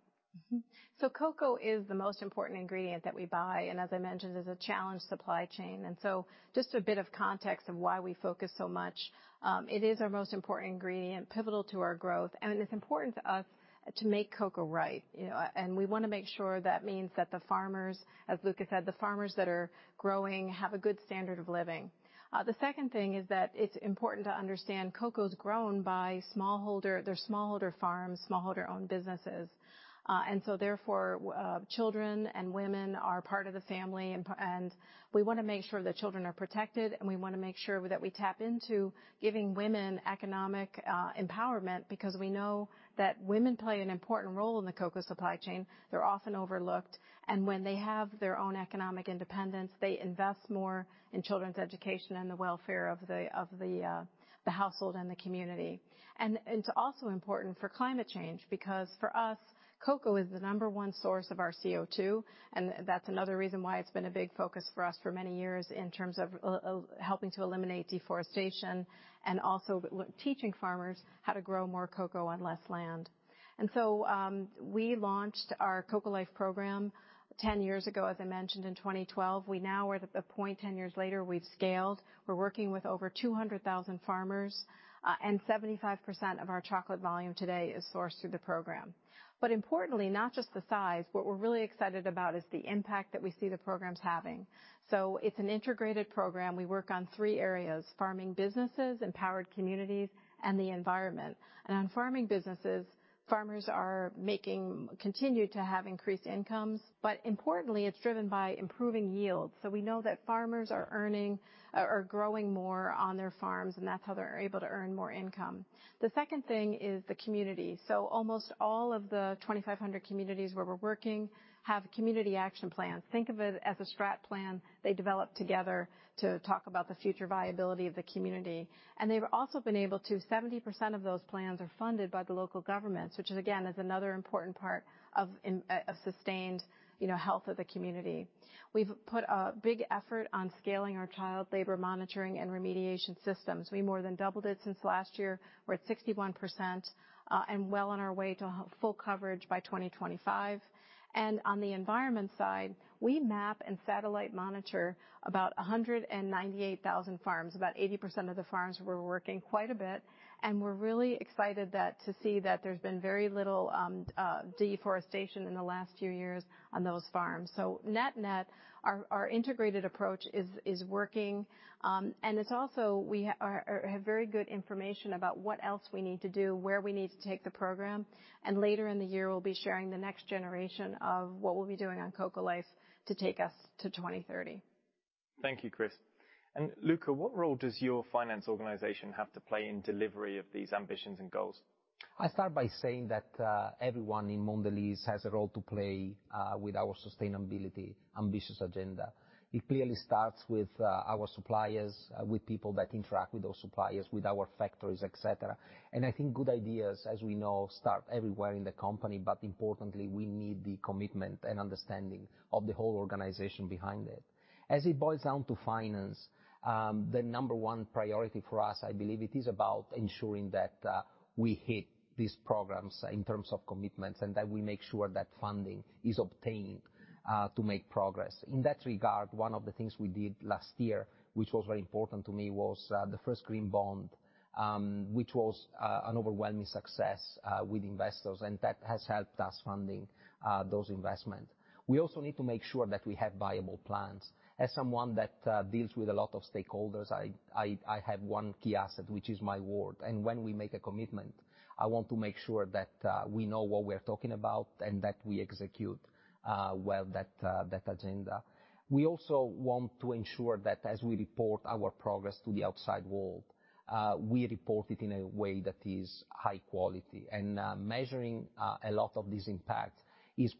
Cocoa is the most important ingredient that we buy, and as I mentioned, is a challenged supply chain. Just a bit of context of why we focus so much, it is our most important ingredient, pivotal to our growth, and it's important to us to make cocoa right. You know, and we wanna make sure that means that the farmers, as Luca said, the farmers that are growing have a good standard of living. The second thing is that it's important to understand cocoa is grown by smallholder farms, smallholder-owned businesses. Children and women are part of the family and we wanna make sure the children are protected, and we wanna make sure that we tap into giving women economic empowerment because we know that women play an important role in the cocoa supply chain. They're often overlooked. When they have their own economic independence, they invest more in children's education and the welfare of the household and the community. It's also important for climate change because for us, cocoa is the number one source of our CO2, and that's another reason why it's been a big focus for us for many years in terms of helping to eliminate deforestation and also teaching farmers how to grow more cocoa on less land. We launched our Cocoa Life program 10 years ago, as I mentioned, in 2012. We now are at the point 10 years later, we've scaled. We're working with over 200,000 farmers, and 75% of our chocolate volume today is sourced through the program. Importantly, not just the size, what we're really excited about is the impact that we see the programs having. It's an integrated program. We work on three areas, farming businesses, empowered communities, and the environment. On farming businesses, farmers continue to have increased incomes, but importantly, it's driven by improving yields. We know that farmers are earning, growing more on their farms, and that's how they're able to earn more income. The second thing is the community. Almost all of the 2,500 communities where we're working have community action plans. Think of it as a strategic plan they develop together to talk about the future viability of the community. They've also been able to. 70% of those plans are funded by the local governments, which again is another important part of sustained, you know, health of the community. We've put a big effort on scaling our child labor monitoring and remediation systems. We more than doubled it since last year. We're at 61% and well on our way to full coverage by 2025. On the environment side, we map and satellite monitor about 198,000 farms, about 80% of the farms we're working quite a bit. We're really excited to see that there's been very little deforestation in the last few years on those farms. Net-net, our integrated approach is working, and we have very good information about what else we need to do, where we need to take the program, and later in the year, we'll be sharing the next generation of what we'll be doing on Cocoa Life to take us to 2030. Thank you, Chris. Luca, what role does your finance organization have to play in delivery of these ambitions and goals? I start by saying that everyone in Mondelēz has a role to play with our ambitious sustainability agenda. It clearly starts with our suppliers with people that interact with those suppliers, with our factories, et cetera. I think good ideas, as we know, start everywhere in the company, but importantly, we need the commitment and understanding of the whole organization behind it. As it boils down to finance, the number one priority for us, I believe it is about ensuring that we hit these programs in terms of commitments and that we make sure that funding is obtained to make progress. In that regard, one of the things we did last year, which was very important to me, was the first green bond, which was an overwhelming success with investors, and that has helped us fund those investments. We also need to make sure that we have viable plans. As someone that deals with a lot of stakeholders, I have one key asset, which is my word. When we make a commitment, I want to make sure that we know what we're talking about and that we execute well that agenda. We also want to ensure that as we report our progress to the outside world, we report it in a way that is high quality. Measuring a lot of this impact is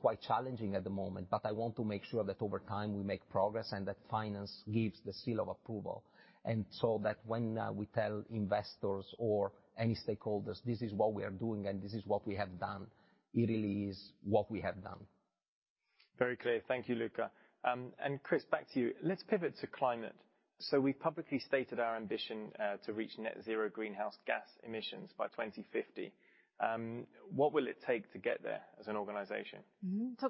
quite challenging at the moment, but I want to make sure that over time we make progress and that finance gives the seal of approval. When we tell investors or any stakeholders this is what we are doing and this is what we have done, it really is what we have done. Very clear. Thank you, Luca. Chris, back to you. Let's pivot to climate. We've publicly stated our ambition to reach net zero greenhouse gas emissions by 2050. What will it take to get there as an organization?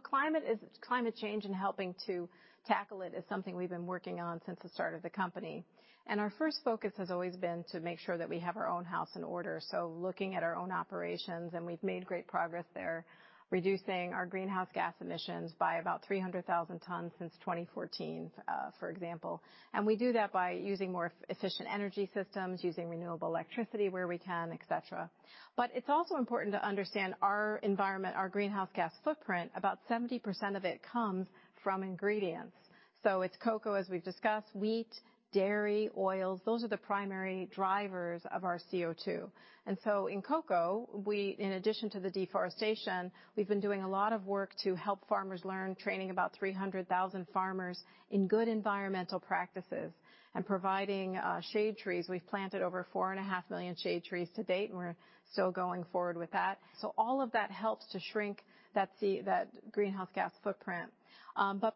Climate change and helping to tackle it are something we've been working on since the start of the company. Our first focus has always been to make sure that we have our own house in order, so looking at our own operations, and we've made great progress there, reducing our greenhouse gas emissions by about 300,000 tons since 2014, for example. We do that by using more efficient energy systems, using renewable electricity where we can, et cetera. It's also important to understand our environment, our greenhouse gas footprint, about 70% of it comes from ingredients. It's cocoa, as we've discussed, wheat, dairy, and oils. Those are the primary drivers of our CO2. In cocoa, in addition to the deforestation, we've been doing a lot of work to help farmers learn, training about 300,000 farmers in good environmental practices and providing shade trees. We've planted over 4.5 million shade trees to date, and we're still going forward with that. All of that helps to shrink that greenhouse gas footprint.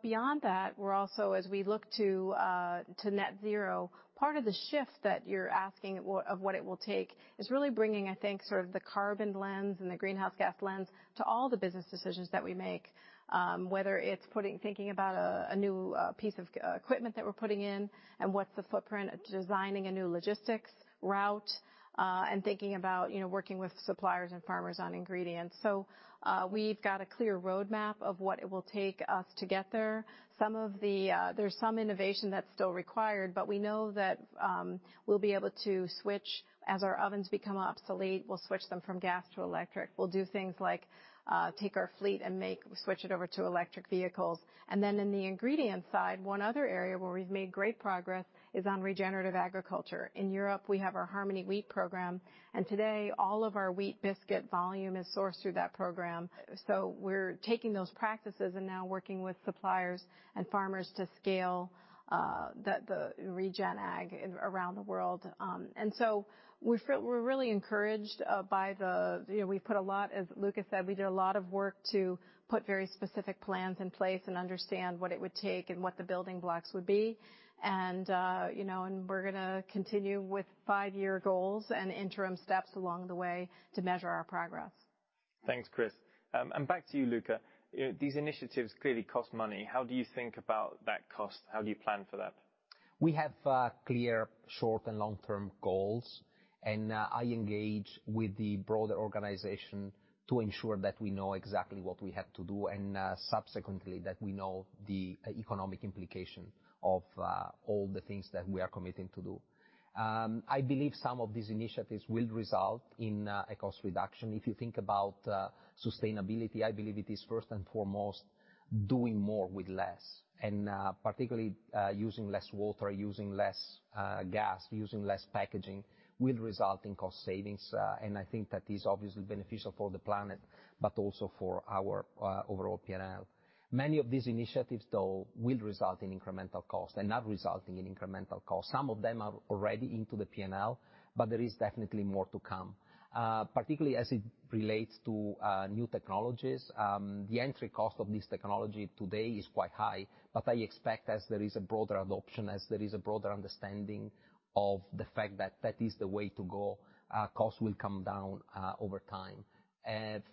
Beyond that, we're also, as we look to net zero, part of the shift that you're asking of what it will take is really bringing, I think, sort of the carbon lens and the greenhouse gas lens to all the business decisions that we make, whether it's thinking about a new piece of equipment that we're putting in and what's the footprint, designing a new logistics route, and thinking about, you know, working with suppliers and farmers on ingredients. We've got a clear roadmap of what it will take us to get there. There's some innovation that's still required, but we know that we'll be able to switch. As our ovens become obsolete, we'll switch them from gas to electric. We'll do things like take our fleet and switch it over to electric vehicles. In the ingredient side, one other area where we've made great progress is on regenerative agriculture. In Europe, we have our Harmony Wheat Program, and today, all of our wheat biscuit volume is sourced through that program. We're taking those practices and now working with suppliers and farmers to scale the regen ag around the world. We're really encouraged. You know, we've put a lot, as Luca said, we did a lot of work to put very specific plans in place and understand what it would take and what the building blocks would be. You know, we're gonna continue with five-year goals and interim steps along the way to measure our progress. Thanks, Chris. Back to you, Luca. You know, these initiatives clearly cost money. How do you think about that cost? How do you plan for that? We have clear short and long-term goals, and I engage with the broader organization to ensure that we know exactly what we have to do and subsequently that we know the economic implication of all the things that we are committing to do. I believe some of these initiatives will result in a cost reduction. If you think about sustainability, I believe it is first and foremost doing more with less and particularly using less water, using less gas, using less packaging will result in cost savings. I think that is obviously beneficial for the planet, but also for our overall P&L. Many of these initiatives, though, will result in incremental cost. They're not resulting in incremental cost. Some of them are already into the P&L, but there is definitely more to come. Particularly as it relates to new technologies, the entry cost of this technology today is quite high, but I expect, as there is a broader adoption, as there is a broader understanding of the fact that that is the way to go, costs will come down over time.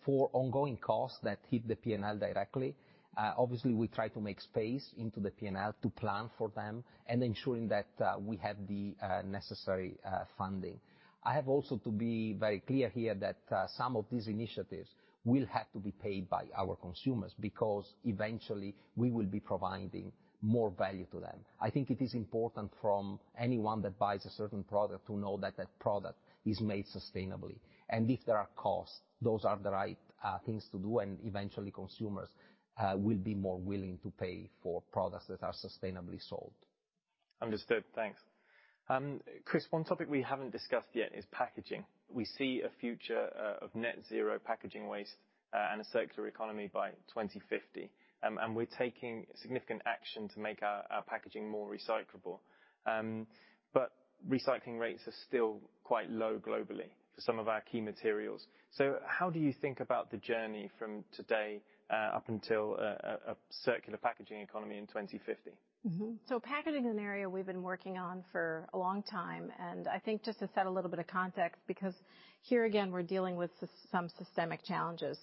For ongoing costs that hit the P&L directly, obviously, we try to make space into the P&L to plan for them and ensuring that we have the necessary funding. I have also to be very clear here that some of these initiatives will have to be paid by our consumers, because eventually we will be providing more value to them. I think it is important from anyone that buys a certain product to know that that product is made sustainably. If there are costs, those are the right things to do, and eventually consumers will be more willing to pay for products that are sustainably sold. Understood. Thanks. Chris, one topic we haven't discussed yet is packaging. We see a future of net zero packaging waste and a circular economy by 2050, and we're taking significant action to make our packaging more recyclable. But recycling rates are still quite low globally for some of our key materials. How do you think about the journey from today up until a circular packaging economy in 2050? Packaging is an area we've been working on for a long time, and I think just to set a little bit of context, because here again, we're dealing with some systemic challenges.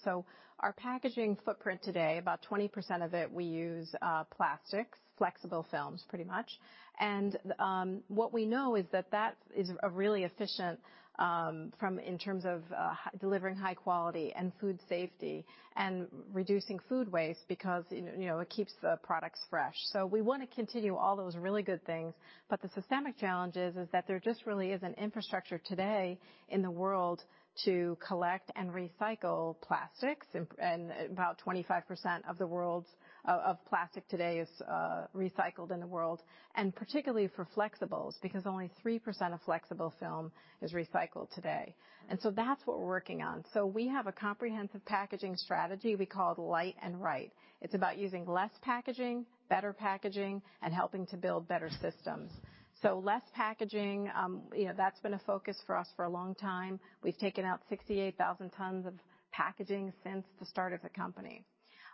Our packaging footprint today, about 20% of it, we use plastics, flexible films pretty much. What we know is that that is a really efficient from and in terms of delivering high quality and food safety and reducing food waste because, you know, it keeps the products fresh. We wanna continue all those really good things, but the systemic challenge is that there just really isn't infrastructure today in the world to collect and recycle plastics. About 25% of the world's plastic today is recycled in the world, and particularly for flexibles, because only 3% of flexible film is recycled today. That's what we're working on. We have a comprehensive packaging strategy we call Pack Light and Right. It's about using less packaging, better packaging, and helping to build better systems. Less packaging, you know, that's been a focus for us for a long time. We've taken out 68,000 tons of packaging since the start of the company.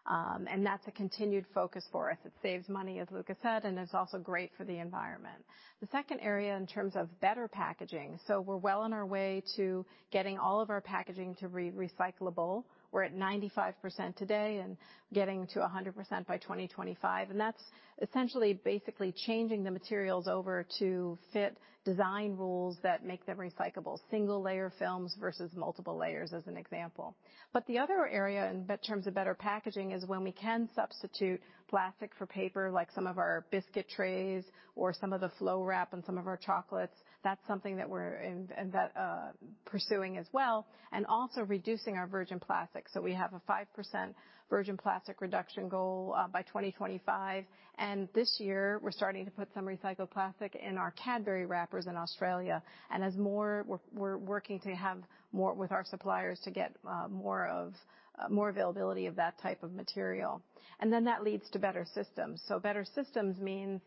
And that's a continued focus for us. It saves money, as Luca said, and it's also great for the environment. The second area in terms of better packaging, we're well on our way to getting all of our packaging to recyclable. We're at 95% today and getting to 100% by 2025, and that's essentially basically changing the materials over to fit design rules that make them recyclable. Single layer films versus multiple layers, as an example. The other area in terms of better packaging is when we can substitute plastic for paper, like some of our biscuit trays or some of the flow wrap on some of our chocolates, that's something that we're pursuing as well, and also reducing our virgin plastic. We have a 5% virgin plastic reduction goal by 2025. This year, we're starting to put some recycled plastic in our Cadbury wrappers in Australia. We're working to have more with our suppliers to get more availability of that type of material. Then that leads to better systems. Better systems mean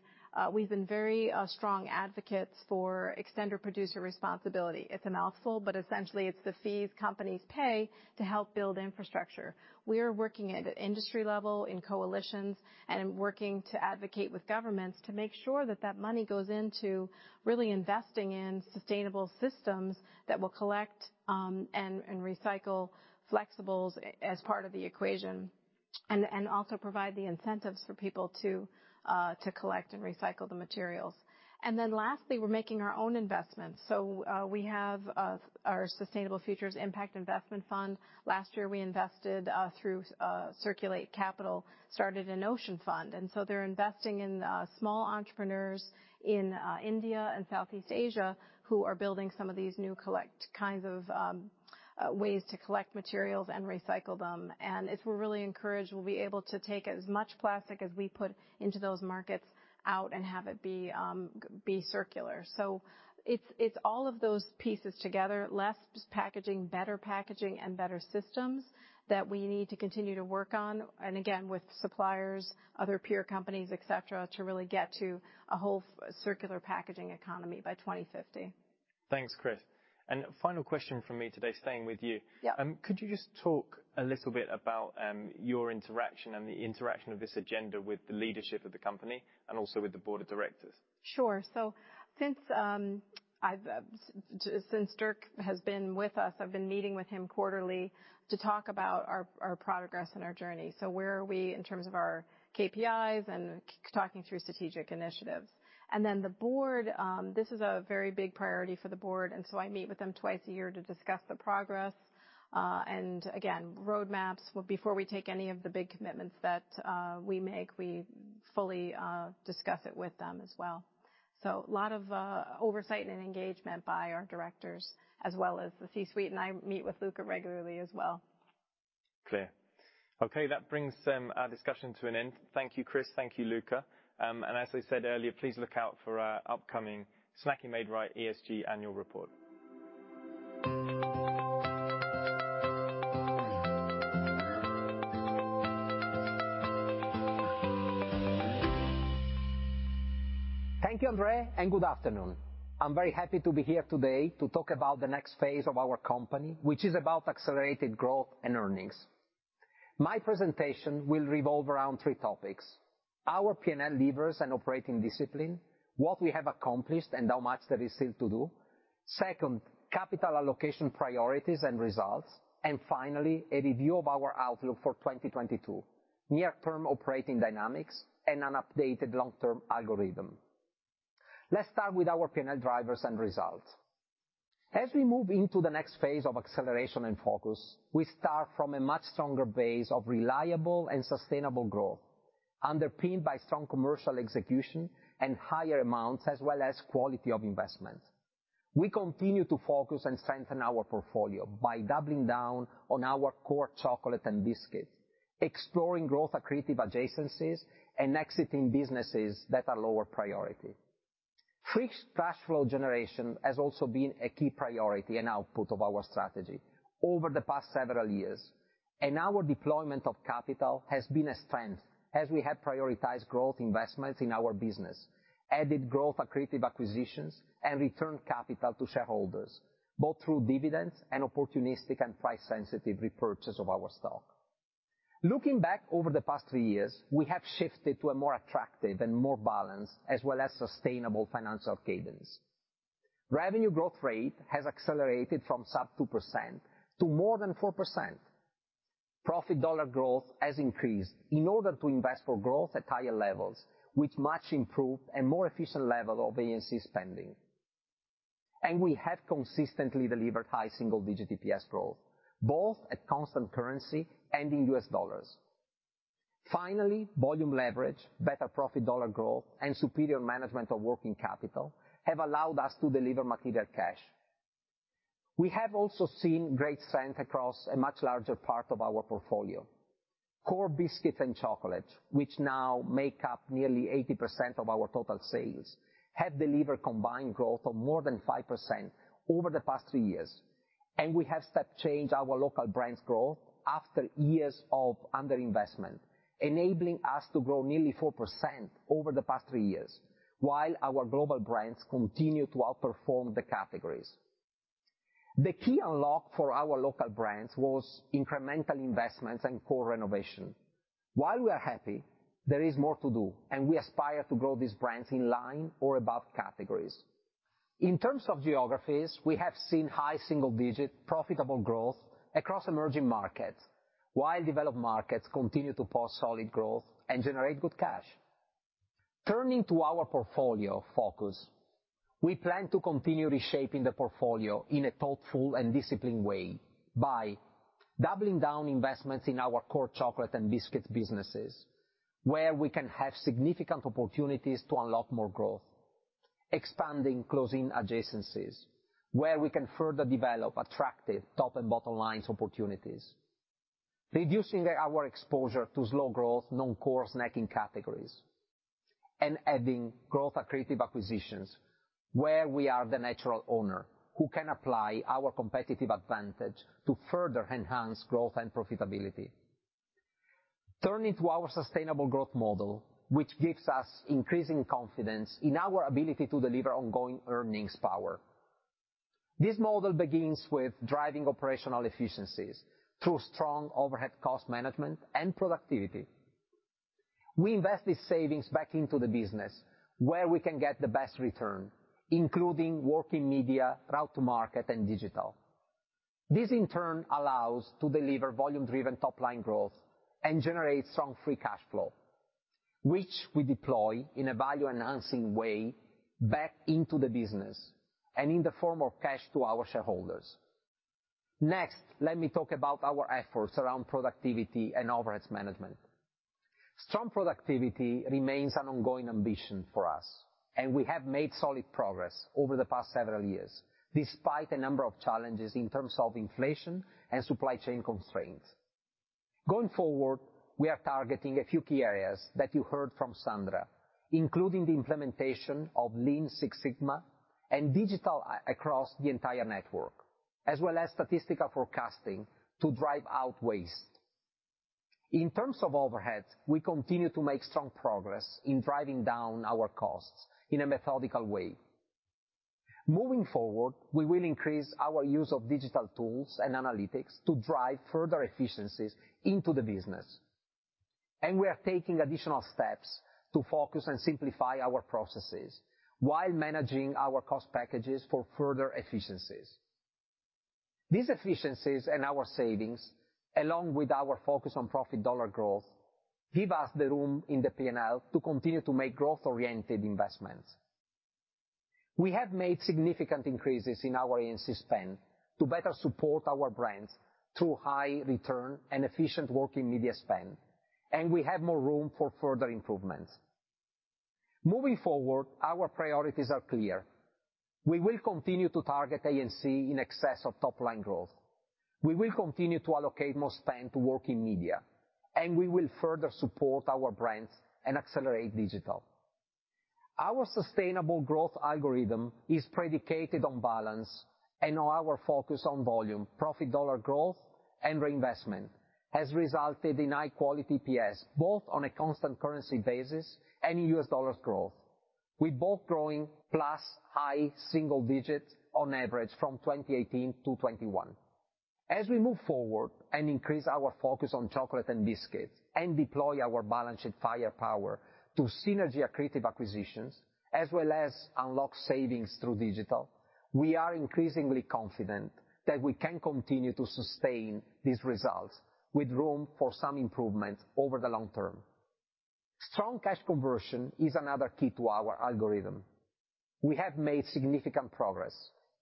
we've been very strong advocates for extended producer responsibility. It's a mouthful, but essentially it's the fees companies pay to help build infrastructure. We are working at an industry level in coalitions and working to advocate with governments to make sure that that money goes into really investing in sustainable systems that will collect and recycle flexibles as part of the equation and also provide the incentives for people to collect and recycle the materials. Lastly, we're making our own investments. We have our Sustainable Futures Impact Investment Fund. Last year we invested through Circulate Capital and started an Ocean Fund. They're investing in small entrepreneurs in India and Southeast Asia who are building some of these new collect kinds of ways to collect materials and recycle them. If we're really encouraged, we'll be able to take as much plastic as we put into those markets out and have it be circular. It's all of those pieces together, less packaging, better packaging and better systems that we need to continue to work on. Again, with suppliers, other peer companies, et cetera, to really get to a whole fully circular packaging economy by 2050. Thanks, Chris. Final question from me today, staying with you. Yep. Could you just talk a little bit about your interaction and the interaction of this agenda with the leadership of the company and also with the board of directors? Sure. Since Dirk has been with us, I've been meeting with him quarterly to talk about our progress and our journey. Where are we in terms of our KPIs and talking through strategic initiatives. Then the board, this is a very big priority for the board, and so I meet with them twice a year to discuss the progress and again, roadmaps. Well, before we take any of the big commitments that we make, we fully discuss it with them as well. A lot of oversight and engagement by our directors as well as the C-suite, and I meet with Luca regularly as well. Clear. Okay, that brings our discussion to an end. Thank you, Chris. Thank you, Luca. As I said earlier, please look out for our upcoming Snacking Made Right ESG annual report. Thank you, André, and good afternoon. I'm very happy to be here today to talk about the next phase of our company, which is about accelerated growth and earnings. My presentation will revolve around three topics. Our P&L levers and operating discipline, what we have accomplished and how much there is still to do. Second, capital allocation priorities and results. Finally, a review of our outlook for 2022, near-term operating dynamics, and an updated long-term algorithm. Let's start with our P&L drivers and results. As we move into the next phase of acceleration and focus, we start from a much stronger base of reliable and sustainable growth, underpinned by strong commercial execution and higher amounts, as well as quality of investment. We continue to focus and strengthen our portfolio by doubling down on our core chocolate and biscuits, exploring growth accretive adjacencies, and exiting businesses that are lower priority. Free cash flow generation has also been a key priority and output of our strategy over the past several years. Our deployment of capital has been a strength as we have prioritized growth investments in our business, added growth accretive acquisitions, and returned capital to shareholders, both through dividends and opportunistic and price sensitive repurchase of our stock. Looking back over the past three years, we have shifted to a more attractive and more balanced as well as sustainable financial cadence. Revenue growth rate has accelerated from sub 2% to more than 4%. Profit dollar growth has increased in order to invest for growth at higher levels, with much improved and more efficient level of agency spending. We have consistently delivered high single-digit EPS growth, both at constant currency and in US dollars. Finally, volume leverage, better profit dollar growth, and superior management of working capital have allowed us to deliver material cash. We have also seen great strength across a much larger part of our portfolio. Core biscuits and chocolate, which now make up nearly 80% of our total sales, have delivered combined growth of more than 5% over the past three years. We have step-changed our local brands growth after years of underinvestment, enabling us to grow nearly 4% over the past three years, while our global brands continue to outperform the categories. The key unlock for our local brands was incremental investments and core renovation. While we are happy, there is more to do, and we aspire to grow these brands in line or above categories. In terms of geographies, we have seen high single-digit profitable growth across emerging markets, while developed markets continue to post solid growth and generate good cash. Turning to our portfolio focus, we plan to continue reshaping the portfolio in a thoughtful and disciplined way by doubling down investments in our core chocolate and biscuit businesses, where we can have significant opportunities to unlock more growth. Expanding close-in adjacencies, where we can further develop attractive top- and bottom-line opportunities. Reducing our exposure to slow growth, non-core snacking categories. Adding growth-accretive acquisitions where we are the natural owner who can apply our competitive advantage to further enhance growth and profitability. Turning to our sustainable growth model, which gives us increasing confidence in our ability to deliver ongoing earnings power. This model begins with driving operational efficiencies through strong overhead cost management and productivity. We invest these savings back into the business where we can get the best return, including working media, route to market, and digital. This in turn allows to deliver volume-driven top-line growth and generate strong free cash flow, which we deploy in a value-enhancing way back into the business and in the form of cash to our shareholders. Next, let me talk about our efforts around productivity and overhead management. Strong productivity remains an ongoing ambition for us, and we have made solid progress over the past several years, despite a number of challenges in terms of inflation and supply chain constraints. Going forward, we are targeting a few key areas that you heard from Sandra, including the implementation of Lean Six Sigma and digital across the entire network, as well as statistical forecasting to drive out waste. In terms of overheads, we continue to make strong progress in driving down our costs in a methodical way. Moving forward, we will increase our use of digital tools and analytics to drive further efficiencies into the business, and we are taking additional steps to focus and simplify our processes while managing our cost packages for further efficiencies. These efficiencies and our savings, along with our focus on profit dollar growth, give us the room in the P&L to continue to make growth-oriented investments. We have made significant increases in our A&C spend to better support our brands through high return and efficient working media spend, and we have more room for further improvements. Moving forward, our priorities are clear. We will continue to target A&C in excess of top-line growth. We will continue to allocate more spend to working media, and we will further support our brands and accelerate digital. Our sustainable growth algorithm is predicated on balance and on our focus on volume, profit dollar growth, and reinvestment has resulted in high-quality EPS, both on a constant currency basis and in U.S. dollars growth, with both growing + high single digits on average from 2018 to 2021. As we move forward and increase our focus on chocolate and biscuits and deploy our balance sheet firepower to synergy accretive acquisitions, as well as unlock savings through digital, we are increasingly confident that we can continue to sustain these results with room for some improvement over the long term. Strong cash conversion is another key to our algorithm. We have made significant progress,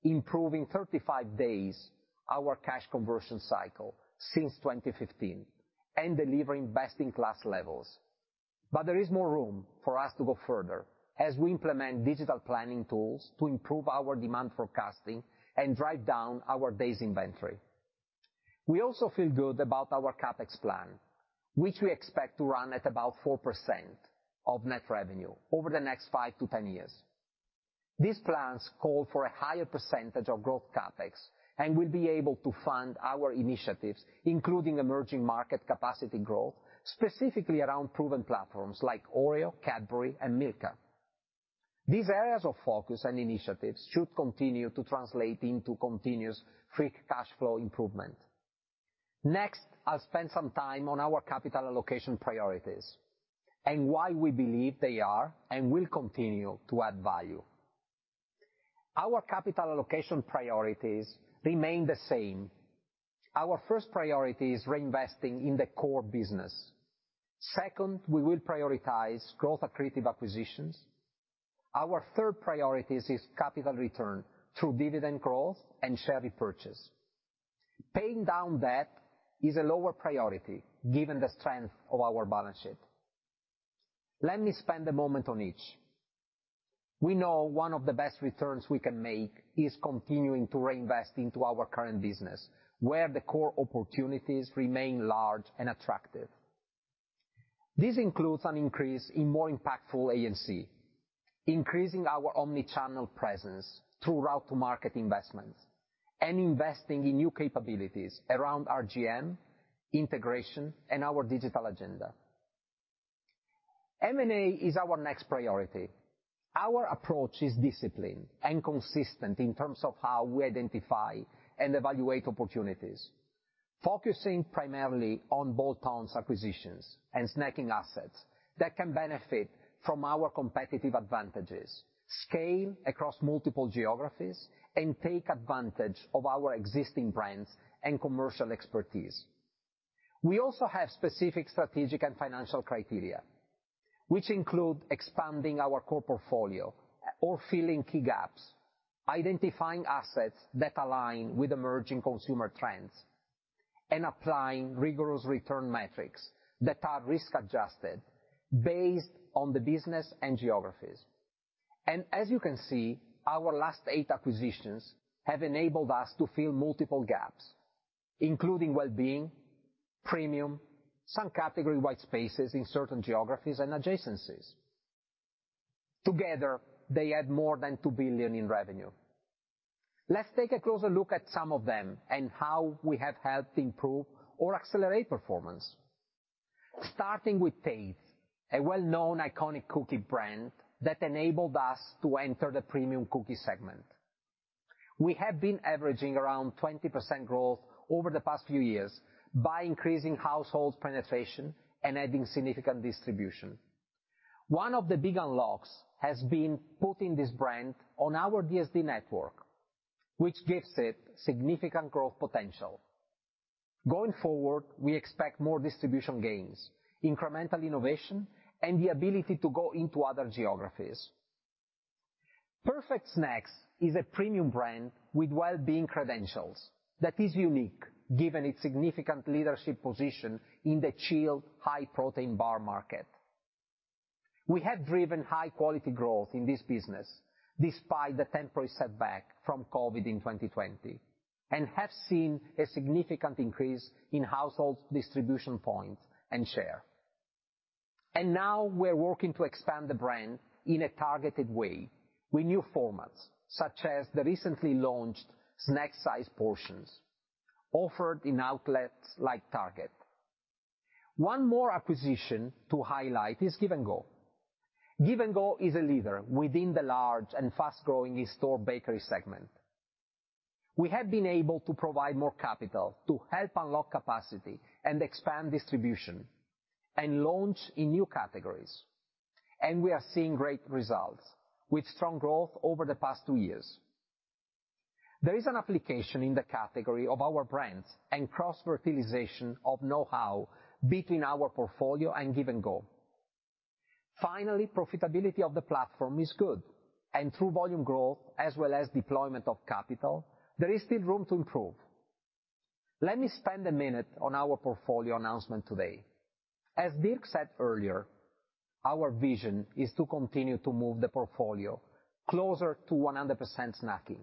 improving 35 days our cash conversion cycle since 2015 and delivering best-in-class levels. There is more room for us to go further as we implement digital planning tools to improve our demand forecasting and drive down our days inventory. We also feel good about our CapEx plan, which we expect to run at about 4% of net revenue over the next five to 10 years. These plans call for a higher percentage of growth CapEx and will be able to fund our initiatives, including emerging market capacity growth, specifically around proven platforms like Oreo, Cadbury and Milka. These areas of focus and initiatives should continue to translate into continuous free cash flow improvement. Next, I'll spend some time on our capital allocation priorities and why we believe they are and will continue to add value. Our capital allocation priorities remain the same. Our first priority is reinvesting in the core business. Second, we will prioritize growth accretive acquisitions. Our third priority is capital return through dividend growth and share repurchase. Paying down debt is a lower priority given the strength of our balance sheet. Let me spend a moment on each. We know one of the best returns we can make is continuing to reinvest into our current business, where the core opportunities remain large and attractive. This includes an increase in more impactful A&C, increasing our omni-channel presence through route to market investments, and investing in new capabilities around RGM, integration, and our digital agenda. M&A is our next priority. Our approach is disciplined and consistent in terms of how we identify and evaluate opportunities, focusing primarily on bolt-on acquisitions and snacking assets that can benefit from our competitive advantages, scale across multiple geographies, and take advantage of our existing brands and commercial expertise. We also have specific strategic and financial criteria, which include expanding our core portfolio or filling key gaps, identifying assets that align with emerging consumer trends, and applying rigorous return metrics that are risk-adjusted based on the business and geographies. As you can see, our last eight acquisitions have enabled us to fill multiple gaps, including wellbeing, premium, some category-wide spaces in certain geographies and adjacencies. Together, they add more than $2 billion in revenue. Let's take a closer look at some of them and how we have helped improve or accelerate performance. Starting with Tate's, a well-known iconic cookie brand that enabled us to enter the premium cookie segment. We have been averaging around 20% growth over the past few years by increasing household penetration and adding significant distribution. One of the big unlocks has been putting this brand on our DSD network, which gives it significant growth potential. Going forward, we expect more distribution gains, incremental innovation, and the ability to go into other geographies. Perfect Snacks is a premium brand with wellbeing credentials that is unique given its significant leadership position in the chilled high-protein bar market. We have driven high-quality growth in this business despite the temporary setback from COVID in 2020, and have seen a significant increase in household distribution points and share. Now we're working to expand the brand in a targeted way with new formats, such as the recently launched snack-sized portions offered in outlets like Target. One more acquisition to highlight is Give & Go. Give & Go is a leader within the large and fast-growing in-store bakery segment. We have been able to provide more capital to help unlock capacity and expand distribution and launch in new categories. We are seeing great results with strong growth over the past two years. There is an application in the category of our brands and cross-fertilization of know-how between our portfolio and Give & Go. Finally, profitability of the platform is good, and through volume growth as well as deployment of capital, there is still room to improve. Let me spend a minute on our portfolio announcement today. As Dirk said earlier, our vision is to continue to move the portfolio closer to 100% snacking.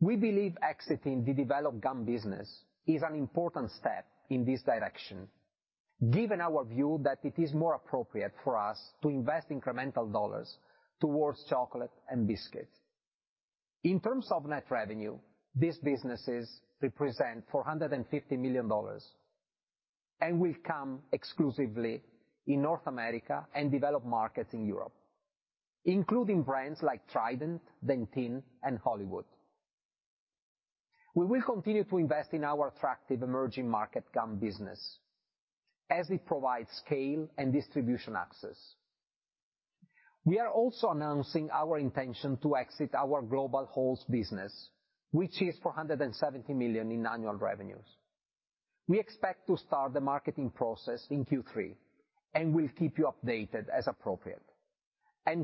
We believe exiting the developed gum business is an important step in this direction, given our view that it is more appropriate for us to invest incremental dollars towards chocolate and biscuits. In terms of net revenue, these businesses represent $450 million and will come exclusively in North America and developed markets in Europe, including brands like Trident, Dentyne, and Hollywood. We will continue to invest in our attractive emerging market gum business as it provides scale and distribution access. We are also announcing our intention to exit our global Halls business, which is $470 million in annual revenues. We expect to start the marketing process in Q3, and we'll keep you updated as appropriate.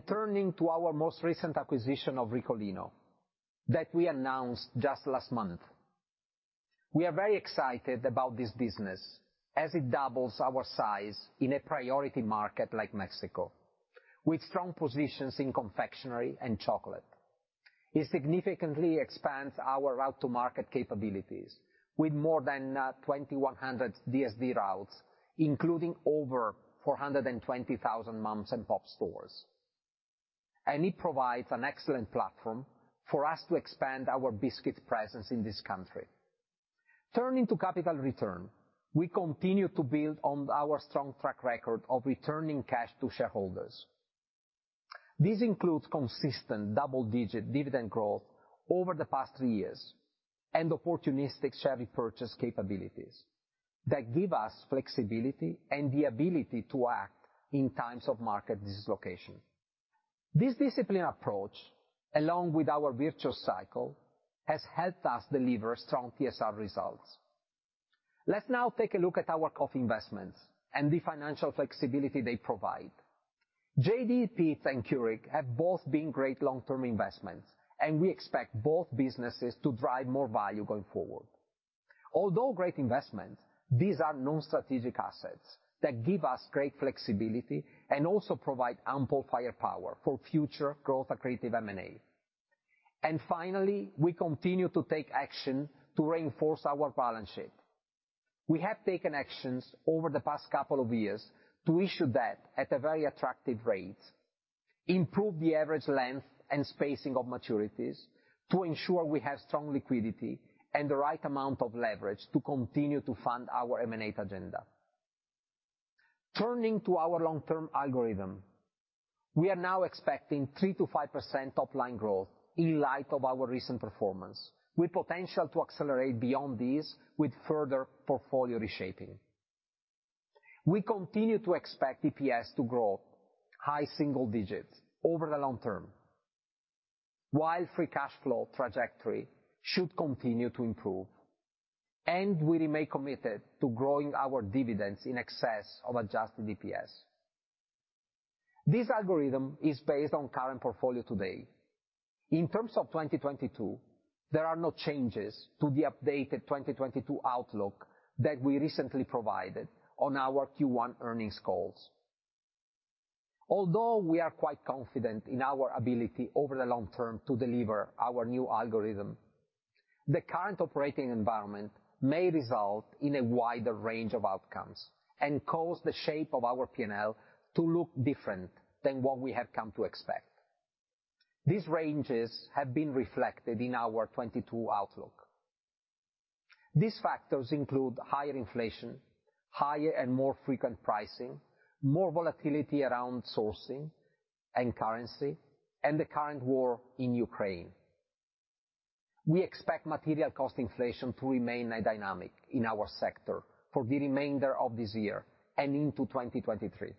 Turning to our most recent acquisition of Ricolino, that we announced just last month. We are very excited about this business as it doubles our size in a priority market like Mexico, with strong positions in confectionery and chocolate. It significantly expands our route to market capabilities with more than 2,100 DSD routes, including over 420,000 mom and pop stores. It provides an excellent platform for us to expand our biscuit presence in this country. Turning to capital return, we continue to build on our strong track record of returning cash to shareholders. This includes consistent double-digit dividend growth over the past three years and opportunistic share repurchase capabilities that give us flexibility and the ability to act in times of market dislocation. This disciplined approach, along with our virtuous cycle, has helped us deliver strong TSR results. Let's now take a look at our coffee investments and the financial flexibility they provide. JDE Peet's and Keurig Dr Pepper have both been great long-term investments, and we expect both businesses to drive more value going forward. Although great investments, these are non-strategic assets that give us great flexibility and also provide ample firepower for future growth, accretive M&A. Finally, we continue to take action to reinforce our balance sheet. We have taken actions over the past couple of years to issue debt at a very attractive rate, improve the average length and spacing of maturities to ensure we have strong liquidity and the right amount of leverage to continue to fund our M&A agenda. Turning to our long-term algorithm, we are now expecting 3%-5% topline growth in light of our recent performance, with potential to accelerate beyond these with further portfolio reshaping. We continue to expect EPS to grow high single digits over the long term, while the free cash flow trajectory should continue to improve. We remain committed to growing our dividends in excess of Adjusted EPS. This algorithm is based on current portfolio today. In terms of 2022, there are no changes to the updated 2022 outlook that we recently provided on our Q1 earnings calls. Although we are quite confident in our ability over the long term to deliver our new algorithm, the current operating environment may result in a wider range of outcomes and cause the shape of our P&L to look different than what we have come to expect. These ranges have been reflected in our 2022 outlook. These factors include higher inflation, higher and more frequent pricing, more volatility around sourcing and currency, and the current war in Ukraine. We expect material cost inflation to remain a dynamic in our sector for the remainder of this year and into 2023.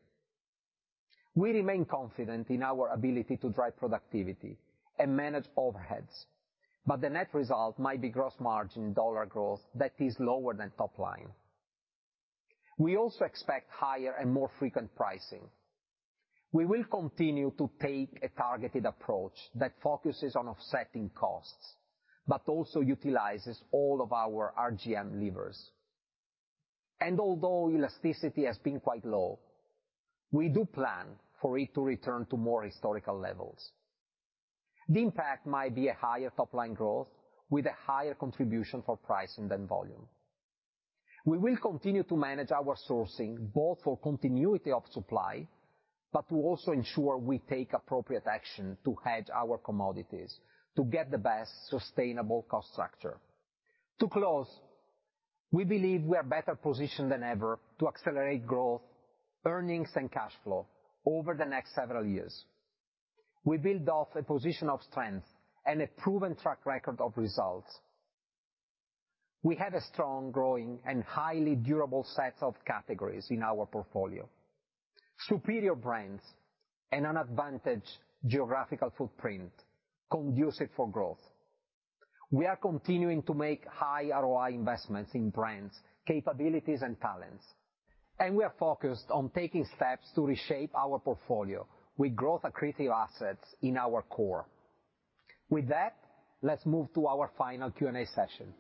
We remain confident in our ability to drive productivity and manage overheads. The net result might be gross margin dollar growth that is lower than top line. We also expect higher and more frequent pricing. We will continue to take a targeted approach that focuses on offsetting costs, but also utilizes all of our RGM levers. Although elasticity has been quite low, we do plan for it to return to more historical levels. The impact might be a higher top line growth with a higher contribution for pricing than volume. We will continue to manage our sourcing, both for continuity of supply, but to also ensure we take appropriate action to hedge our commodities to get the best sustainable cost structure. To close, we believe we are better positioned than ever to accelerate growth, earnings, and cash flow over the next several years. We build off a position of strength and a proven track record of results. We have a strong, growing, and highly durable sets of categories in our portfolio, superior brands, and an advantaged geographical footprint conducive for growth. We are continuing to make high ROI investments in brands, capabilities, and talents, and we are focused on taking steps to reshape our portfolio with growth-accretive assets in our core. With that, let's move to our final Q&A session.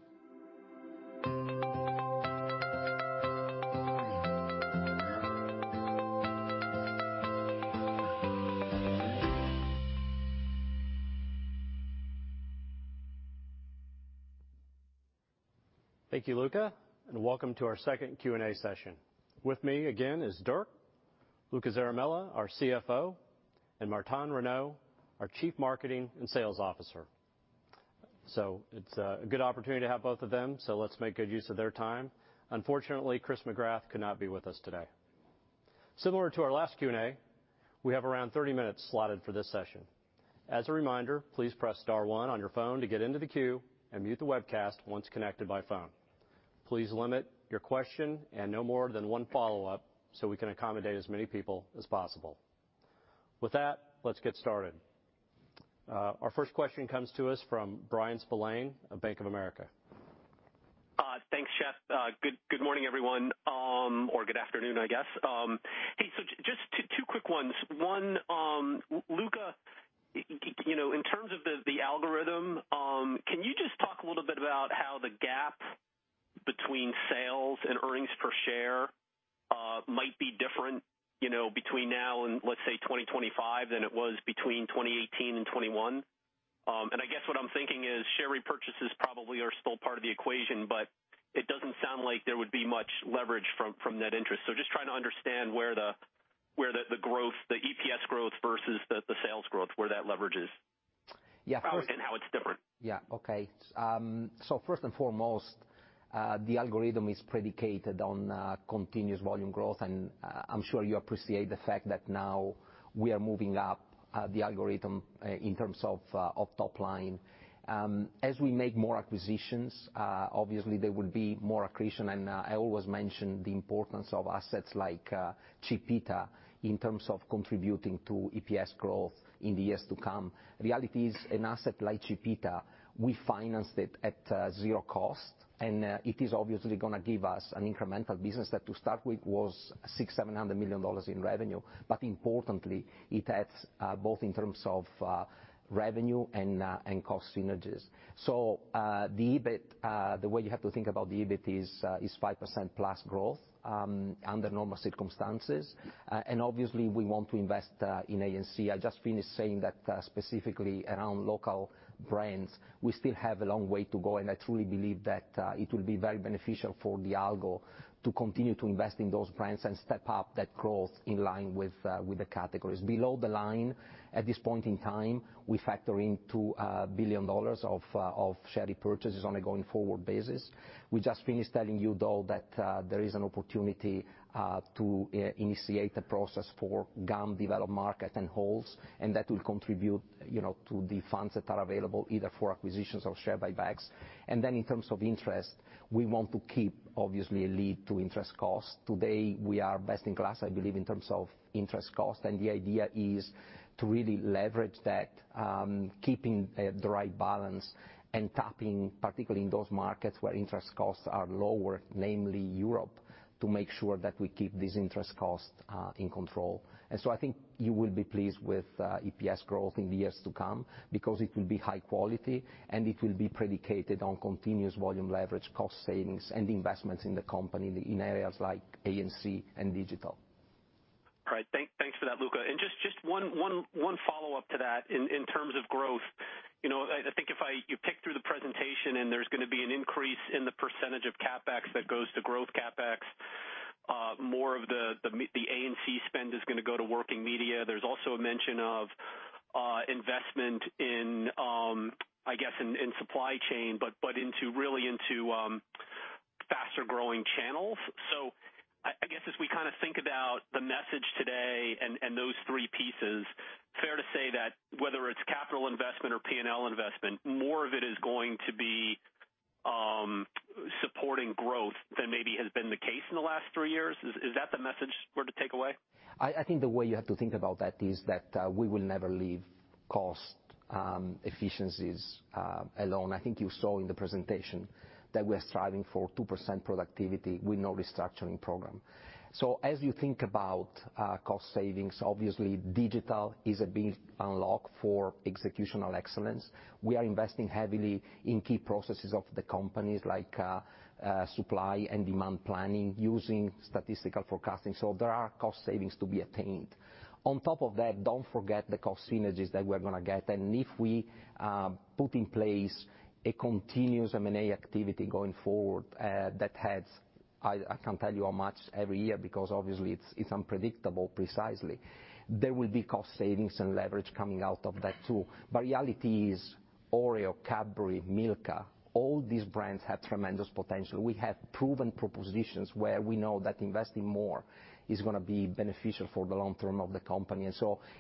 Thank you, Luca, and welcome to our second Q&A session. With me again is Dirk, Luca Zaramella, our CFO, and Martin Renaud, our Chief Marketing and Sales Officer. It's a good opportunity to have both of them, so let's make good use of their time. Unfortunately, Chris McGrath could not be with us today. Similar to our last Q&A, we have around 30 minutes slotted for this session. As a reminder, please press star one on your phone to get into the queue, and mute the webcast once connected by phone. Please limit your question and no more than one follow-up so we can accommodate as many people as possible. With that, let's get started. Our first question comes to us from Bryan Spillane of Bank of America. Thanks, Shep. Good morning, everyone, or good afternoon, I guess. Hey, so just two quick ones. One, Luca, you know, in terms of the algorithm, can you just talk a little bit about how the gap between sales and earnings per share might be different, you know, between now and, let's say, 2025, than it was between 2018 and 2021? And I guess what I'm thinking is share repurchases probably are still part of the equation, but it doesn't sound like there would be much leverage from net interest. Just trying to understand where the growth, the EPS growth versus the sales growth, where that leverage is. Yeah. how it's different. Yeah. Okay. First and foremost, the algorithm is predicated on continuous volume growth, and I'm sure you appreciate the fact that now we are moving up the algorithm in terms of of top line. As we make more acquisitions, obviously, there will be more accretion. I always mention the importance of assets like Chipita in terms of contributing to EPS growth in the years to come. Reality is an asset like Chipita, we financed it at 0 cost, and it is obviously gonna give us an incremental business that to start with was $600 million-$700 million in revenue. Importantly, it adds both in terms of revenue and cost synergies. The EBIT, the way you have to think about the EBIT is 5%+ growth under normal circumstances. Obviously we want to invest in A&C. I just finished saying that, specifically around local brands, we still have a long way to go, and I truly believe that it will be very beneficial for the algo to continue to invest in those brands and step up that growth in line with the categories. Below the line, at this point in time, we factor in $2 billion of share repurchases on a going forward basis. We just finished telling you, though, that there is an opportunity to initiate a process for gum developed market and holds, and that will contribute, you know, to the funds that are available either for acquisitions or share buybacks. Then in terms of interest, we want to keep obviously a low interest cost. Today, we are best in class, I believe, in terms of interest cost, and the idea is to really leverage that, keeping the right balance and tapping, particularly in those markets where interest costs are lower, namely Europe, to make sure that we keep these interest costs in control. I think you will be pleased with EPS growth in the years to come because it will be high quality, and it will be predicated on continuous volume leverage, cost savings, and investments in the company in areas like A&C and digital. All right. Thanks for that, Luca. Just one follow-up to that in terms of growth. You know, I think if you pick through the presentation and there's gonna be an increase in the percentage of CapEx that goes to growth CapEx. More of the A&C spend is gonna go to working media. There's also a mention of investment in supply chain, but into really into faster growing channels. I guess as we kind of think about the message today and those three pieces, fair to say that whether it's capital investment or P&L investment, more of it is going to be supporting growth than maybe has been the case in the last three years. Is that the message we're to take away? I think the way you have to think about that is that we will never leave cost efficiencies alone. I think you saw in the presentation that we are striving for 2% productivity with no restructuring program. As you think about cost savings, obviously digital is a big unlock for executional excellence. We are investing heavily in key processes of the companies like supply and demand planning using statistical forecasting. There are cost savings to be attained. On top of that, don't forget the cost synergies that we're gonna get. If we put in place a continuous M&A activity going forward, that adds. I can't tell you how much every year because obviously it's unpredictable precisely. There will be cost savings and leverage coming out of that tool. Reality is Oreo, Cadbury, Milka, all these brands have tremendous potential. We have proven propositions where we know that investing more is gonna be beneficial for the long term of the company.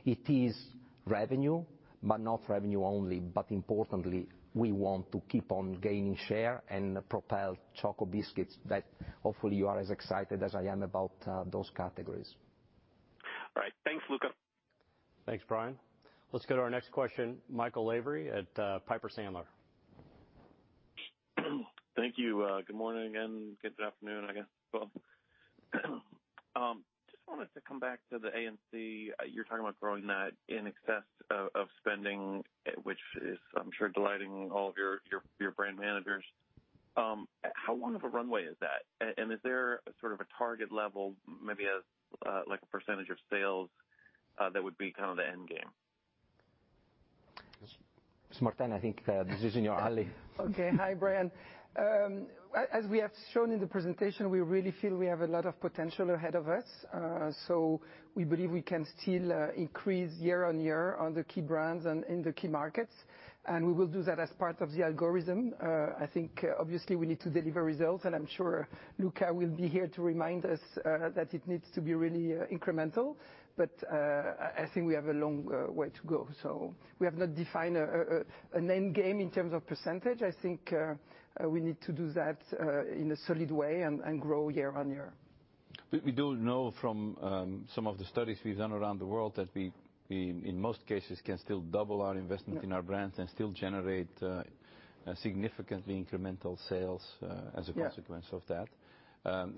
It is revenue, but not revenue only. Importantly, we want to keep on gaining share and propel Choco Biscuit that hopefully you are as excited as I am about, those categories. All right. Thanks, Luca. Thanks, Bryan. Let's go to our next question, Michael Lavery at Piper Sandler. Thank you. Good morning and good afternoon, I guess, both. Just wanted to come back to the A&C. You're talking about growing that in excess of spending, which is I'm sure delighting all of your brand managers. How long of a runway is that? And is there sort of a target level, maybe as like a percentage of sales, that would be kind of the end game? Martin, I think, this is in your alley. Okay. Hi, Bryan. As we have shown in the presentation, we really feel we have a lot of potential ahead of us. We believe we can still increase year on year on the key brands and in the key markets, and we will do that as part of the algorithm. I think obviously we need to deliver results, and I'm sure Luca will be here to remind us that it needs to be really incremental. I think we have a long way to go. We have not defined an endgame in terms of percentage. I think we need to do that in a solid way and grow year on year. We do know from some of the studies we've done around the world that we in most cases can still double our investment. Yeah. -in our brands and still generate, significantly incremental sales Yeah. As a consequence of that.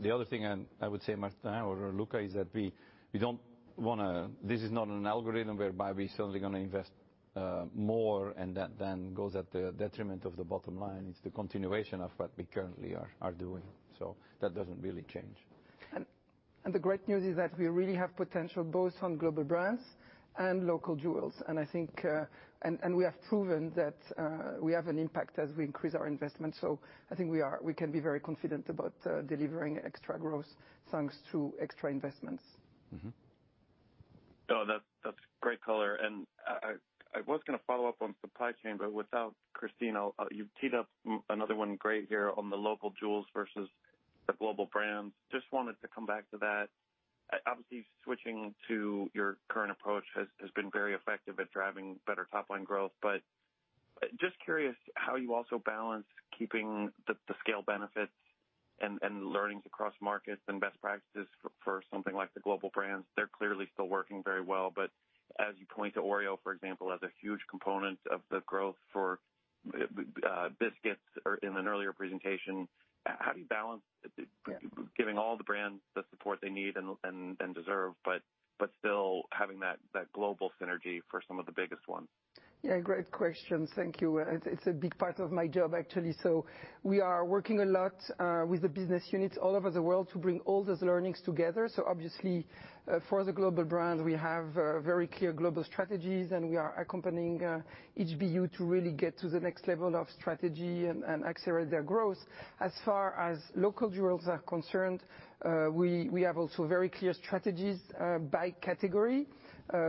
The other thing I would say, Martin or Luca, is that we don't wanna. This is not an algorithm whereby we're certainly gonna invest more and that then goes at the detriment of the bottom line. It's the continuation of what we currently are doing. That doesn't really change. The great news is that we really have potential both in global brands and local jewels. I think we have proven that we have an impact as we increase our investment. I think we can be very confident about delivering extra growth thanks to extra investments. No, that's great color. I was gonna follow up on supply chain, but without Christine, you've teed up another one great here on the local jewels versus the global brands. Just wanted to come back to that. Obviously, switching to your current approach has been very effective at driving better top line growth. Just curious how you also balance keeping the scale benefits and learnings across markets and best practices for something like the global brands. They're clearly still working very well. As you point to Oreo, for example, as a huge component of the growth for biscuits or in an earlier presentation, how do you balance giving all the brands the support they need and deserve, but still having that global synergy for some of the biggest ones? Yeah, great question. Thank you. It's a big part of my job, actually. We are working a lot with the business units all over the world to bring all those learnings together. Obviously, for the global brands, we have very clear global strategies, and we are accompanying each BU to really get to the next level of strategy and accelerate their growth. As far as local jewels are concerned, we have also very clear strategies by category.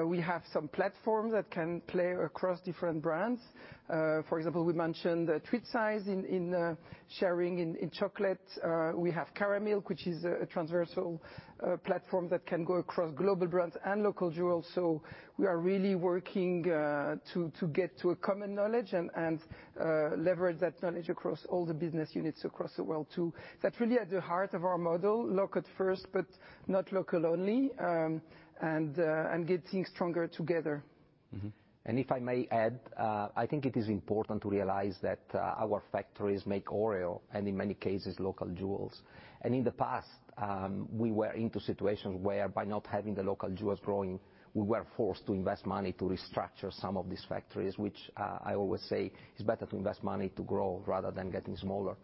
We have some platforms that can play across different brands. For example, we mentioned Treat Size in sharing in chocolate. We have Caramilk, which is a transversal platform that can go across global brands and local jewels. We are really working to get to a common knowledge and leverage that knowledge across all the business units across the world too. That's really at the heart of our model, local first, but not local only, and getting stronger together. If I may add, I think it is important to realize that our factories make Oreo and in many cases, local jewels. In the past, we were into situations where by not having the local jewels growing, we were forced to invest money to restructure some of these factories, which I always say it's better to invest money to grow rather than getting smaller.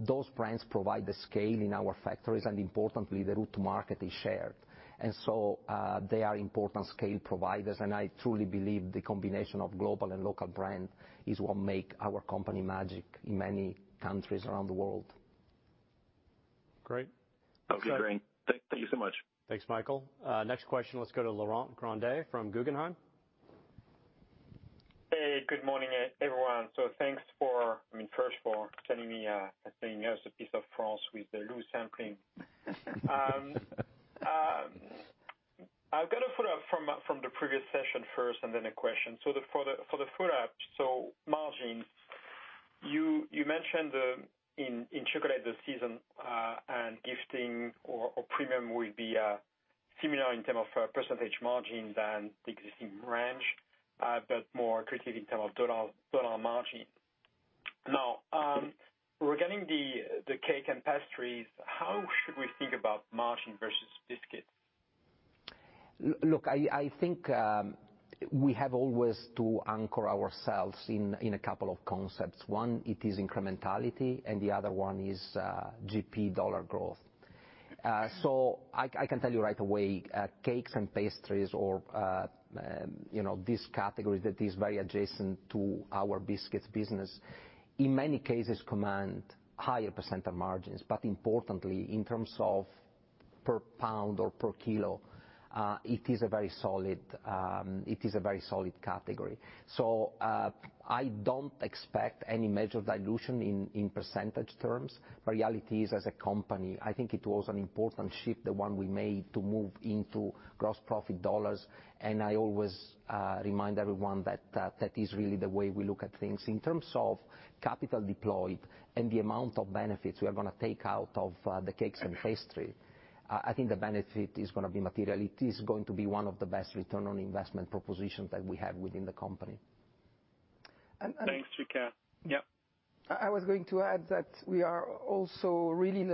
Those brands provide the scale in our factories, and importantly, the route to market is shared. They are important scale providers, and I truly believe the combination of global and local brand is what make our company magic in many countries around the world. Great. Okay, great. Thank you so much. Thanks, Michael. Next question, let's go to Laurent Grandet from Guggenheim. Hey, good morning everyone. Thanks for, I mean, first for sending me as a piece of France with the LU sampling. I've got a follow-up from the previous session first, and then a question. For the follow-up, margins. You mentioned in chocolate the seasonal and gifting or premium will be similar in terms of percentage margin to the existing range, but more accretive in terms of dollar margin. Now, regarding the cake and pastries, how should we think about margin versus biscuit? Look, I think we have always to anchor ourselves in a couple of concepts. One, it is incrementality, and the other one is GP dollar growth. I can tell you right away, cakes and pastries, you know, this category that is very adjacent to our biscuits business, in many cases command higher percentage margins. But importantly, in terms of per pound or per kilo, it is a very solid category. I don't expect any major dilution in percentage terms. The reality is, as a company, I think it was an important shift, the one we made to move into gross profit dollars. I always remind everyone that that is really the way we look at things. In terms of capital deployed and the amount of benefits we are gonna take out of the cakes and pastry, I think the benefit is gonna be material. It is going to be one of the best return on investment propositions that we have within the company. Thanks, Luca. Yeah. I was going to add that we are also really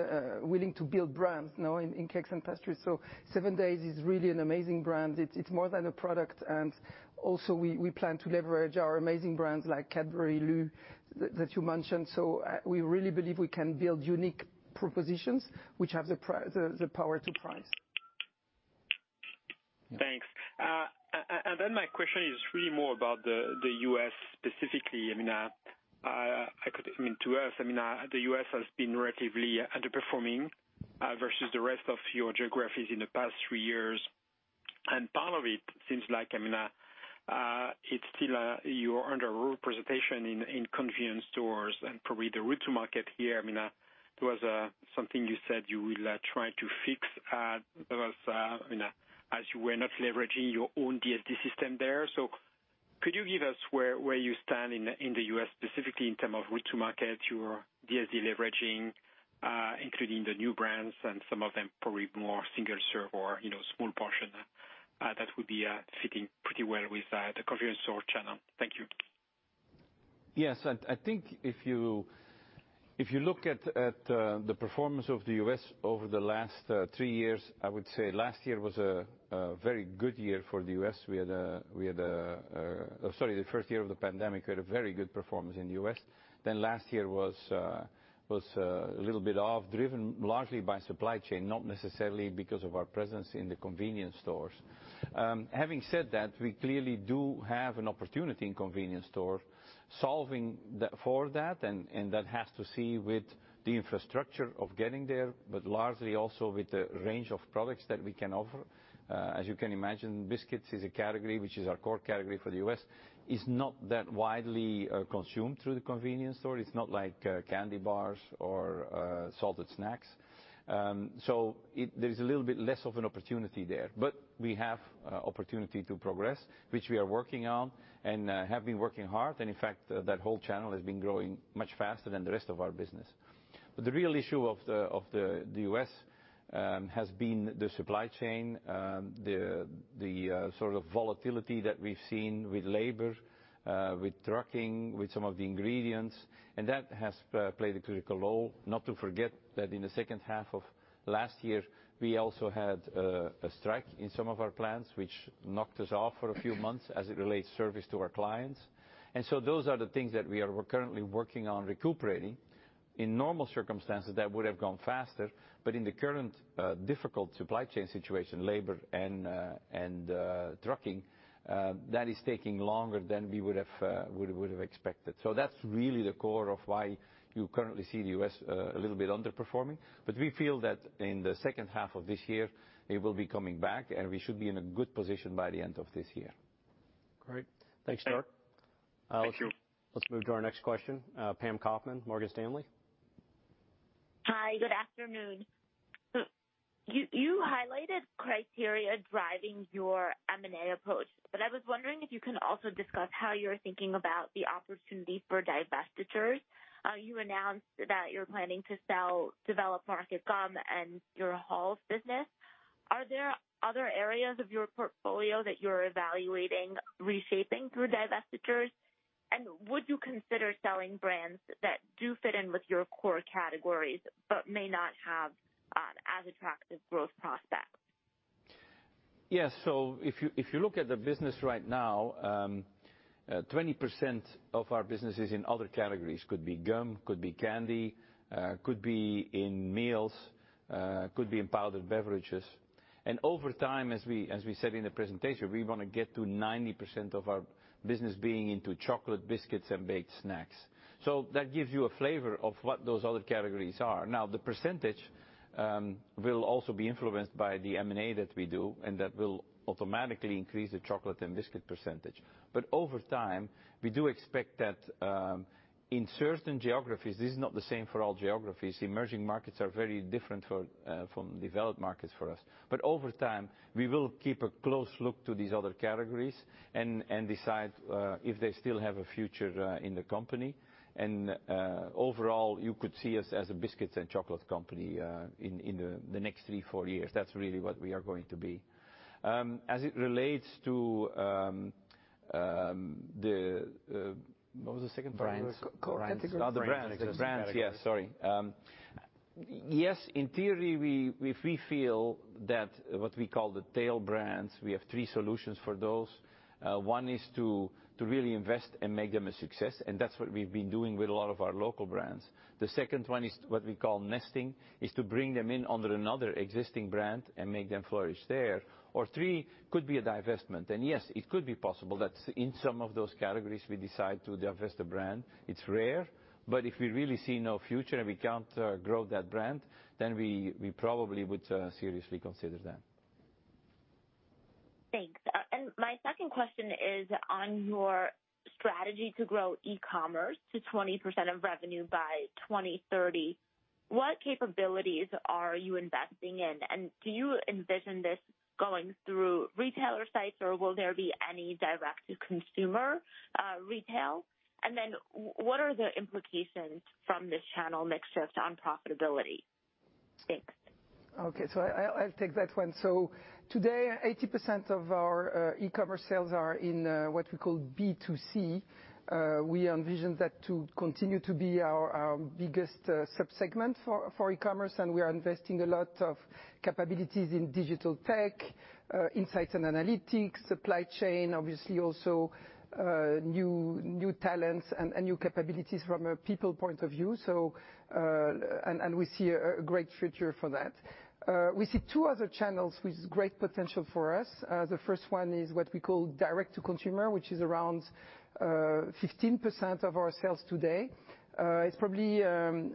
willing to build brands now in cakes and pastries. Seven Days is really an amazing brand. It's more than a product. Also, we plan to leverage our amazing brands like Cadbury, LU, that you mentioned. We really believe we can build unique propositions which have the power to price. Thanks. And then my question is really more about the U.S. specifically. I mean, to us, I mean, the U.S. has been relatively underperforming versus the rest of your geographies in the past three years. Part of it seems like, I mean, it's still your underrepresentation in convenience stores and probably the route to market here. I mean, it was something you said you will try to fix because you know, as you were not leveraging your own DSD system there. Could you give us where you stand in the U.S. specifically in terms of route to market, your DSD leveraging, including the new brands and some of them probably more single serve or, you know, small portion that would be fitting pretty well with the convenience store channel. Thank you. Yes. I think if you look at the performance of the U.S. over the last three years, I would say last year was a very good year for the U.S. We had a very good performance in the U.S. Sorry, the first year of the pandemic, we had a very good performance in the U.S. Last year was a little bit off, driven largely by supply chain, not necessarily because of our presence in the convenience stores. Having said that, we clearly do have an opportunity in convenience stores solving that for that, and that has to do with the infrastructure of getting there, but largely also with the range of products that we can offer. As you can imagine, biscuits is a category, which is our core category for the U.S. It's not that widely consumed through the convenience store. It's not like candy bars or salted snacks. There is a little bit less of an opportunity there. We have opportunity to progress, which we are working on and have been working hard. In fact, that whole channel has been growing much faster than the rest of our business. The real issue of the U.S. has been the supply chain, the sort of volatility that we've seen with labor, with trucking, with some of the ingredients, and that has played a critical role. Not to forget that in the second half of last year, we also had a strike in some of our plants, which knocked us off for a few months as it relates to service to our clients. Those are the things that we are currently working on recuperating. In normal circumstances, that would have gone faster. In the current difficult supply chain situation, labor and trucking, that is taking longer than we would have expected. That's really the core of why you currently see the U.S. a little bit underperforming. We feel that in the second half of this year, it will be coming back, and we should be in a good position by the end of this year. Great. Thanks, Laurent. Thank you. Let's move to our next question. Pam Kaufman, Morgan Stanley. Hi, good afternoon. You highlighted criteria driving your M&A approach, but I was wondering if you can also discuss how you're thinking about the opportunity for divestitures. You announced that you're planning to sell developed market gum and your Halls business. Are there other areas of your portfolio that you're evaluating reshaping through divestitures? And would you consider selling brands that do fit in with your core categories but may not have as attractive growth prospects? Yes. If you look at the business right now, 20% of our business is in other categories. Could be gum, could be candy, could be in meals, could be in powdered beverages. Over time, as we said in the presentation, we want to get to 90% of our business being into chocolate, biscuits, and baked snacks. That gives you a flavor of what those other categories are. Now, the percentage will also be influenced by the M&A that we do, and that will automatically increase the chocolate and biscuit percentage. Over time, we do expect that in certain geographies, this is not the same for all geographies. Emerging markets are very different from developed markets for us. Over time, we will keep a close eye on these other categories and decide if they still have a future in the company. Overall, you could see us as a biscuits and chocolate company in the next three-four years. That's really what we are going to be. As it relates to the... What was the second part? Brands. Core categories. Oh, the brands. The brands, yes. Sorry. Yes, in theory, we, if we feel that what we call the tail brands, we have three solutions for those. One is to really invest and make them a success, and that's what we've been doing with a lot of our local brands. The second one is what we call nesting, is to bring them in under another existing brand and make them flourish there. Or three could be a divestment. Yes, it could be possible that in some of those categories, we decide to divest the brand. It's rare. If we really see no future and we can't grow that brand, then we probably would seriously consider that. Thanks. My second question is on your strategy to grow e-commerce to 20% of revenue by 2030. What capabilities are you investing in? Do you envision this going through retailer sites, or will there be any direct to consumer retail? What are the implications from this channel mixture on profitability? Thanks. Okay, I'll take that one. Today, 80% of our e-commerce sales are in what we call B2C. We envision that to continue to be our biggest subsegment for e-commerce, and we are investing a lot of capabilities in digital tech, insights and analytics, supply chain, obviously also, new talents and new capabilities from a people point of view. We see a great future for that. We see two other channels with great potential for us. The first one is what we call direct to consumer, which is around 15% of our sales today. It's probably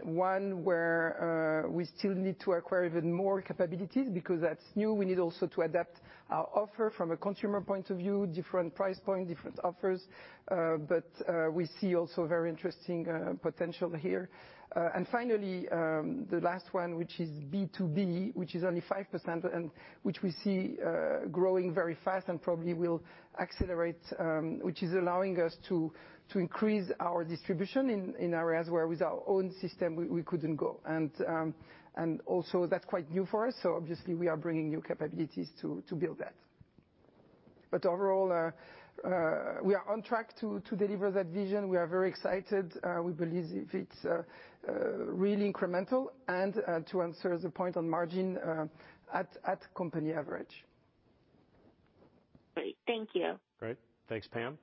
one where we still need to acquire even more capabilities because that's new. We need also to adapt our offer from a consumer point of view, different price point, different offers. We see also very interesting potential here. Finally, the last one, which is B2B, which is only 5% and which we see growing very fast and probably will accelerate, which is allowing us to increase our distribution in areas where with our own system, we couldn't go. Also that's quite new for us, so obviously we are bringing new capabilities to build that. Overall, we are on track to deliver that vision. We are very excited. We believe it's really incremental and to answer the point on margin at company average. Great. Thank you. Great. Thanks, Pam.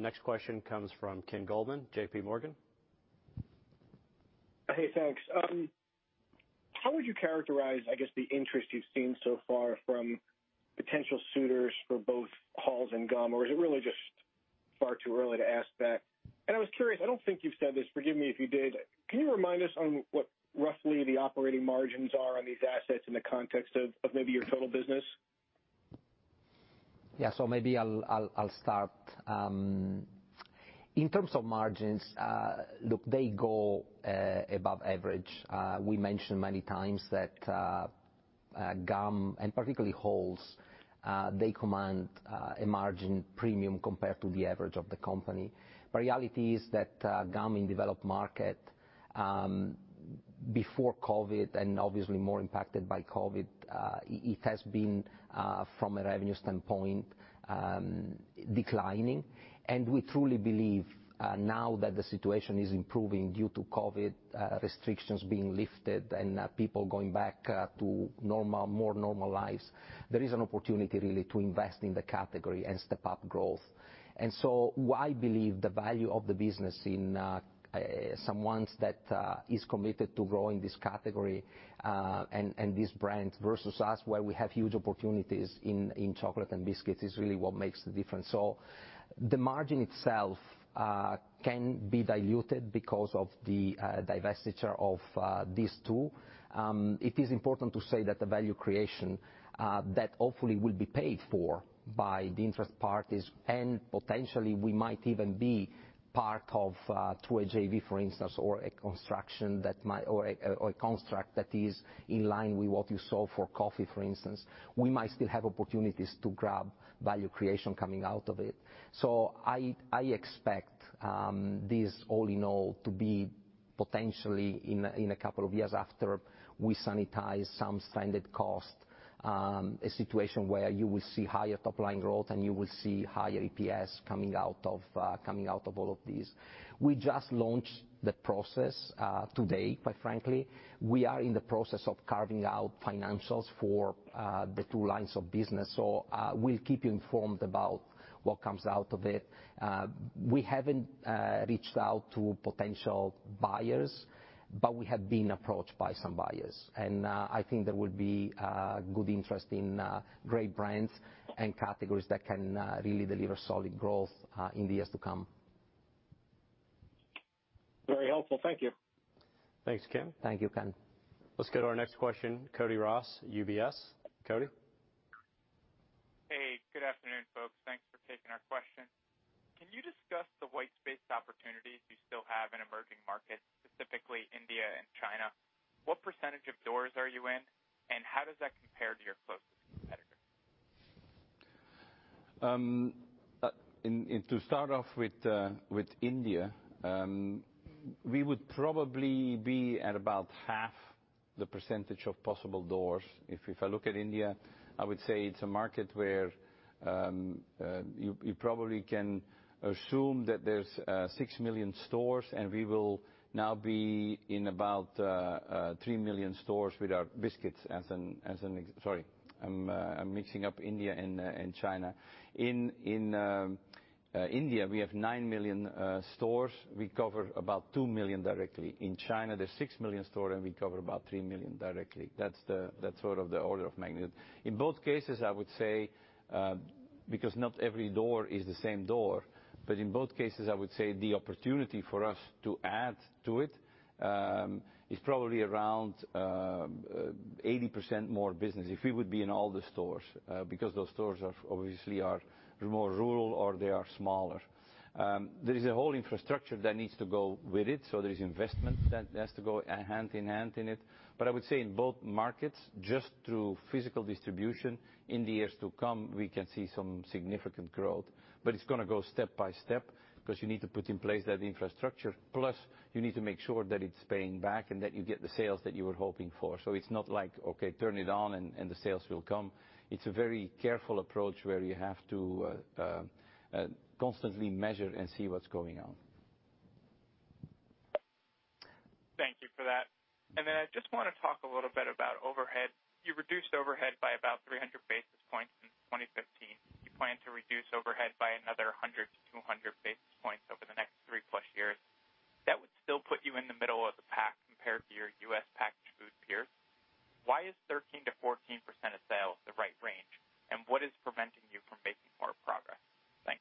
Next question comes from Ken Goldman, J.P. Morgan. Hey, thanks. How would you characterize, I guess, the interest you've seen so far from potential suitors for both Halls and Gum? Or is it really just far too early to ask that? I was curious, I don't think you've said this, forgive me if you did. Can you remind us on what roughly the operating margins are on these assets in the context of maybe your total business? Maybe I'll start. In terms of margins, look, they go above average. We mentioned many times that Gum and particularly Halls, they command a margin premium compared to the average of the company. The reality is that Gum in developed market before COVID, and obviously more impacted by COVID, it has been from a revenue standpoint declining. We truly believe now that the situation is improving due to COVID restrictions being lifted and people going back to normal, more normal lives, there is an opportunity really to invest in the category and step up growth. Why believe the value of the business in someone that is committed to growing this category and this brand versus us, where we have huge opportunities in chocolate and biscuits is really what makes the difference. The margin itself can be diluted because of the divestiture of these two. It is important to say that the value creation that hopefully will be paid for by the interested parties and potentially we might even be part of a JV, for instance, or a construct that is in line with what you saw for coffee, for instance. We might still have opportunities to grab value creation coming out of it. I expect this all in all to be potentially in a couple of years after we sanitize some standard cost, a situation where you will see higher top line growth and you will see higher EPS coming out of all of these. We just launched the process today, quite frankly. We are in the process of carving out financials for the two lines of business. We'll keep you informed about what comes out of it. We haven't reached out to potential buyers, but we have been approached by some buyers. I think there would be good interest in great brands and categories that can really deliver solid growth in the years to come. Very helpful. Thank you. Thanks, Ken Goldman. Thank you, Kim. Let's go to our next question, Cody Ross, UBS. Cody. Hey, good afternoon, folks. Thanks for taking our question. Can you discuss the white space opportunities you still have in emerging markets, specifically India and China? What percentage of doors are you in, and how does that compare to your closest competitor? To start off with India, we would probably be at about half the percentage of possible doors. If I look at India, I would say it's a market where you probably can assume that there's 6 million stores, and we will now be in about 3 million stores with our biscuits. Sorry, I'm mixing up India and China. In India, we have 9 million stores. We cover about 2 million directly. In China, there's 6 million stores, and we cover about 3 million directly. That's sort of the order of magnitude. In both cases, I would say, because not every door is the same door, but in both cases, I would say the opportunity for us to add to it is probably around 80% more business if we would be in all the stores, because those stores are obviously more rural or they are smaller. There is a whole infrastructure that needs to go with it, so there is investment that has to go hand in hand in it. But I would say in both markets, just through physical distribution in the years to come, we can see some significant growth. But it's gonna go step by step, 'cause you need to put in place that infrastructure. Plus you need to make sure that it's paying back and that you get the sales that you were hoping for. It's not like, okay, turn it on and the sales will come. It's a very careful approach where you have to constantly measure and see what's going on. Thank you for that. I just wanna talk a little bit about overhead. You reduced overhead by about 300 basis points in 2015. You plan to reduce overhead by another 100-200 basis points over the next 3+ years. That would still put you in the middle of the pack compared to your U.S. packaged food peers. Why is 13%-14% of sales the right range, and what is preventing you from making more progress? Thanks.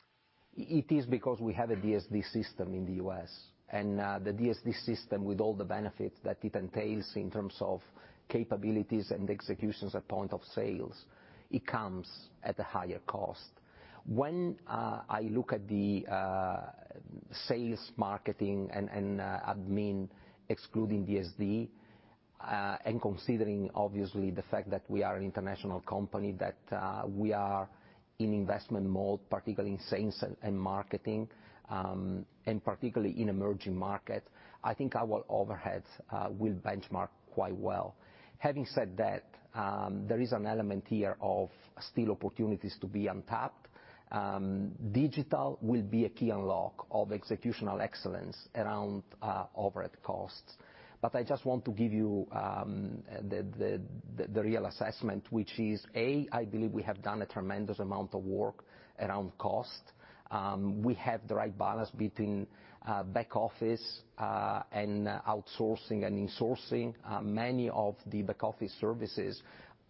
It is because we have a DSD system in the US. The DSD system with all the benefits that it entails in terms of capabilities and executions at point of sales, it comes at a higher cost. When I look at the sales, marketing and admin, excluding DSD, and considering obviously the fact that we are an international company, that we are in investment mode, particularly in sales and marketing, and particularly in emerging market, I think our overheads will benchmark quite well. Having said that, there is an element here of still opportunities to be untapped. Digital will be a key unlock of executional excellence around overhead costs. I just want to give you the real assessment, which is, A, I believe we have done a tremendous amount of work around cost. We have the right balance between back office and outsourcing and insourcing. Many of the back office services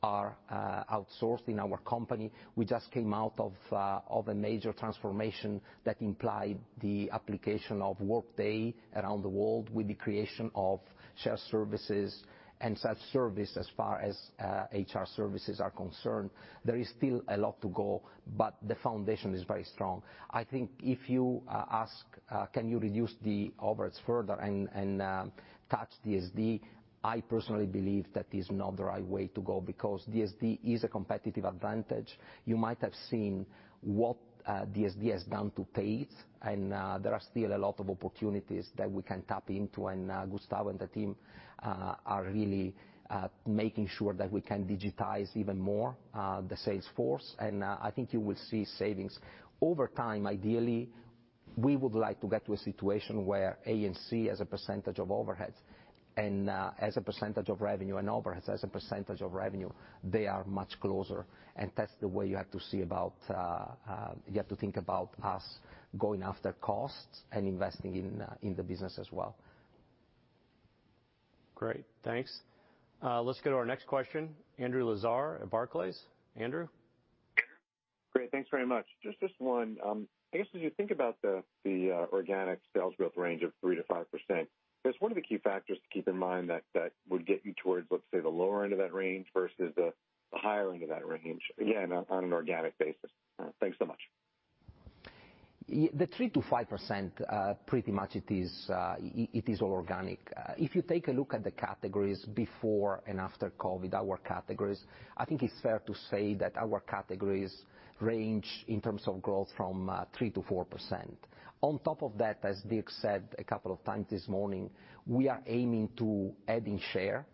are outsourced in our company. We just came out of a major transformation that implied the application of Workday around the world with the creation of shared services and self-service, as far as HR services are concerned. There is still a lot to go, but the foundation is very strong. I think if you ask, can you reduce the overheads further and touch DSD, I personally believe that is not the right way to go because DSD is a competitive advantage. You might have seen what DSD has done to date, and there are still a lot of opportunities that we can tap into. Gustavo and the team are really making sure that we can digitize even more the sales force. I think you will see savings. Over time, ideally, we would like to get to a situation where A&C as a percentage of overheads and as a percentage of revenue and overheads as a percentage of revenue, they are much closer. That's the way you have to see about you have to think about us going after costs and investing in the business as well. Great. Thanks. Let's go to our next question, Andrew Lazar at Barclays. Andrew. Great. Thanks very much. Just this one. As you think about the organic sales growth range of 3%-5%, I guess what are the key factors to keep in mind that would get you towards, let's say, the lower end of that range versus the higher end of that range? Again, on an organic basis. Thanks so much. The 3%-5% pretty much it is all organic. If you take a look at the categories before and after COVID, our categories, I think it's fair to say that our categories range in terms of growth from 3%-4%. On top of that, as Dirk said a couple of times this morning, we are aiming to adding share.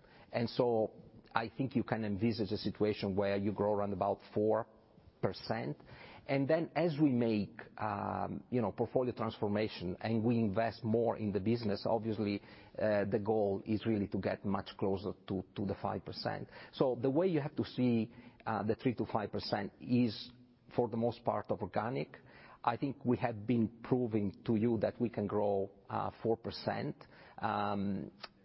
I think you can envisage a situation where you grow around about 4%. As we make portfolio transformation and we invest more in the business, obviously the goal is really to get much closer to the 5%. The way you have to see the 3%-5% is for the most part organic. I think we have been proving to you that we can grow 4%.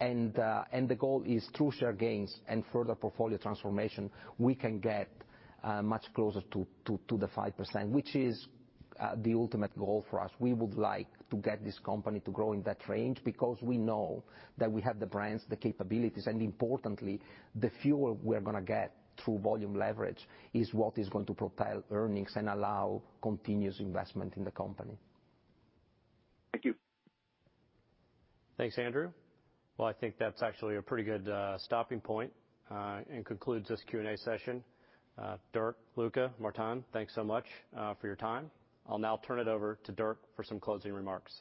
The goal is through share gains and further portfolio transformation, we can get much closer to the 5%, which is the ultimate goal for us. We would like to get this company to grow in that range because we know that we have the brands, the capabilities, and importantly, the fuel we are gonna get through volume leverage is what is going to propel earnings and allow continuous investment in the company. Thank you. Thanks, Andrew. Well, I think that's actually a pretty good stopping point and concludes this Q&A session. Dirk, Luca, and Martin, thanks so much for your time. I'll now turn it over to Dirk for some closing remarks.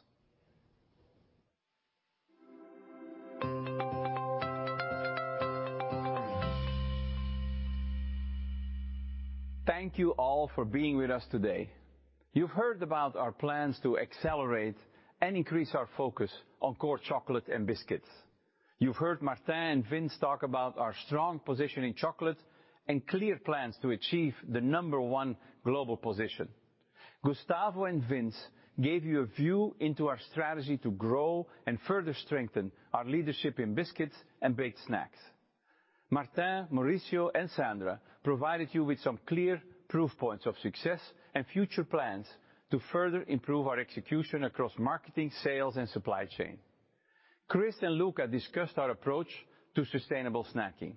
Thank you all for being with us today. You've heard about our plans to accelerate and increase our focus on core chocolate and biscuits. You've heard Martin and Vinzenz talk about our strong position in chocolate and clear plans to achieve the number one global position. Gustavo and Vinzenz gave you a view into our strategy to grow and further strengthen our leadership in biscuits and baked snacks. Martin, Mauricio, and Sandra provided you with some clear proof points of success and future plans to further improve our execution across marketing, sales, and supply chain. Chris and Luca discussed our approach to sustainable snacking.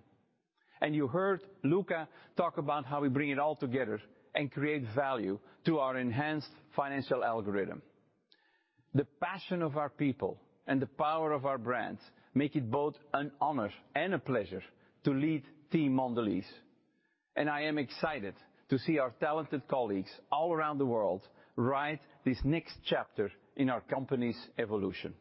You heard Luca talk about how we bring it all together and create value through our enhanced financial algorithm. The passion of our people and the power of our brands make it both an honor and a pleasure to lead team Mondelēz. I am excited to see our talented colleagues all around the world write this next chapter in our company's evolution.